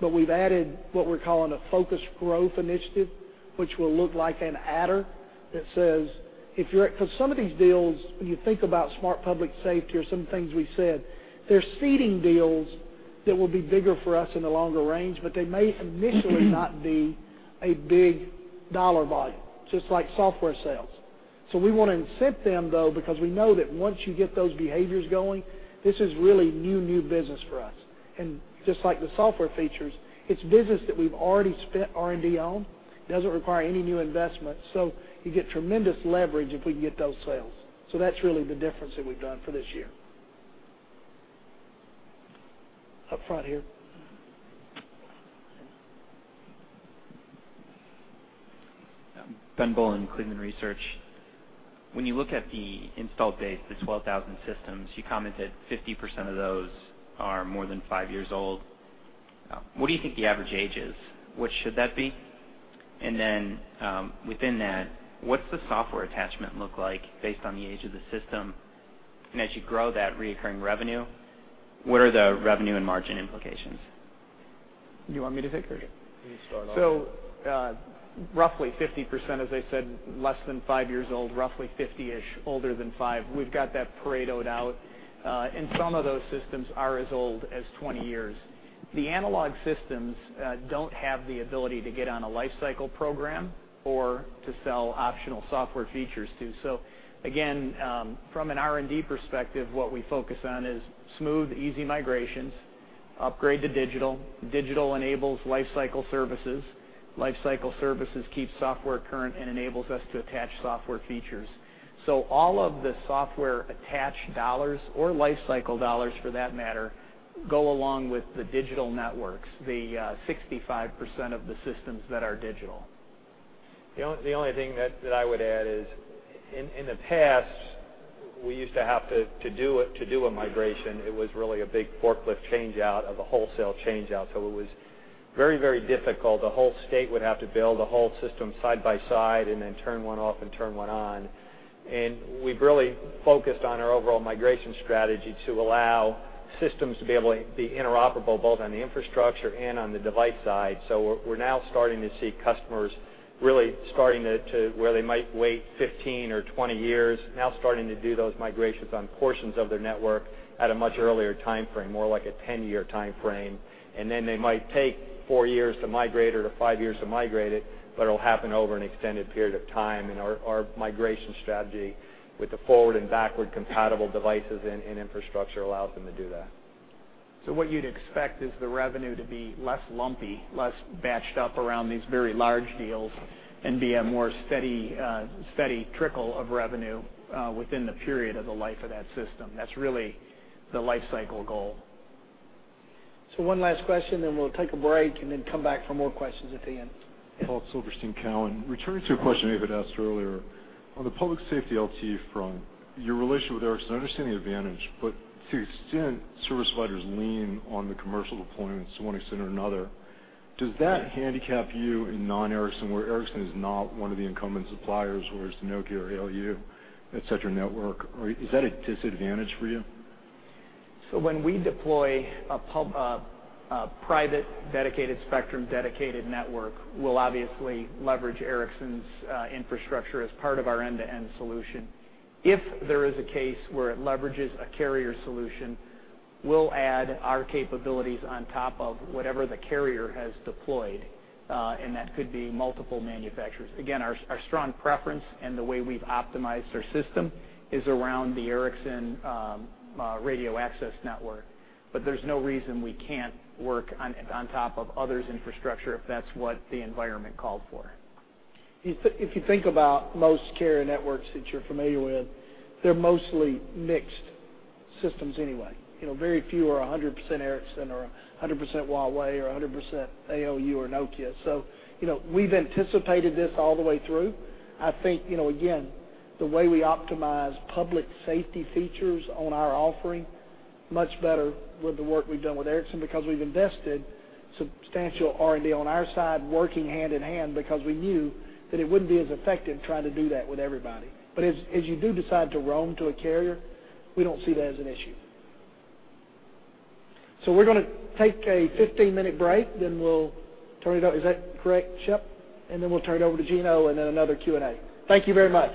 G: but we've added what we're calling a focused growth initiative, which will look like an adder that says, if you're Because some of these deals, when you think about Smart Public Safety or some things we said, they're seeding deals that will be bigger for us in the longer range, but they may initially not be a big dollar volume, just like software sales. We want to incent them, though, because we know that once you get those behaviors going, this is really new, new business for us. And just like the software features, it's business that we've already spent R&D on, doesn't require any new investment, so you get tremendous leverage if we can get those sales. That's really the difference that we've done for this year. Up front here.
M: Ben Bollin, Cleveland Research. When you look at the install base, the 12,000 systems, you commented 50% of those are more than five years old. What do you think the average age is? What should that be? Then, within that, what's the software attachment look like based on the age of the system? As you grow that reoccurring revenue, what are the revenue and margin implications?
E: You want me to take it or you?
F: You start off.
E: Roughly 50%, as I said, less than five years old, roughly 50-ish, older than five. We've got that Paretoed out, and some of those systems are as old as 20 years. The analog systems don't have the ability to get on a lifecycle program or to sell optional software features to. Again, from an R&D perspective, what we focus on is smooth, easy migrations, upgrade to digital. Digital enables lifecycle services. Lifecycle services keeps software current and enables us to attach software features. All of the software-attached dollars or lifecycle dollars, for that matter, go along with the digital networks, the 65% of the systems that are digital.
F: The only thing that I would add is, in the past, we used to have to do a migration. It was really a big forklift change out of a wholesale change out, so it was very difficult. The whole state would have to build a whole system side by side and then turn one off and turn one on. We've really focused on our overall migration strategy to allow systems to be able to be interoperable, both on the infrastructure and on the device side. We're now starting to see customers really starting to where they might wait 15 or 20 years, now starting to do those migrations on portions of their network at a much earlier time frame, more like a 10-year time frame. Then they might take four years to migrate or to five years to migrate it, but it'll happen over an extended period of time. Our, our migration strategy with the forward and backward-compatible devices and, and infrastructure allows them to do that.
E: What you'd expect is the revenue to be less lumpy, less batched up around these very large deals and be a more steady, steady trickle of revenue, within the period of the life of that system. That's really the lifecycle goal.
G: One last question, then we'll take a break and then come back for more questions at the end.
N: Paul Silverstein, Cowen. Returning to a question David asked earlier, on the public safety LTE front, your relationship with Ericsson, I understand the advantage, but to the extent service providers lean on the commercial deployments to one extent or another, does that handicap you in non-Ericsson, where Ericsson is not one of the incumbent suppliers, whereas Nokia or ALU, et cetera, network? Or is that a disadvantage for you?
E: When we deploy a private dedicated spectrum, dedicated network, we'll obviously leverage Ericsson's infrastructure as part of our end-to-end solution. If there is a case where it leverages a carrier solution, we'll add our capabilities on top of whatever the carrier has deployed, and that could be multiple manufacturers. Again, our strong preference and the way we've optimized our system is around the Ericsson Radio Access Network. But there's no reason we can't work on top of others' infrastructure if that's what the environment called for.
G: If you think about most carrier networks that you're familiar with, they're mostly mixed systems anyway. You know, very few are 100% Ericsson or 100% Huawei or 100% ALU or Nokia. You know, we've anticipated this all the way through. I think, you know, again, the way we optimize public safety features on our offering is much better with the work we've done with Ericsson because we've invested substantial R&D on our side, working hand in hand, because we knew that it wouldn't be as effective trying to do that with everybody. But as you do decide to roam to a carrier, we don't see that as an issue. We're gonna take a 15-minute break, then we'll turn it over. Is that correct, Shep? And then we'll turn it over to Gino, and then another Q&A. Thank you very much.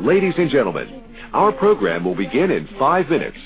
A: Ladies and gentlemen, our program will begin in five minutes.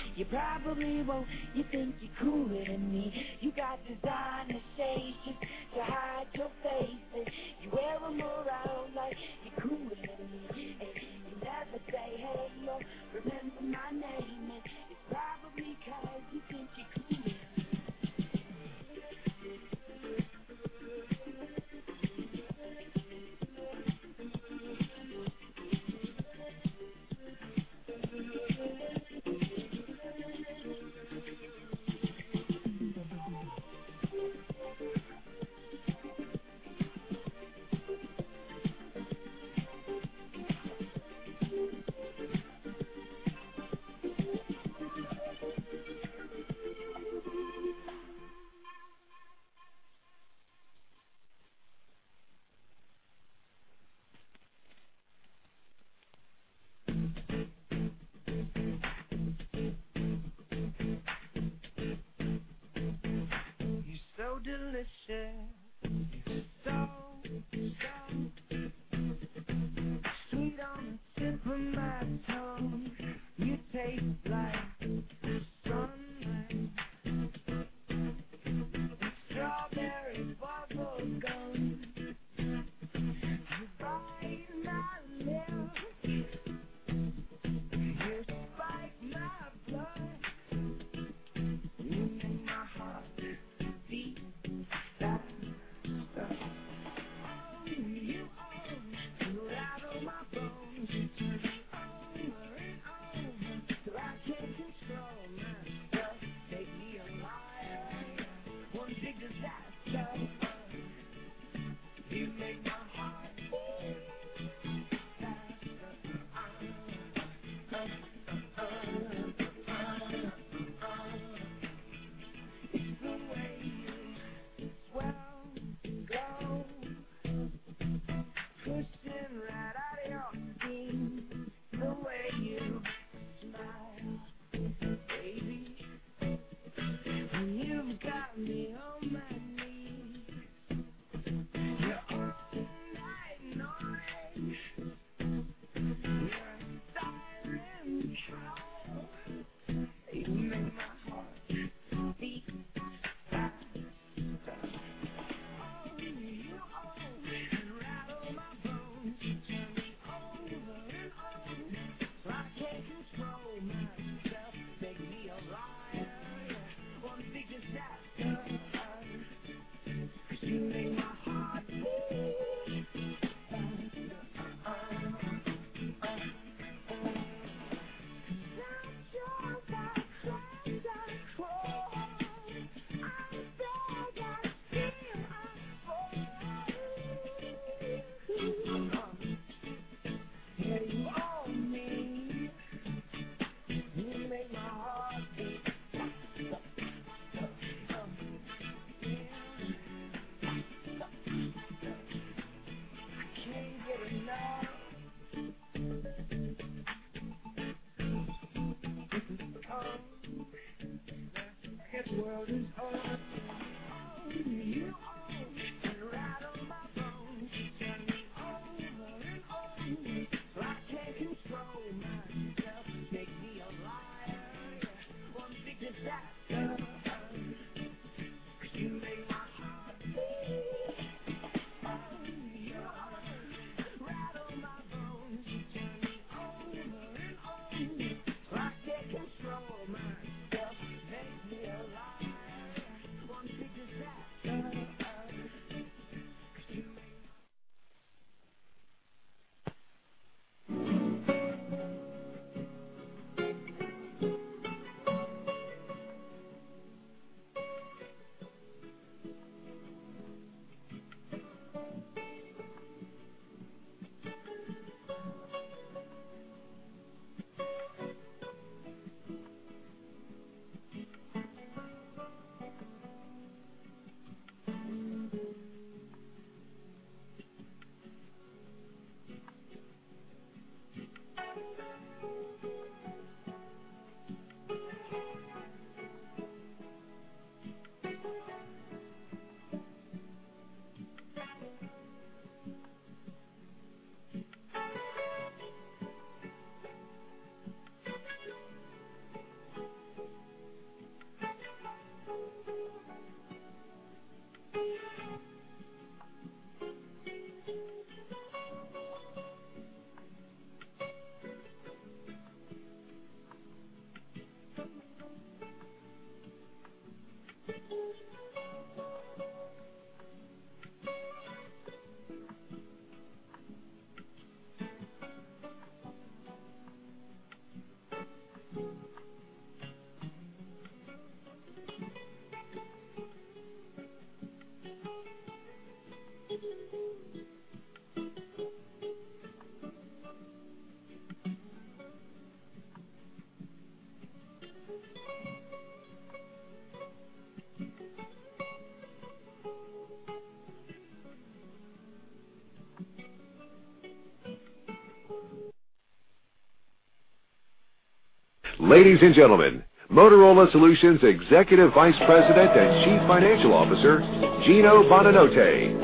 A: Ladies and gentlemen, Motorola Solutions Executive Vice President and Chief Financial Officer, Gino Bonanotte.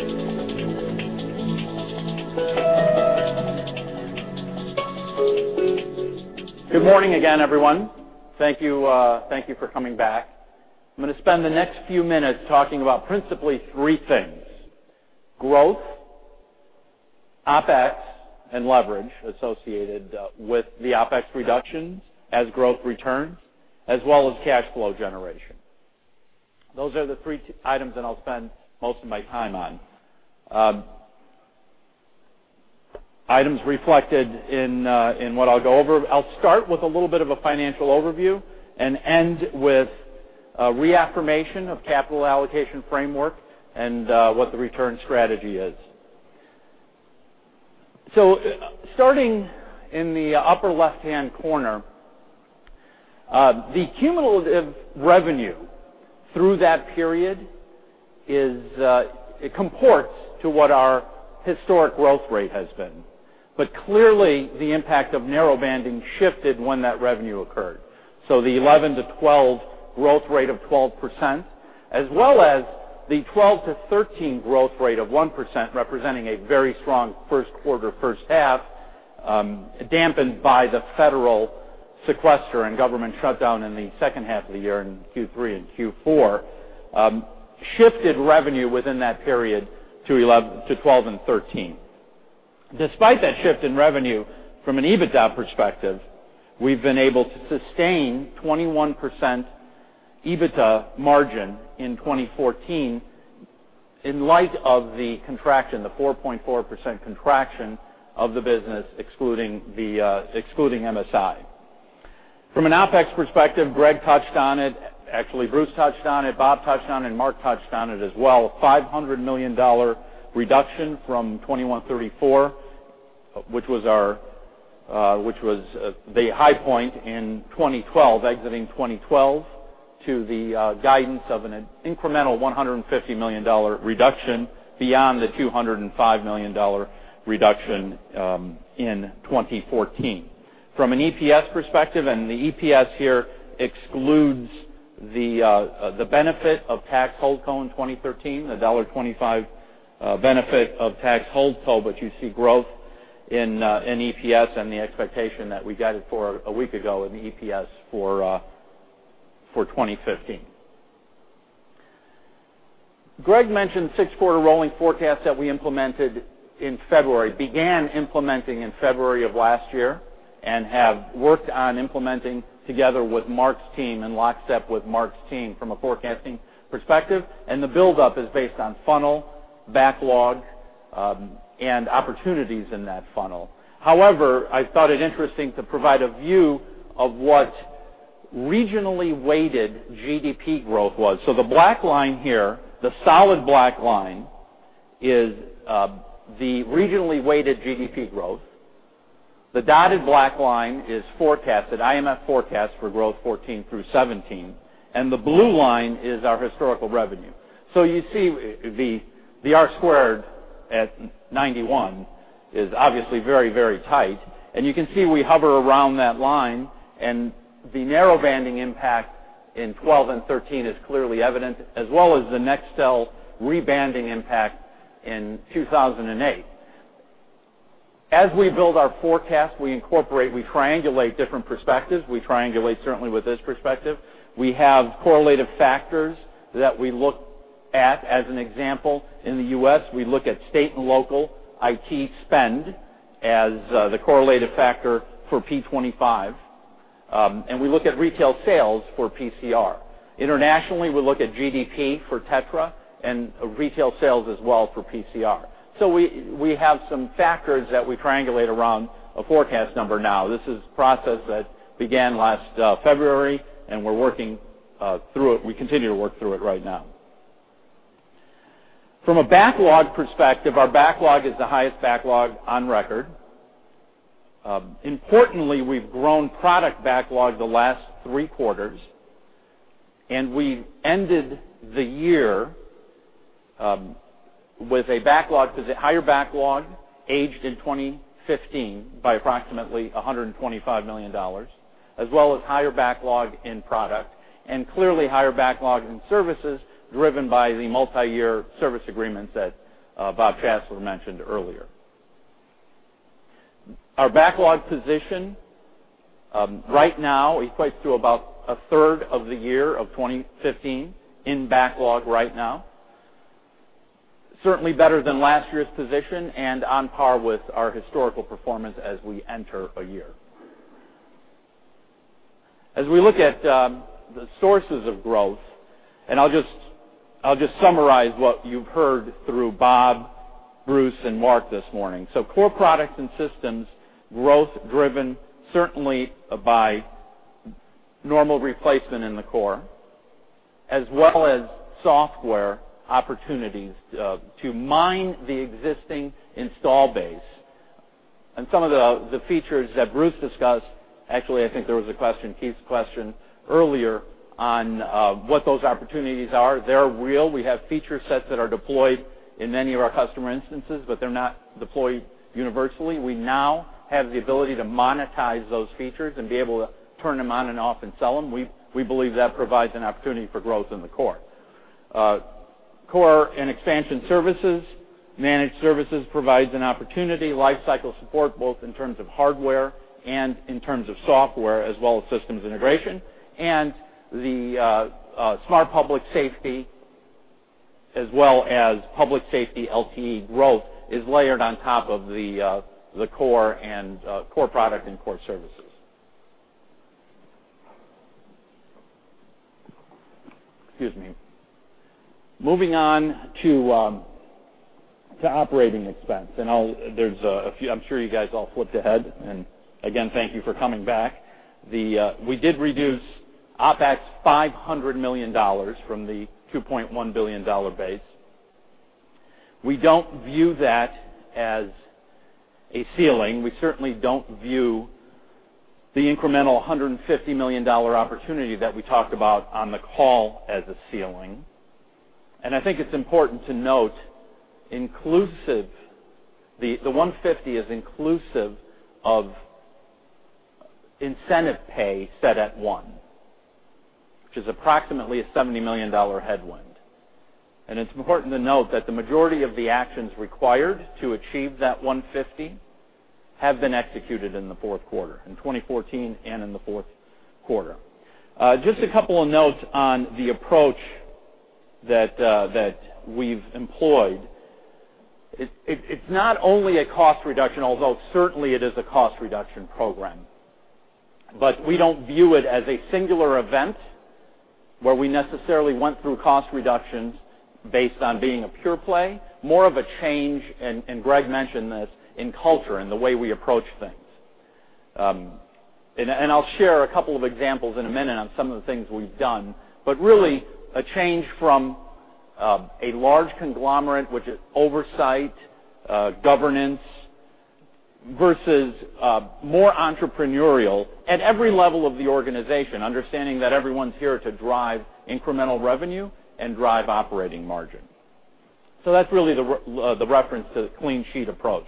O: Good morning again, everyone. Thank you, thank you for coming back. I'm going to spend the next few minutes talking about principally three things: growth, OpEx, and leverage associated with the OpEx reductions as growth returns, as well as cash flow generation. Those are the three items that I'll spend most of my time on. Items reflected in what I'll go over. I'll start with a little bit of a financial overview and end with a reaffirmation of capital allocation framework and what the return strategy is. Starting in the upper left-hand corner, the cumulative revenue through that period is, it comports to what our historic growth rate has been. But clearly, the impact of Narrowbanding shifted when that revenue occurred. The 2011-2012 growth rate of 12%, as well as the 2012-2013 growth rate of 1%, representing a very strong first quarter, first half, dampened by the federal sequester and government shutdown in the second half of the year, in Q3 and Q4. Shifted revenue within that period to 2012 and 2013. Despite that shift in revenue, from an EBITDA perspective, we've been able to sustain 21% EBITDA margin in 2014, in light of the contraction, the 4.4% contraction of the business, excluding MSI. From an OpEx perspective, Greg touched on it. Actually, Bruce touched on it, Bob touched on it, and Mark touched on it as well. $500 million reduction from $2,134, which was our, which was, the high point in 2012, exiting 2012, to the, guidance of an incremental $150 million reduction beyond the $205 million reduction, in 2014. From an EPS perspective, and the EPS here excludes the, the benefit of Tax Holdco in 2013, the $1.25, benefit of Tax Holdco, but you see growth in, in EPS and the expectation that we guided for a week ago in the EPS for, for 2015. Greg mentioned six-quarter rolling forecast that we implemented in February, began implementing in February of last year, and have worked on implementing together with Mark's team, in lockstep with Mark's team from a forecasting perspective, and the buildup is based on funnel, backlog, and opportunities in that funnel. However, I thought it interesting to provide a view of what regionally weighted GDP growth was. The black line here, the solid black line, is the regionally weighted GDP growth. The dotted black line is forecasted, IMF forecast for growth 2014 through 2017, and the blue line is our historical revenue. You see the, the R squared at 91 is obviously very, very tight, and you can see we hover around that line, and the Narrowbanding impact in 2012 and 2013 is clearly evident, as well as the Nextel Rebanding impact in 2008. As we build our forecast, we incorporate, we triangulate different perspectives. We triangulate, certainly with this perspective. We have correlative factors that we look at. As an example, in the U.S., we look at state and local IT spend as the correlative factor for P25, and we look at retail sales for PCR. Internationally, we look at GDP for TETRA and retail sales as well for PCR. We have some factors that we triangulate around a forecast number now. This is a process that began last February, and we're working through it. We continue to work through it right now. From a backlog perspective, our backlog is the highest backlog on record. Importantly, we've grown product backlog the last three quarters, and we've ended the year, with a backlog, with a higher backlog, as of 2015 by approximately $125 million, as well as higher backlog in product and clearly higher backlog in services, driven by the multi-year service agreements that, Bob Schassler mentioned earlier. Our backlog position, right now equates to about a third of the year of 2015 in backlog right now. Certainly better than last year's position and on par with our historical performance as we enter a year. As we look at, the sources of growth, and I'll just summarize what you've heard through Bob, Bruce, and Mark this morning. Core products and systems growth driven certainly by normal replacement in the core, as well as software opportunities, to mine the existing install base. Some of the features that Bruce discussed. Actually, I think there was a question, Keith's question earlier on, what those opportunities are. They're real. We have feature sets that are deployed in many of our customer instances, but they're not deployed universally. We now have the ability to monetize those features and be able to turn them on and off and sell them. We believe that provides an opportunity for growth in the core core and expansion services. Managed Services provides an opportunity, lifecycle support, both in terms of hardware and in terms of software, as well as systems integration. The Smart Public Safety, as well as public safety LTE growth is layered on top of the core and core product and core services. Excuse me. Moving on to operating expense, and I'll-- There's a few. I'm sure you guys all flipped ahead, and again, thank you for coming back. We did reduce OpEx $500 million from the $2.1 billion base. We don't view that as a ceiling. We certainly don't view the incremental $150 million opportunity that we talked about on the call as a ceiling. And I think it's important to note, inclusive, the $150 is inclusive of incentive pay set at one, which is approximately a $70 million headwind. It's important to note that the majority of the actions required to achieve that $150 have been executed in the fourth quarter in 2014 and in the fourth quarter. Just a couple of notes on the approach that we've employed. It's not only a cost reduction, although certainly it is a cost reduction program. We don't view it as a singular event, where we necessarily went through cost reductions based on being a pure play, more of a change, and Greg mentioned this, in culture and the way we approach things. I'll share a couple of examples in a minute on some of the things we've done. Really, a change from a large conglomerate, which is oversight, governance, versus more entrepreneurial at every level of the organization, understanding that everyone's here to drive incremental revenue and drive operating margin. That's really the reference to the clean sheet approach.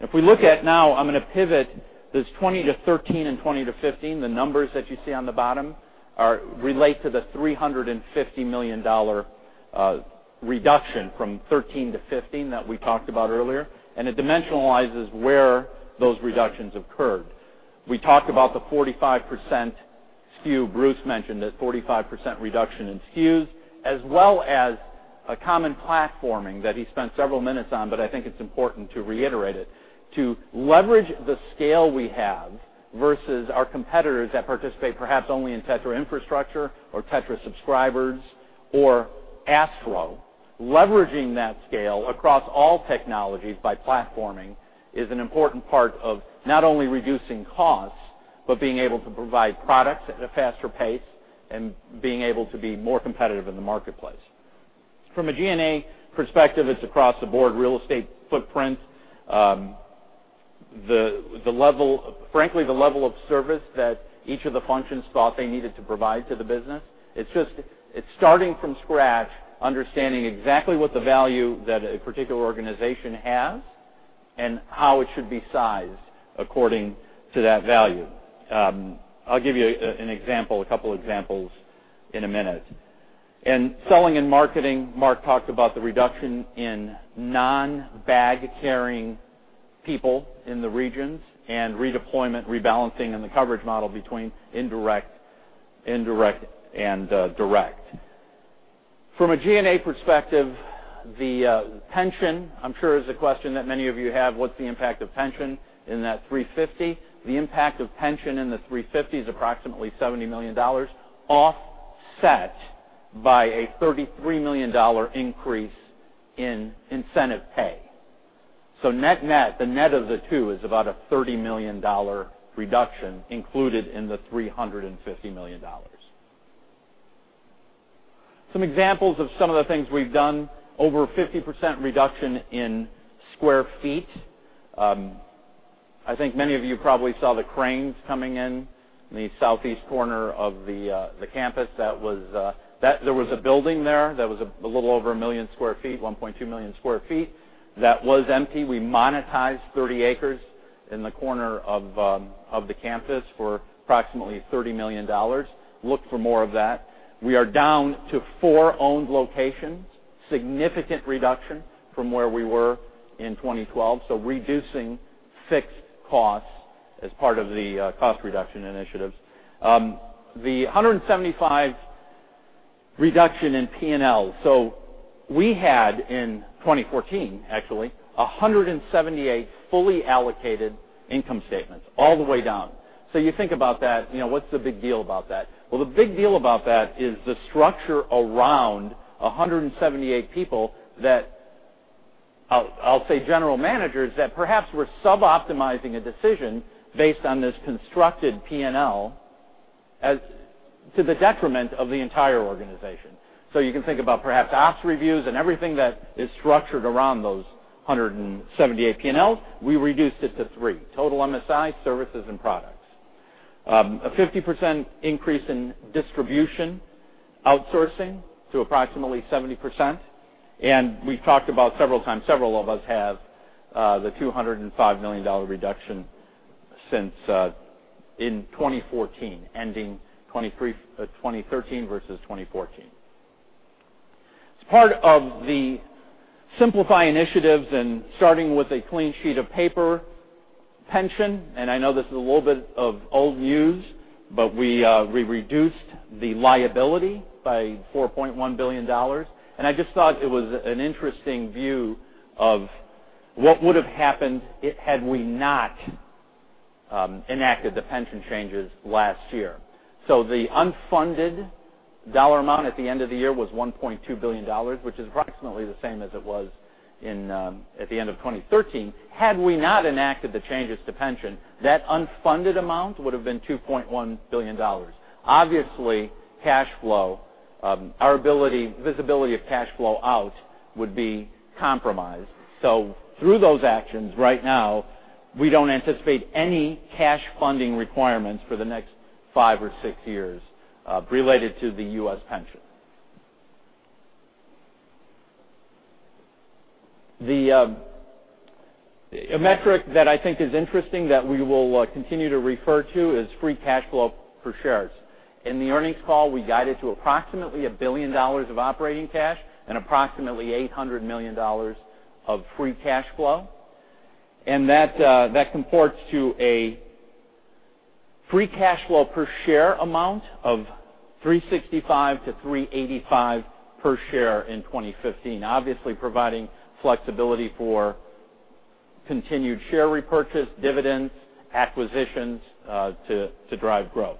O: If we look at now, I'm gonna pivot this 2013 and 2015, the numbers that you see on the bottom are related to the $350 million reduction from 2013 to 2015 that we talked about earlier, and it dimensionalizes where those reductions occurred. We talked about the 45% SKU. Bruce mentioned that 45% reduction in SKUs, as well as a common platforming that he spent several minutes on, but I think it's important to reiterate it. To leverage the scale we have, versus our competitors that participate, perhaps only in TETRA Infrastructure or TETRA subscribers or ASTRO. Leveraging that scale across all technologies by platforming, is an important part of not only reducing costs, but being able to provide products at a faster pace and being able to be more competitive in the marketplace. From a G&A perspective, it's across the board, real estate footprint, the level, frankly, the level of service that each of the functions thought they needed to provide to the business. It's just starting from scratch, understanding exactly what the value that a particular organization has and how it should be sized according to that value. I'll give you an example, a couple examples in a minute. In selling and marketing, Mark talked about the reduction in non-bag carrying people in the regions and redeployment, rebalancing, and the coverage model between indirect and direct. From a G&A perspective, the pension, I'm sure, is a question that many of you have. What's the impact of pension in that 350? The impact of pension in the 350 is approximately $70 million, offset by a $33 million increase in incentive pay. Net-net, the net of the two is about a $30 million reduction included in the $350 million. Some examples of some of the things we've done, over 50% reduction in square feet. I think many of you probably saw the cranes coming in in the southeast corner of the campus. That was there was a building there that was a little over 1 million sq ft, 1.2 million sq ft, that was empty. We monetized 30 acres in the corner of the campus for approximately $30 million. Look for more of that. We are down to 4 owned locations, significant reduction from where we were in 2012, so reducing fixed costs as part of the cost reduction initiatives. The 175 reduction in P&L. We had, in 2014, actually, 178 fully allocated income statements all the way down. You think about that, you know, what's the big deal about that? Well, the big deal about that is the structure around 178 people that.. I'll say general managers, that perhaps were suboptimizing a decision based on this constructed P&L, as to the detriment of the entire organization. You can think about perhaps ops reviews and everything that is structured around those 178 P&Ls, we reduced it to three: total MSI, services, and products. A 50% increase in distribution, outsourcing to approximately 70%, and we've talked about several times, several of us have, the $205 million reduction since, in 2014, ending 2013 versus 2014. As part of the simplify initiatives and starting with a clean sheet of paper, pension, and I know this is a little bit of old news, but we reduced the liability by $4.1 billion. I just thought it was an interesting view of what would have happened had we not enacted the pension changes last year. The unfunded dollar amount at the end of the year was $1.2 billion, which is approximately the same as it was in at the end of 2013. Had we not enacted the changes to pension, that unfunded amount would have been $2.1 billion. Obviously, cash flow, our ability, visibility of cash flow out, would be compromised. Through those actions, right now, we don't anticipate any cash funding requirements for the next five or six years related to the U.S. pension. A metric that I think is interesting that we will continue to refer to is free cash flow per shares. In the earnings call, we guided to approximately $1 billion of operating cash and approximately $800 million of free cash flow. And that comports to a free cash flow per share amount of $3.65-$3.85 per share in 2015. Obviously, providing flexibility for continued share repurchase, dividends, acquisitions, to drive growth.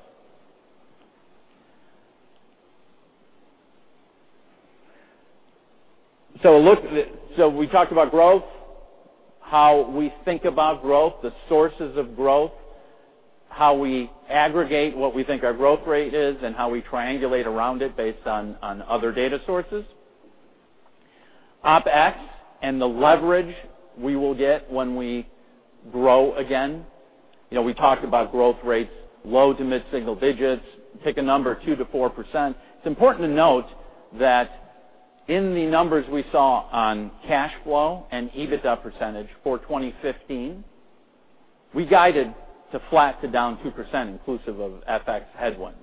O: Look, so we talked about growth, how we think about growth, the sources of growth, how we aggregate what we think our growth rate is, and how we triangulate around it based on other data sources. OpEx and the leverage we will get when we grow again. You know, we talked about growth rates, low to mid-single digits, pick a number, 2%-4%. It's important to note that in the numbers we saw on cash flow and EBITDA percentage for 2015, we guided to flat to down 2% inclusive of FX headwinds,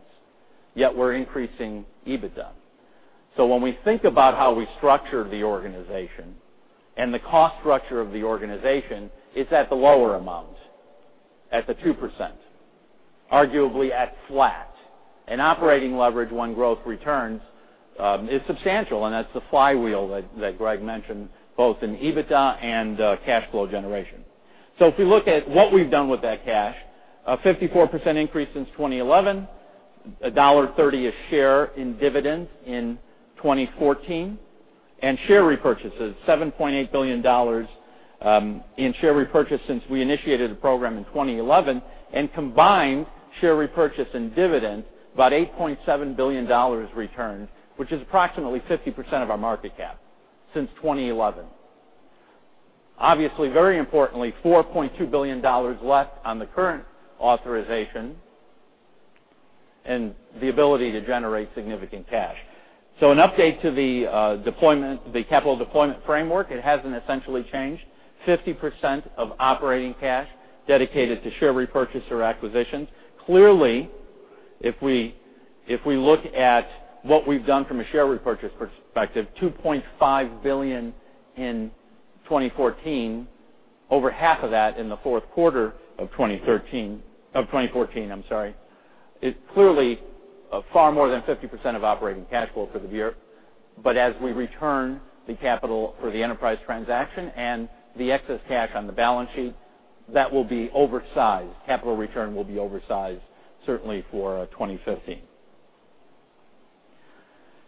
O: yet we're increasing EBITDA. When we think about how we structured the organization and the cost structure of the organization, it's at the lower amount, at the 2%, arguably at flat. And operating leverage when growth returns is substantial, and that's the flywheel that, that Greg mentioned, both in EBITDA and cash flow generation. If we look at what we've done with that cash, a 54% increase since 2011, $1.30 a share in dividends in 2014, and share repurchases, $7.8 billion in share repurchase since we initiated the program in 2011, and combined share repurchase and dividend, about $8.7 billion returned, which is approximately 50% of our market cap since 2011. Obviously, very importantly, $4.2 billion left on the current authorization and the ability to generate significant cash. An update to the deployment, the capital deployment framework, it hasn't essentially changed. 50% of operating cash dedicated to share repurchase or acquisitions. Clearly, if we look at what we've done from a share repurchase perspective, $2.5 billion in 2014, over half of that in the fourth quarter of 2013, of 2014, I'm sorry, is clearly far more than 50% of operating cash flow for the year. But as we return the capital for the enterprise transaction and the excess cash on the balance sheet, that will be oversized. Capital return will be oversized, certainly for 2015.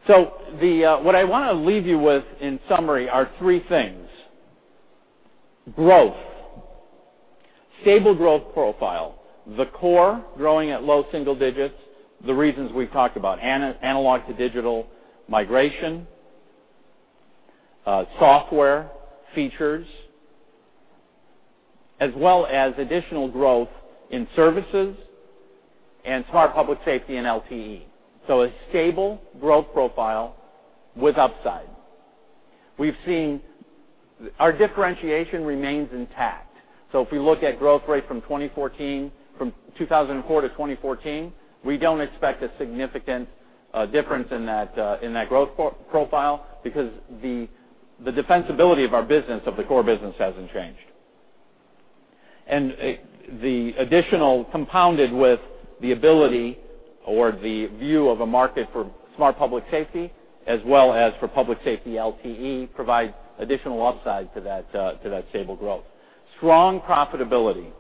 O: What I want to leave you with, in summary, are three things: growth, stable growth profile, the core growing at low single digits, the reasons we've talked about, analog to digital migration, software features, as well as additional growth in services and Smart Public Safety and LTE. A stable growth profile with upside. We've seen our differentiation remains intact. If we look at growth rate from 2014, from 2004 to 2014, we don't expect a significant difference in that growth profile, because the defensibility of our business, of the core business, hasn't changed. The additional, compounded with the ability or the view of a market for Smart Public Safety, as well as for Public Safety LTE, provides additional upside to that stable growth. Strong profitability.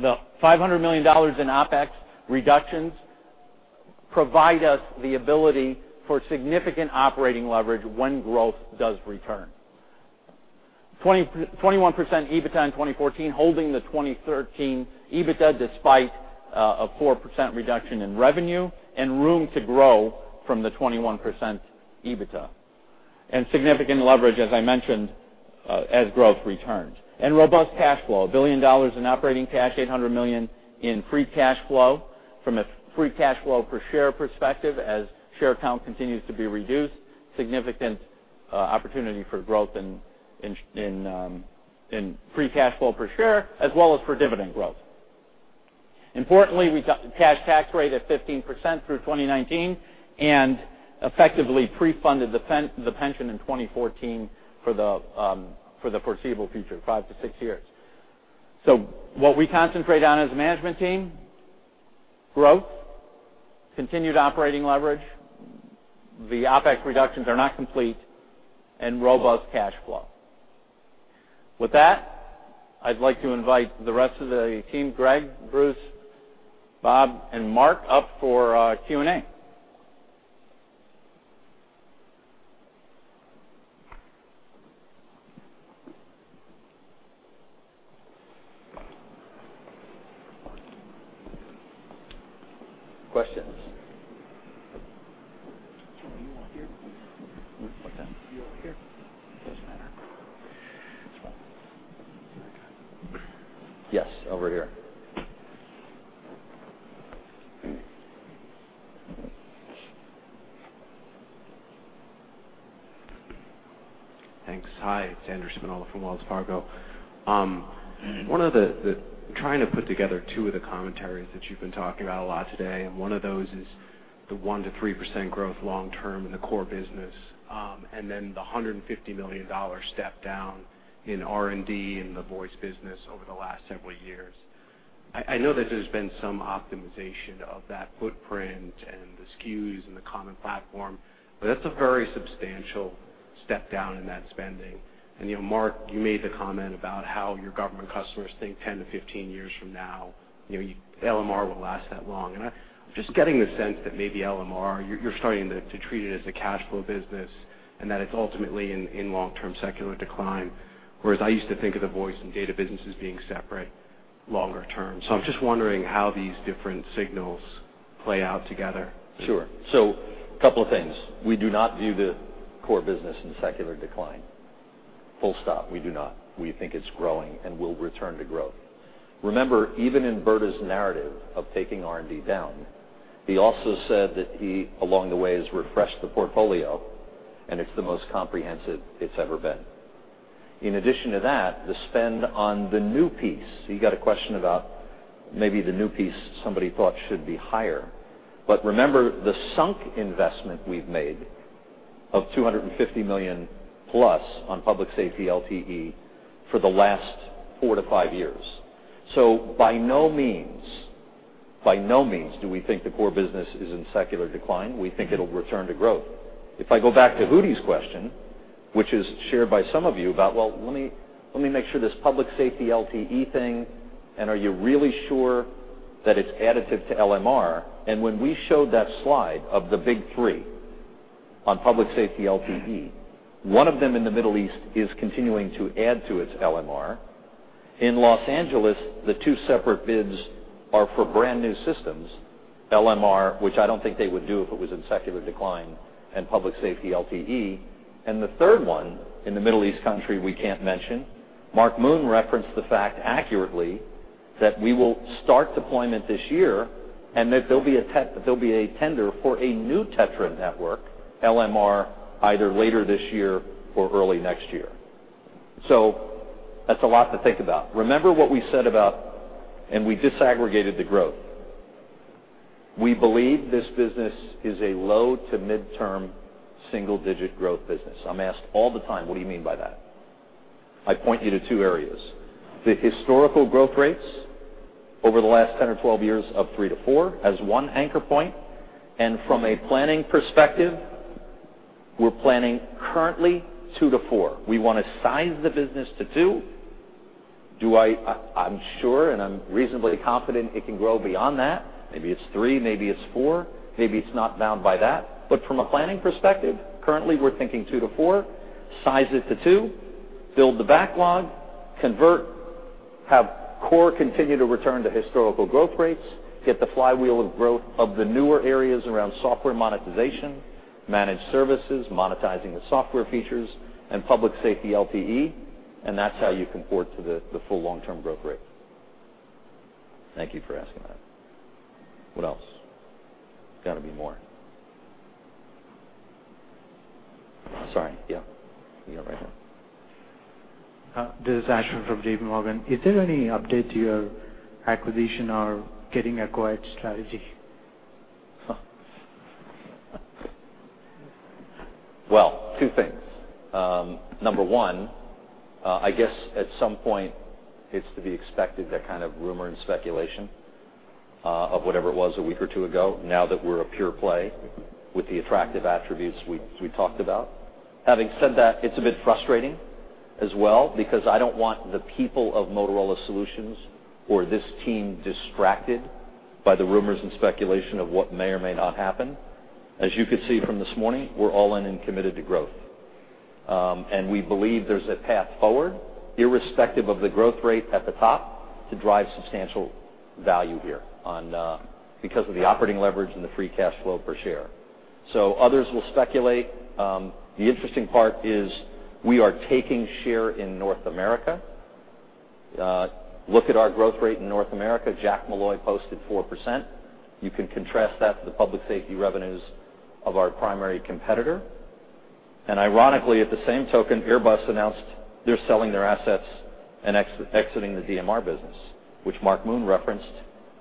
O: The $500 million in OpEx reductions provide us the ability for significant operating leverage when growth does return. 21% EBITDA in 2014, holding the 2013 EBITDA, despite a 4% reduction in revenue and room to grow from the 21% EBITDA, and significant leverage, as I mentioned, as growth returns. Robust cash flow, $1 billion in operating cash, $800 million in free cash flow. From a free cash flow per share perspective, as share count continues to be reduced, significant opportunity for growth in free cash flow per share, as well as for dividend growth. Importantly, we got the cash tax rate at 15% through 2019, and effectively prefunded the pension in 2014 for the foreseeable future, 5-6 years. What we concentrate on as a management team, growth, continued operating leverage, the OpEx reductions are not complete and robust cash flow. With that, I'd like to invite the rest of the team, Greg, Bruce, Bob, and Mark, up for Q&A. Questions?
P: Yes, over here. Thanks. Hi, it's Andrew Spinola from Wells Fargo. I'm trying to put together two of the commentaries that you've been talking about a lot today, and one of those is the 1%-3% growth long-term in the core business, and then the $150 million step down in R&D in the voice business over the last several years. I know that there's been some optimization of that footprint and the SKUs and the common platform, but that's a very substantial step down in that spending. You know, Mark, you made the comment about how your government customers think 10-15 years from now, you know, LMR will last that long. I'm just getting the sense that maybe LMR, you're starting to treat it as a cash flow business and that it's ultimately in long-term secular decline, whereas I used to think of the voice and data businesses being separate longer term. I'm just wondering how these different signals play out together.
D: Sure. A couple of things. We do not view the core business in secular decline. Full stop. We do not. We think it's growing and will return to growth. Remember, even in Brda's narrative of taking R&D down, he also said that he, along the way, has refreshed the portfolio, and it's the most comprehensive it's ever been. In addition to that, the spend on the new piece, you got a question about maybe the new piece somebody thought should be higher. But remember the sunk investment we've made of $250 million plus on public safety LTE for the last 4-5 years. By no means, by no means, do we think the core business is in secular decline. We think it'll return to growth. If I go back to Udi's question, which is shared by some of you about, "Well, let me, let me make sure this public safety LTE thing, and are you really sure that it's additive to LMR?" And when we showed that slide of the big three on public safety LTE, one of them in the Middle East is continuing to add to its LMR. In Los Angeles, the two separate bids are for brand-new systems, LMR, which I don't think they would do if it was in secular decline, and public safety LTE. And the third one, in the Middle East country we can't mention, Mark Moon referenced the fact accurately, that we will start deployment this year and that there'll be a tender for a new TETRA network, LMR, either later this year or early next year. That's a lot to think about. Remember what we said about, and we disaggregated the growth. We believe this business is a low- to mid-term single-digit growth business. I'm asked all the time, what do you mean by that? I point you to two areas, the historical growth rates over the last 10 or 12 years of 3-4 as one anchor point, and from a planning perspective, we're planning currently 2-4. We want to size the business to two. Do I-- I'm sure, and I'm reasonably confident it can grow beyond that. Maybe it's threfour, maybe it's 4, maybe it's not bound by that. But from a planning perspective, currently, we're thinking 2-4, size it to two, build the backlog, convert, have core continue to return to historical growth rates, get the flywheel of growth of the newer areas around software monetization, managed services, monetizing the software features, and public safety LTE, and that's how you comport to the, the full long-term growth rate. Thank you for asking that. What else? There's got to be more. Sorry. Yeah, you right there.
L: This is Ashwin from JP Morgan. Is there any update to your acquisition or getting acquired strategy?
D: Well, two things. Number one, I guess at some point it's to be expected, that kind of rumor and speculation of whatever it was, a week or two ago, now that we're a pure play with the attractive attributes we talked about. Having said that, it's a bit frustrating as well because I don't want the people of Motorola Solutions or this team distracted by the rumors and speculation of what may or may not happen. As you could see from this morning, we're all in and committed to growth. And we believe there's a path forward, irrespective of the growth rate at the top, to drive substantial value here on because of the operating leverage and the free cash flow per share. Others will speculate. The interesting part is we are taking share in North America. Look at our growth rate in North America. Jack Molloy posted 4%. You can contrast that to the public safety revenues of our primary competitor. Ironically, at the same token, Airbus announced they're selling their assets and exiting the DMR business, which Mark Moon referenced,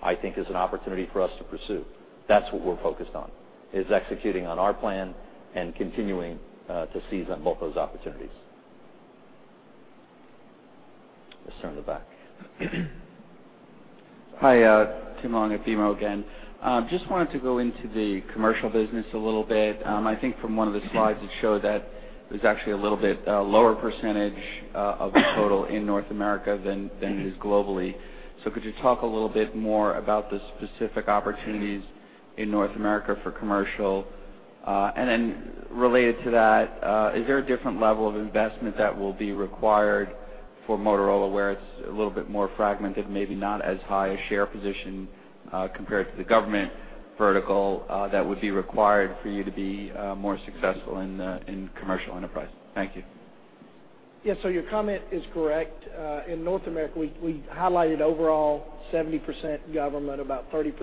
D: I think is an opportunity for us to pursue. That's what we're focused on, is executing on our plan and continuing to seize on both those opportunities. Let's turn to the back.
H: Hi, Tim Long at BMO again. Just wanted to go into the commercial business a little bit. I think from one of the slides, it showed that there's actually a little bit lower percentage of the total in North America than, than it is globally. Could you talk a little bit more about the specific opportunities in North America for commercial? Then related to that, is there a different level of investment that will be required for Motorola, where it's a little bit more fragmented, maybe not as high a share position, compared to the government vertical, that would be required for you to be more successful in the, in commercial enterprise? Thank you.
G: Yes, so your comment is correct. In North America, we highlighted overall 70% government, about 30%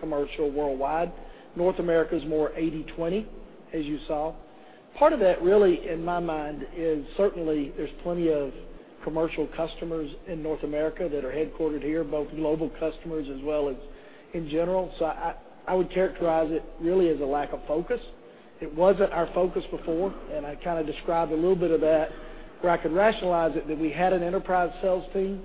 G: commercial worldwide. North America is more 80/20, as you saw. Part of that, really, in my mind, is certainly there's plenty of commercial customers in North America that are headquartered here, both global customers as well as in general. I would characterize it really as a lack of focus. It wasn't our focus before, and I kind of described a little bit of that, where I could rationalize it, that we had an enterprise sales team.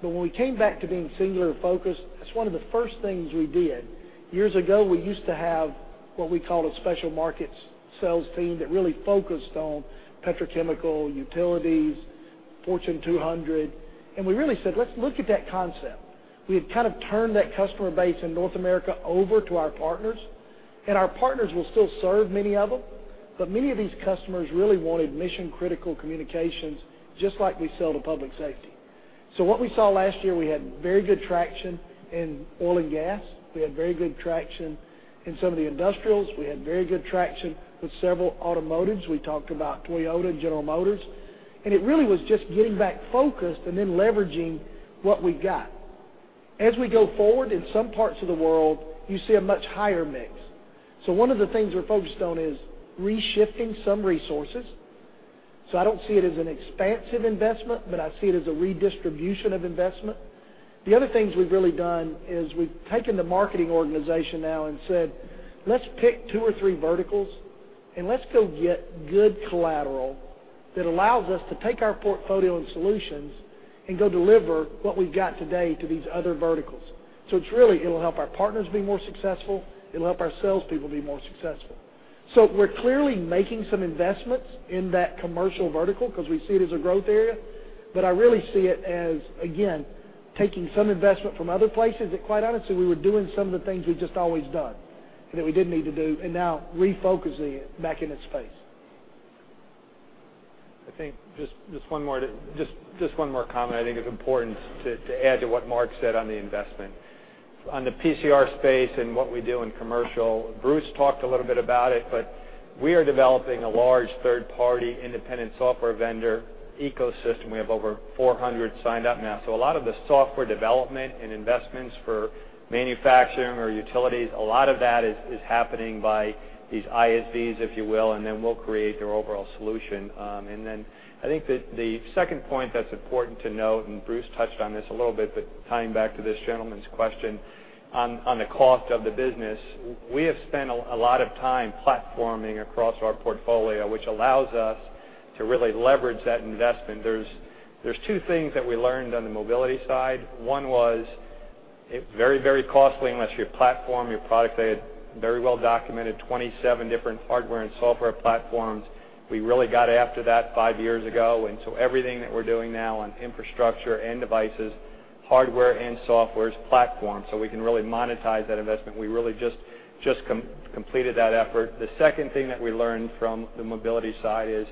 G: But when we came back to being singular-focused, that's one of the first things we did. Years ago, we used to have what we called a special markets sales team that really focused on petrochemical, utilities, Fortune 200, and we really said, "Let's look at that concept." We had kind of turned that customer base in North America over to our partners, and our partners will still serve many of them, but many of these customers really wanted mission-critical communications, just like we sell to public safety. What we saw last year, we had very good traction in oil and gas. We had very good traction in some of the industrials. We had very good traction with several automotives. We talked about Toyota and General Motors, and it really was just getting back focused and then leveraging what we got. As we go forward, in some parts of the world, you see a much higher mix. One of the things we're focused on is re-shifting some resources, so I don't see it as an expansive investment, but I see it as a redistribution of investment. The other things we've really done is we've taken the marketing organization now and said, "Let's pick two or three verticals, and let's go get good collateral that allows us to take our portfolio and solutions and go deliver what we've got today to these other verticals." It's really, it'll help our partners be more successful, it'll help our salespeople be more successful. We're clearly making some investments in that commercial vertical because we see it as a growth area, but I really see it as, again, taking some investment from other places that, quite honestly, we were doing some of the things we've just always done, that we didn't need to do, and now refocusing it back in its space.
F: I think just one more comment I think is important to add to what Mark said on the investment. On the PCR space and what we do in commercial, Bruce talked a little bit about it, but we are developing a large third-party, independent software vendor ecosystem. We have over 400 signed up now. A lot of the software development and investments for manufacturing or utilities, a lot of that is happening by these ISVs, if you will, and then we'll create their overall solution. Then I think that the second point that's important to note, and Bruce touched on this a little bit, but tying back to this gentleman's question on the cost of the business, we have spent a lot of time platforming across our portfolio, which allows us to really leverage that investment. There's two things that we learned on the mobility side. One was it's very, very costly unless you platform your product. They had very well documented 27 different hardware and software platforms. We really got after that five years ago, and so everything that we're doing now on infrastructure and devices, hardware and software, is platform, so we can really monetize that investment. We really just completed that effort. The second thing that we learned from the mobility side is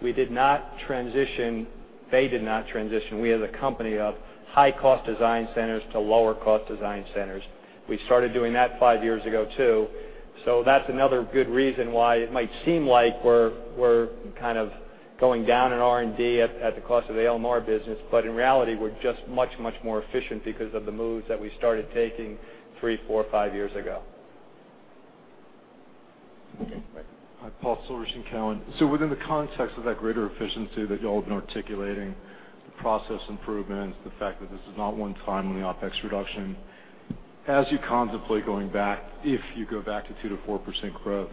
F: we did not transition. They did not transition, we as a company, of high-cost design centers to lower-cost design centers. We started doing that five years ago, too. That's another good reason why it might seem like we're kind of going down in R&D at the cost of the LMR business, but in reality, we're just much, much more efficient because of the moves that we started taking three, four, five years ago.
N: Hi, Paul Silverstein, Cowen. Within the context of that greater efficiency that y'all have been articulating, the process improvements, the fact that this is not one time in the OpEx reduction, as you contemplate going back, if you go back to 2%-4% growth,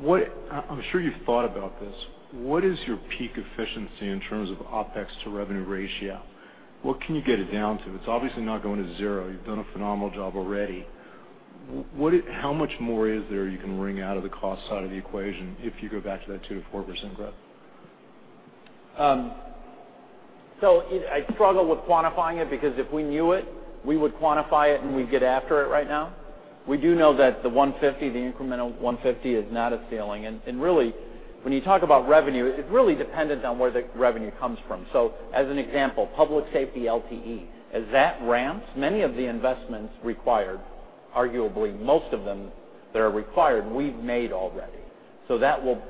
N: what-- I, I'm sure you've thought about this: What is your peak efficiency in terms of OpEx to revenue ratio? What can you get it down to? It's obviously not going to zero. You've done a phenomenal job already. What-- how much more is there you can wring out of the cost side of the equation if you go back to that 2%-4% growth?
E: It-- I struggle with quantifying it, because if we knew it, we would quantify it, and we'd get after it right now. We do know that the $150, the incremental $150, is not a ceiling. And really, when you talk about revenue, it's really dependent on where the revenue comes from. As an example, public safety LTE, as that ramps, many of the investments required, arguably most of them that are required, we've made already. That will.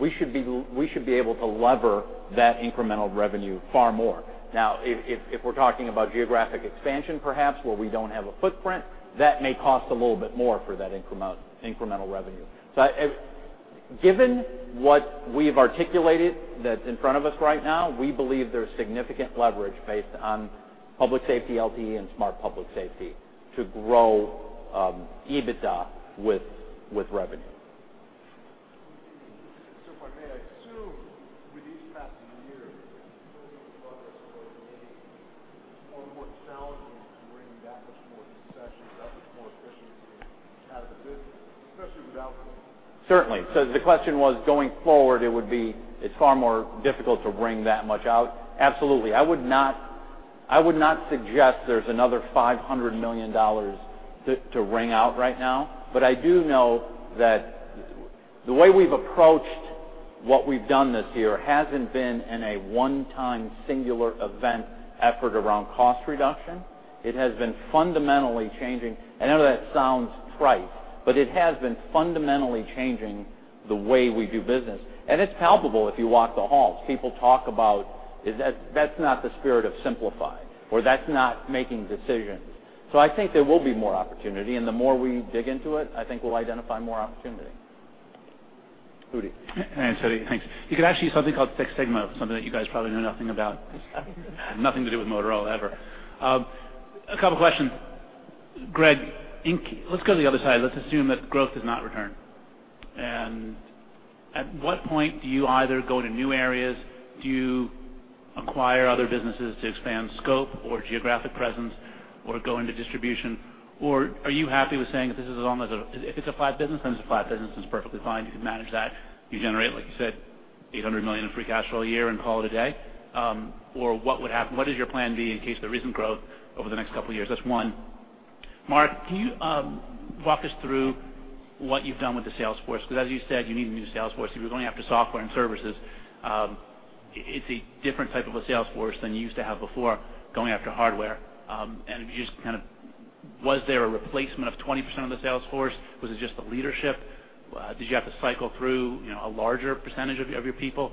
E: We should be able to leverage that incremental revenue far more. Now, if we're talking about geographic expansion, perhaps, where we don't have a footprint, that may cost a little bit more for that incremental revenue. Given what we've articulated that's in front of us right now, we believe there's significant leverage based on public safety, LTE, and Smart Public Safety to grow EBITDA with revenue.
N: If I may, I assume with these past years, progress maybe more challenging to wring that much more concession, that much more efficiency out of the business, especially without--
E: Certainly. The question was, going forward, it would be, it's far more difficult to wring that much out. Absolutely. I would not, I would not suggest there's another $500 million to, to wring out right now. But I do know that the way we've approached what we've done this year hasn't been in a one-time, singular event effort around cost reduction. It has been fundamentally changing. I know that sounds trite, but it has been fundamentally changing the way we do business, and it's palpable if you walk the halls. People talk about is that, "That's not the spirit of simplified," or, "That's not making decisions. I think there will be more opportunity, and the more we dig into it, I think we'll identify more opportunity. Udi.
I: Hi, Udi. Thanks. You could actually something called Six Sigma, something that you guys probably know nothing about. Nothing to do with Motorola ever. A couple questions. Greg, let's go to the other side. Let's assume that growth does not return. At what point do you either go to new areas, do you acquire other businesses to expand scope or geographic presence, or go into distribution? Or are you happy with saying that this is as long as if it's a flat business, then it's a flat business, it's perfectly fine, you can manage that. You generate, like you said, $800 million in free cash flow a year and call it a day. Or what would happen? What is your plan B in case there isn't growth over the next couple of years? That's one. Mark, can you walk us through what you've done with the sales force? Because as you said, you need a new sales force. If you're going after software and services, it's a different type of a sales force than you used to have before going after hardware. If you just kind of was there a replacement of 20% of the sales force? Was it just the leadership? Did you have to cycle through, you know, a larger percentage of your people,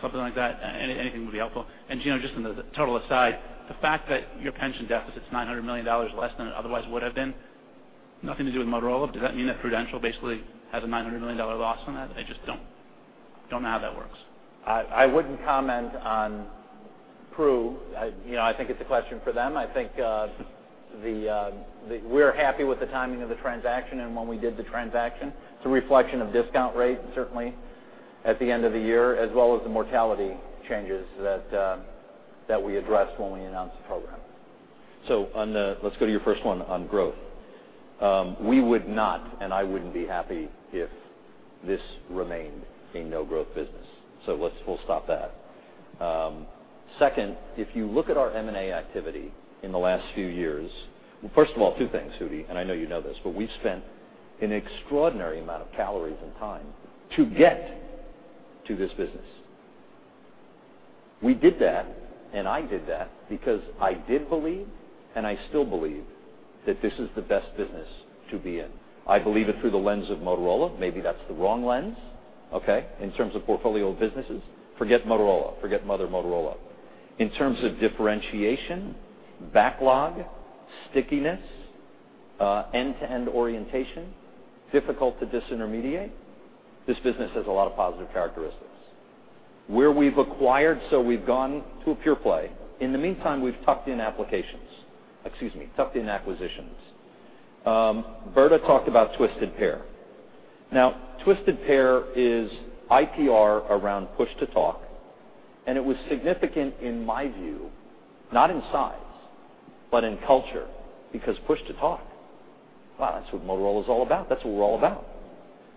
I: something like that? Anything would be helpful. And, you know, just on the total aside, the fact that your pension deficit is $900 million less than it otherwise would have been, nothing to do with Motorola. Does that mean that Prudential basically has a $900 million loss on that? I just don't know how that works.
E: I wouldn't comment on Pru. You know, I think it's a question for them. I think we're happy with the timing of the transaction and when we did the transaction. It's a reflection of discount rate, certainly, at the end of the year, as well as the mortality changes that we addressed when we announced the program.
D: On the-- Let's go to your first one on growth. We would not, and I wouldn't be happy if this remained a no-growth business. Let's - we'll stop that. Second, if you look at our M&A activity in the last few years, first of all, two things, Udi, and I know you know this, but we spent an extraordinary amount of calories and time to get to this business. We did that, and I did that because I did believe, and I still believe, that this is the best business to be in. I believe it through the lens of Motorola. Maybe that's the wrong lens, okay, in terms of portfolio of businesses. Forget Motorola, forget Mother Motorola. In terms of differentiation, backlog, stickiness, end-to-end orientation, difficult to disintermediate, this business has a lot of positive characteristics. Where we've acquired, so we've gone to a pure play. In the meantime, we've tucked in applications, excuse me, tucked in acquisitions. Brda talked about Twisted Pair. Now, Twisted Pair is IPR around push-to-talk, and it was significant, in my view, not in size, but in culture, because push-to-talk, wow, that's what Motorola is all about. That's what we're all about.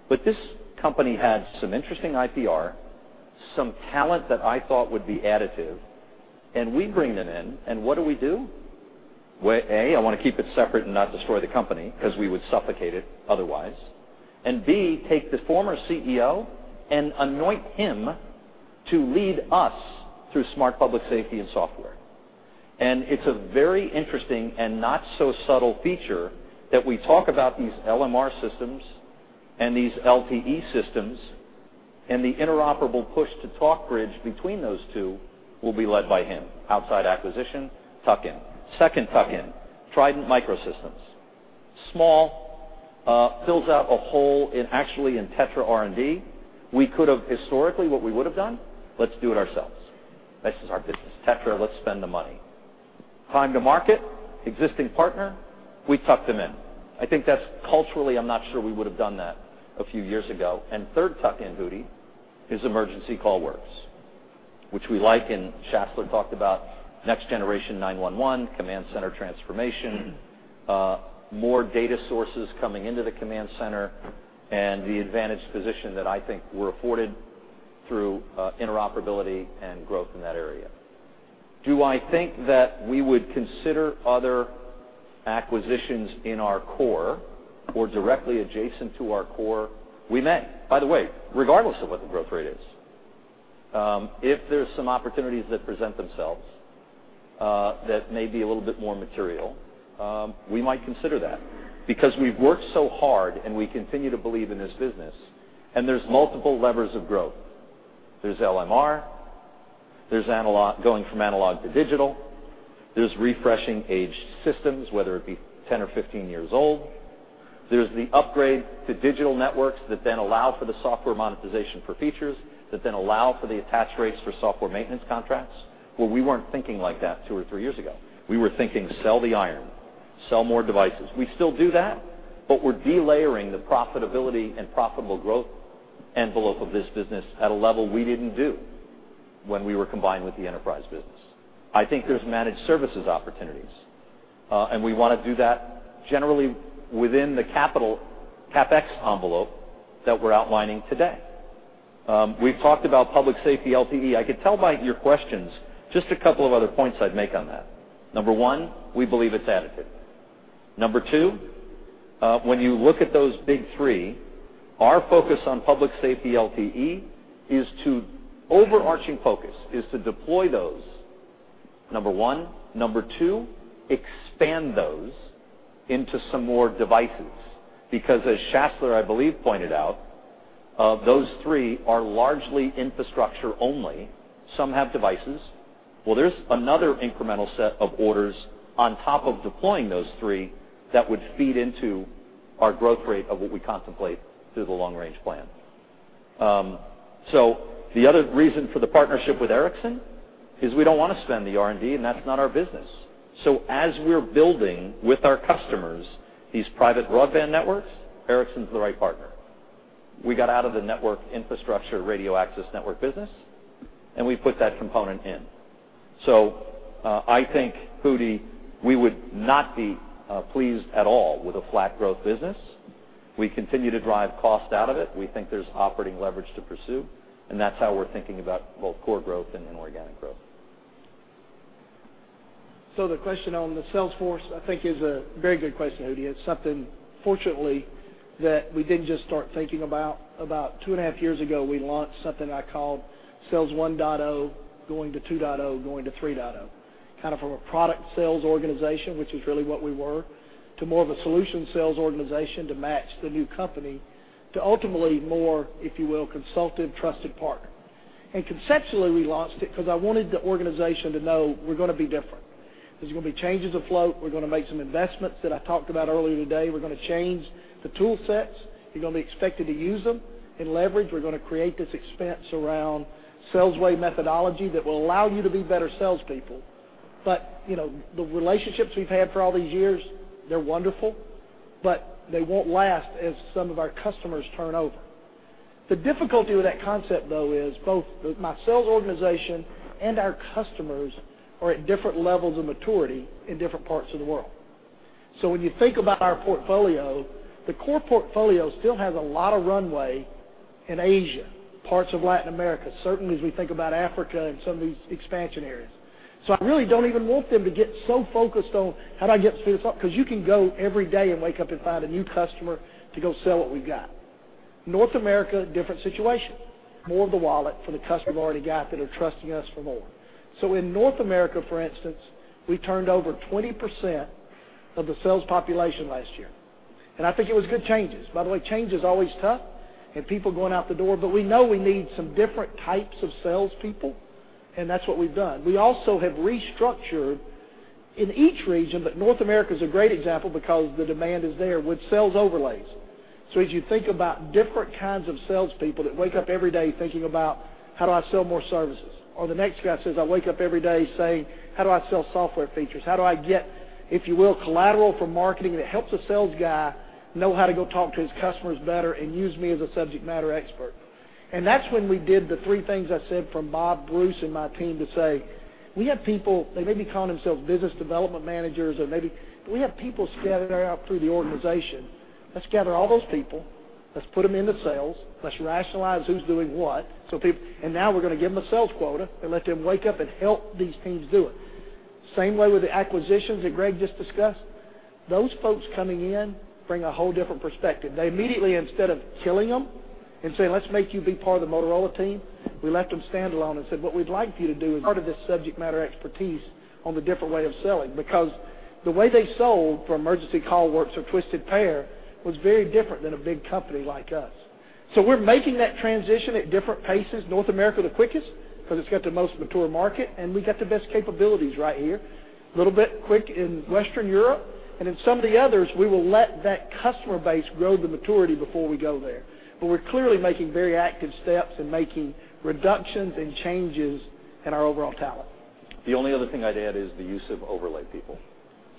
D: But this company had some interesting IPR, some talent that I thought would be additive, and we bring them in, and what do we do? Well, A, I want to keep it separate and not destroy the company because we would suffocate it otherwise. And B, take the former CEO and anoint him to lead us through Smart Public Safety and software. It's a very interesting and not so subtle feature that we talk about these LMR systems and these LTE systems, and the interoperable push-to-talk bridge between those two will be led by him. Outside acquisition, tuck in. Second tuck in, Trident Micro Systems. Small, builds out a hole in, actually, in TETRA R&D. We could have, historically, what we would have done, let's do it ourselves. This is our business, TETRA, let's spend the money. Time to market, existing partner, we tucked them in. I think that's culturally, I'm not sure we would have done that a few years ago. Third, tuck in, Udi, is Emergency CallWorks, which we like, and Schassler talked about Next Generation 9-1-1, command center transformation, more data sources coming into the command center, and the advantage position that I think we're afforded through interoperability and growth in that area. Do I think that we would consider other acquisitions in our core or directly adjacent to our core? We may. By the way, regardless of what the growth rate is, if there's some opportunities that present themselves, that may be a little bit more material, we might consider that because we've worked so hard and we continue to believe in this business, and there's multiple levers of growth. There's LMR, there's analog- going from analog to digital, there's refreshing aged systems, whether it be 10 or 15 years old, there's the upgrade to digital networks that then allow for the software monetization for features, that then allow for the attach rates for software maintenance contracts, where we weren't thinking like that two or three years ago. We were thinking, sell the iron, sell more devices. We still do that, but we're delayering the profitability and profitable growth envelope of this business at a level we didn't do when we were combined with the enterprise business. I think there's managed services opportunities, and we want to do that generally within the capital- CapEx envelope that we're outlining today. We've talked about public safety, LTE. I could tell by your questions just a couple of other points I'd make on that. Number one, we believe it's additive. Number two, when you look at those big three, our focus on public safety, LTE, is to, overarching focus, is to deploy those, number one. Number two, expand those into some more devices, because as Schassler, I believe, pointed out, those three are largely infrastructure only. Some have devices. Well, there's another incremental set of orders on top of deploying those three that would feed into our growth rate of what we contemplate through the long-range plan. The other reason for the partnership with Ericsson is we don't wanna spend the R&D, and that's not our business. As we're building with our customers, these private broadband networks, Ericsson's the right partner. We got out of the network infrastructure, Radio Access Network business, and we put that component in. I think, Udi, we would not be pleased at all with a flat growth business. We continue to drive cost out of it. We think there's operating leverage to pursue, and that's how we're thinking about both core growth and inorganic growth.
G: The question on the salesforce, I think, is a very good question, Udi. It's something, fortunately, that we didn't just start thinking about. About 2.5 years ago, we launched something I called Sales 1.0, going to 2.0, going to 3.0, kind of from a product sales organization, which is really what we were, to more of a solution sales organization to match the new company, to ultimately more, if you will, consultant, trusted partner. Conceptually, we launched it because I wanted the organization to know we're gonna be different. There's gonna be changes afloat. We're gonna make some investments that I talked about earlier today. We're gonna change the tool sets. You're gonna be expected to use them and leverage. We're gonna create this expense around Sales Way methodology that will allow you to be better salespeople. But, you know, the relationships we've had for all these years, they're wonderful, but they won't last as some of our customers turn over. The difficulty with that concept, though, is both my sales organization and our customers are at different levels of maturity in different parts of the world. When you think about our portfolio, the core portfolio still has a lot of runway in Asia, parts of Latin America, certainly as we think about Africa and some of these expansion areas. I really don't even want them to get so focused on, "How do I get through this?" 'Cause you can go every day and wake up and find a new customer to go sell what we've got. North America, different situation. More of the wallet for the customer we've already got that are trusting us for more. In North America, for instance, we turned over 20% of the sales population last year, and I think it was good changes. By the way, change is always tough and people going out the door, but we know we need some different types of salespeople, and that's what we've done. We also have restructured in each region, but North America is a great example because the demand is there with sales overlays. As you think about different kinds of salespeople that wake up every day thinking about, "How do I sell more services?" Or the next guy says, "I wake up every day saying, 'How do I sell software features? How do I get, if you will, collateral from marketing that helps a sales guy know how to go talk to his customers better and use me as a subject matter expert?" And that's when we did the three things I said from Bob, Bruce, and my team to say, "We have people, they may be calling themselves business development managers," or maybe, "Do we have people scattered out through the organization?" Let's gather all those people. Let's put them into sales. Let's rationalize who's doing what, so people-- Now we're gonna give them a sales quota and let them wake up and help these teams do it." Same way with the acquisitions that Greg just discussed. Those folks coming in bring a whole different perspective. They immediately, instead of killing them and saying, "Let's make you be part of the Motorola team," we let them stand alone and said, "What we'd like you to do is part of this subject matter expertise on the different way of selling," because the way they sold for Emergency CallWorks or Twisted Pair was very different than a big company like us. We're making that transition at different paces. North America, the quickest, because it's got the most mature market, and we've got the best capabilities right here. A little bit quick in Western Europe, and in some of the others, we will let that customer base grow the maturity before we go there. But we're clearly making very active steps and making reductions and changes in our overall talent.
D: The only other thing I'd add is the use of overlay people.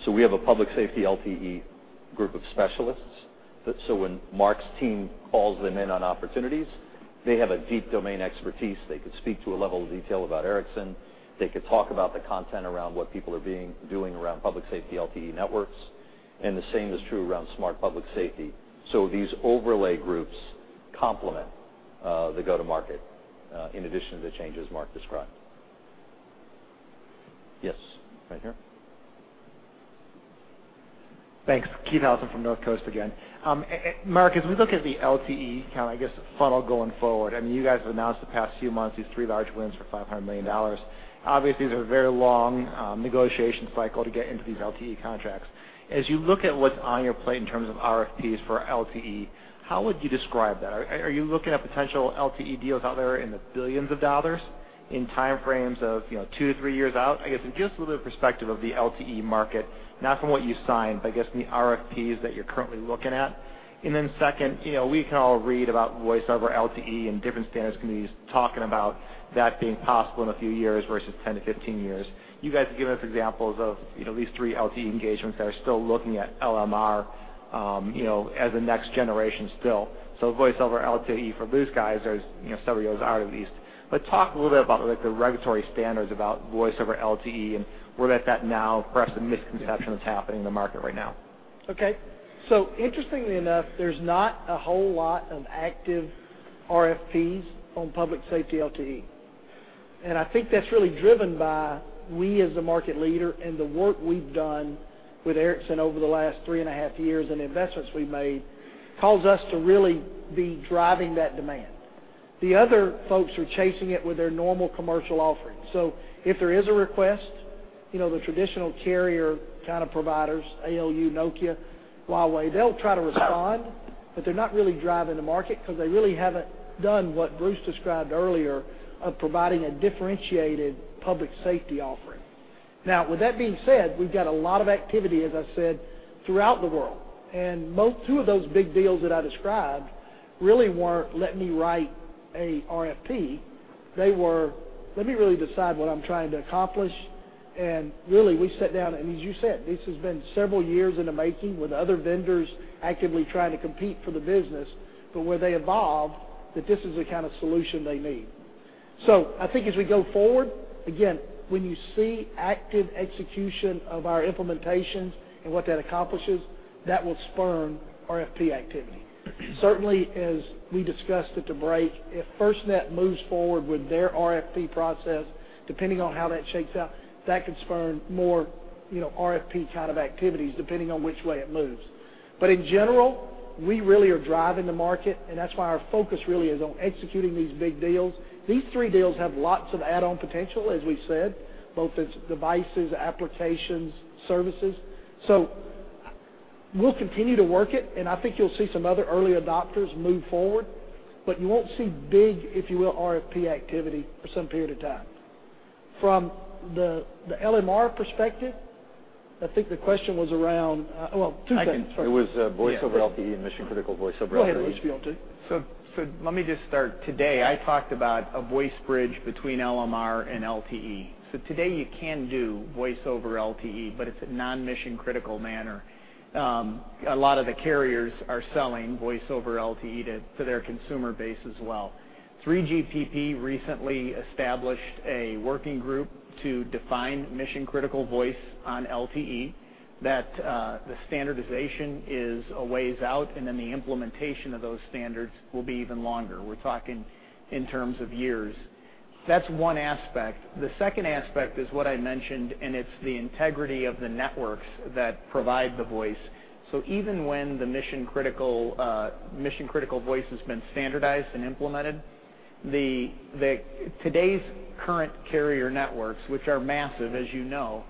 D: We have a public safety LTE group of specialists, that when Mark's team calls them in on opportunities, they have a deep domain expertise. They could speak to a level of detail about Ericsson. They could talk about the content around what people are doing around public safety LTE networks, and the same is true around smart public safety. These overlay groups complement the go-to-market in addition to the changes Mark described. Yes, right here.
J: Thanks. Keith Housum from North Coast Research again. Mark, as we look at the LTE, kind of, I guess, funnel going forward, I mean, you guys have announced the past few months, these 3 large wins for $500 million. Obviously, these are very long negotiation cycle to get into these LTE contracts. As you look at what's on your plate in terms of RFPs for LTE, how would you describe that? Are you looking at potential LTE deals out there in the $ billions in time frames of, you know, two, three years out? I guess, in just a little bit of perspective of the LTE market, not from what you signed, but I guess, the RFPs that you're currently looking at. Then second, you know, we can all read about voice over LTE and different standards committees talking about that being possible in a few years versus 10-15 years. You guys have given us examples of, you know, at least three LTE engagements that are still looking at LMR, you know, as a next generation still. Voice over LTE for these guys, there's, you know, several years out, at least. But talk a little bit about, like, the regulatory standards about voice over LTE and where that's at now, perhaps the misconception that's happening in the market right now.
G: Okay. Interestingly enough, there's not a whole lot of active RFPs on public safety LTE. I think that's really driven by we, as the market leader, and the work we've done with Ericsson over the last 3.5 years, and the investments we've made, calls us to really be driving that demand. The other folks are chasing it with their normal commercial offerings. If there is a request, you know, the traditional carrier kind of providers, ALU, Nokia, Huawei, they'll try to respond, but they're not really driving the market because they really haven't done what Bruce described earlier of providing a differentiated public safety offering. Now, with that being said, we've got a lot of activity, as I said, throughout the world, and two of those big deals that I described really weren't, "Let me write a RFP," they were, "Let me really decide what I'm trying to accomplish." Really, we sat down, and as you said, this has been several years in the making, with other vendors actively trying to compete for the business, but where they evolved, that this is the kind of solution they need. I think as we go forward, again, when you see active execution of our implementations and what that accomplishes, that will spur RFP activity. Certainly, as we discussed at the break, if FirstNet moves forward with their RFP process, depending on how that shakes out, that could spur more, you know, RFP kind of activities, depending on which way it moves. But in general, we really are driving the market, and that's why our focus really is on executing these big deals. These three deals have lots of add-on potential, as we said, both as devices, applications, services. We'll continue to work it, and I think you'll see some other early adopters move forward, but you won't see big, if you will, RFP activity for some period of time. From the, the LMR perspective, I think the question was around- well, two things--
E: I can--
D: It was, voice over LTE and mission-critical voice over LTE.
G: Go ahead, if you want to.
E: Let me just start. Today, I talked about a voice bridge between LMR and LTE. Today, you can do voice over LTE, but it's a non-mission-critical manner. A lot of the carriers are selling voice over LTE to their consumer base as well. 3GPP recently established a working group to define mission-critical voice on LTE, that the standardization is a ways out, and then the implementation of those standards will be even longer. We're talking in terms of years. That's one aspect. The second aspect is what I mentioned, and it's the integrity of the networks that provide the voice. Even when the mission-critical voice has been standardized and implemented, today's current carrier networks, which are massive, as you know,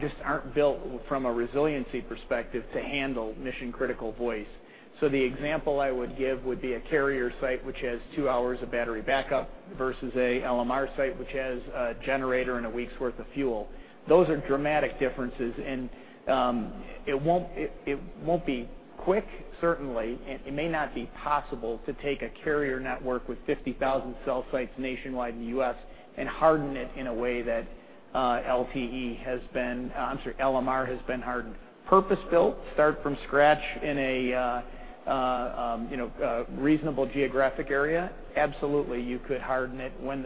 E: just aren't built from a resiliency perspective to handle mission-critical voice. The example I would give would be a carrier site, which has two hours of battery backup versus a LMR site, which has a generator and a week's worth of fuel. Those are dramatic differences, and it won't be quick, certainly, and it may not be possible to take a carrier network with 50,000 cell sites nationwide in the U.S. and harden it in a way that LTE has been. I'm sorry, LMR has been hardened. Purpose-built, start from scratch in a, you know, a reasonable geographic area, absolutely, you could harden it. When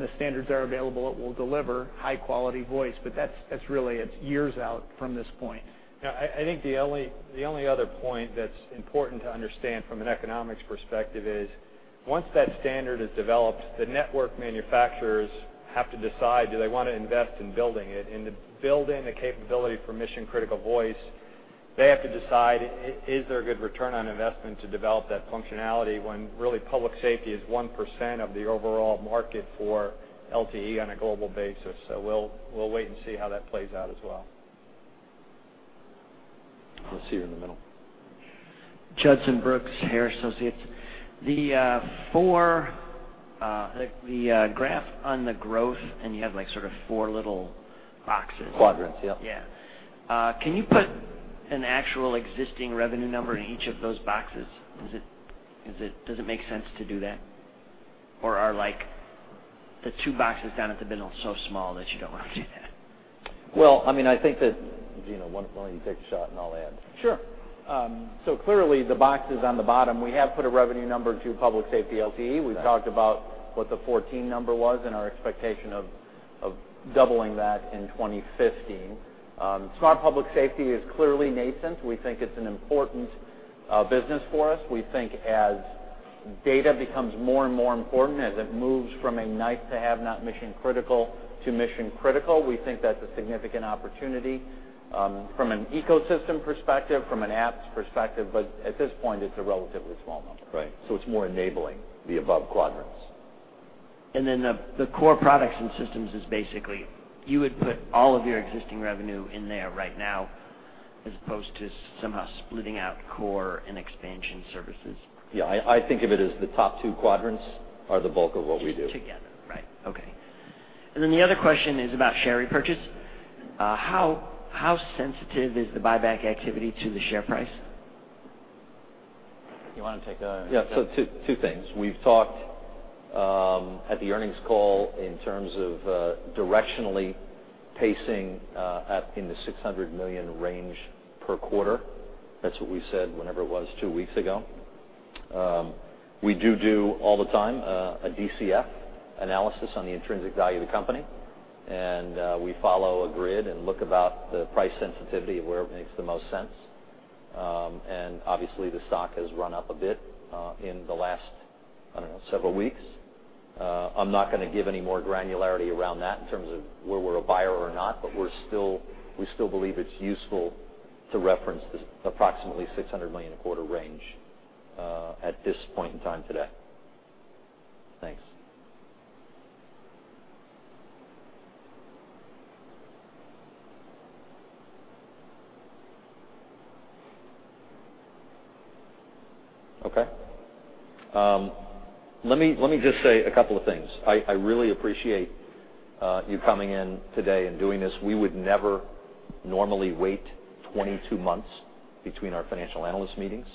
E: the standards are available, it will deliver high-quality voice, but that's really, it's years out from this point.
D: Yeah, I think the only other point that's important to understand from an economics perspective is, once that standard is developed, the network manufacturers have to decide, do they want to invest in building it? And to build in the capability for mission-critical voice, they have to decide, is there a good return on investment to develop that functionality when, really, public safety is 1% of the overall market for LTE on a global basis. We'll wait and see how that plays out as well. I see you in the middle.
Q: Judson Brooks, Harris Associates. The four, the graph on the growth, and you have, like, sort of four little boxes.
D: Quadrants, yeah.
Q: Yeah. Can you put an actual existing revenue number in each of those boxes? Is it? Does it make sense to do that? Or are, like, the two boxes down at the middle so small that you don't want to do that?
D: Well, I mean, I think that, Gino, why don't you take a shot, and I'll add.
O: Sure. Clearly, the boxes on the bottom, we have put a revenue number to public safety LTE.
D: Right.
O: We've talked about what the 14 number was and our expectation of doubling that in 2015. Smart Public Safety is clearly nascent. We think it's an important business for us. We think as data becomes more and more important, as it moves from a nice-to-have, not mission-critical, to mission-critical, we think that's a significant opportunity, from an ecosystem perspective, from an apps perspective, but at this point, it's a relatively small number.
D: Right. It's more enabling the above quadrants.
Q: Then the core products and systems is basically, you would put all of your existing revenue in there right now, as opposed to somehow splitting out core and expansion services.
D: Yeah, I think of it as the top two quadrants are the bulk of what we do.
Q: Together. Right. Okay. Then the other question is about share repurchase. How sensitive is the buyback activity to the share price?
O: You want to take that?
D: Yeah. Two things. We've talked at the earnings call in terms of directionally pacing at in the $600 million range per quarter. That's what we said whenever it was, two weeks ago. We do all the time a DCF analysis on the intrinsic value of the company, and we follow a grid and look about the price sensitivity of where it makes the most sense. Obviously, the stock has run up a bit in the last, I don't know, several weeks. I'm not gonna give any more granularity around that in terms of where we're a buyer or not, but we're still we still believe it's useful to reference this approximately $600 million a quarter range at this point in time today. Thanks. Okay. Let me just say a couple of things. I really appreciate you coming in today and doing this. We would never normally wait 22 months between our financial analyst meetings.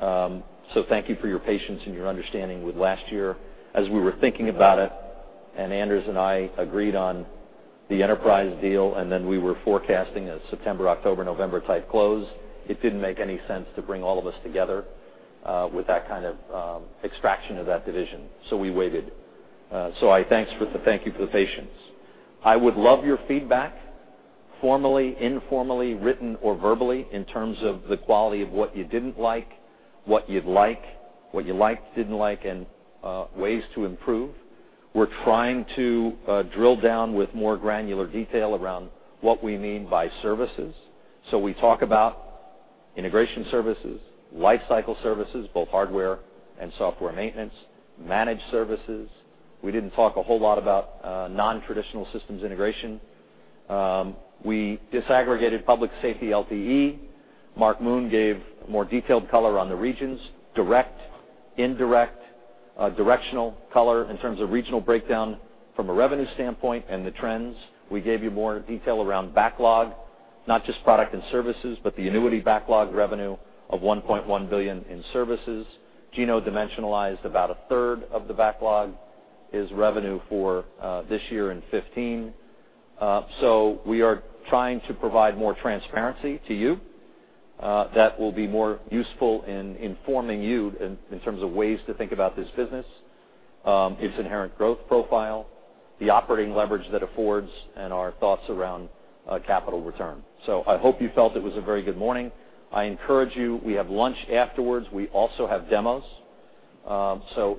D: Thank you for your patience and your understanding with last year. As we were thinking about it, and Anders and I agreed on the enterprise deal, and then we were forecasting a September, October, November type close, it didn't make any sense to bring all of us together, with that kind of extraction of that division, so we waited. Thank you for the patience. I would love your feedback, formally, informally, written or verbally, in terms of the quality of what you didn't like, what you'd like, what you liked, didn't like, and ways to improve. We're trying to drill down with more granular detail around what we mean by services. We talk about integration services, lifecycle services, both hardware and software maintenance, managed services. We didn't talk a whole lot about nontraditional systems integration. We disaggregated public safety LTE. Mark Moon gave more detailed color on the regions, direct, indirect, directional color in terms of regional breakdown from a revenue standpoint and the trends. We gave you more detail around backlog, not just product and services, but the annuity backlog revenue of $1.1 billion in services. Gino dimensionalized about a third of the backlog is revenue for this year in 2015. We are trying to provide more transparency to you that will be more useful in informing you in terms of ways to think about this business, its inherent growth profile, the operating leverage that affords, and our thoughts around capital return. I hope you felt it was a very good morning. I encourage you, we have lunch afterwards. We also have demos.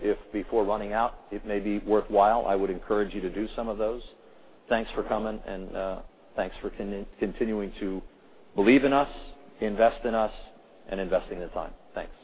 D: If before running out, it may be worthwhile, I would encourage you to do some of those. Thanks for coming, and thanks for continuing to believe in us, invest in us, and investing the time. Thanks.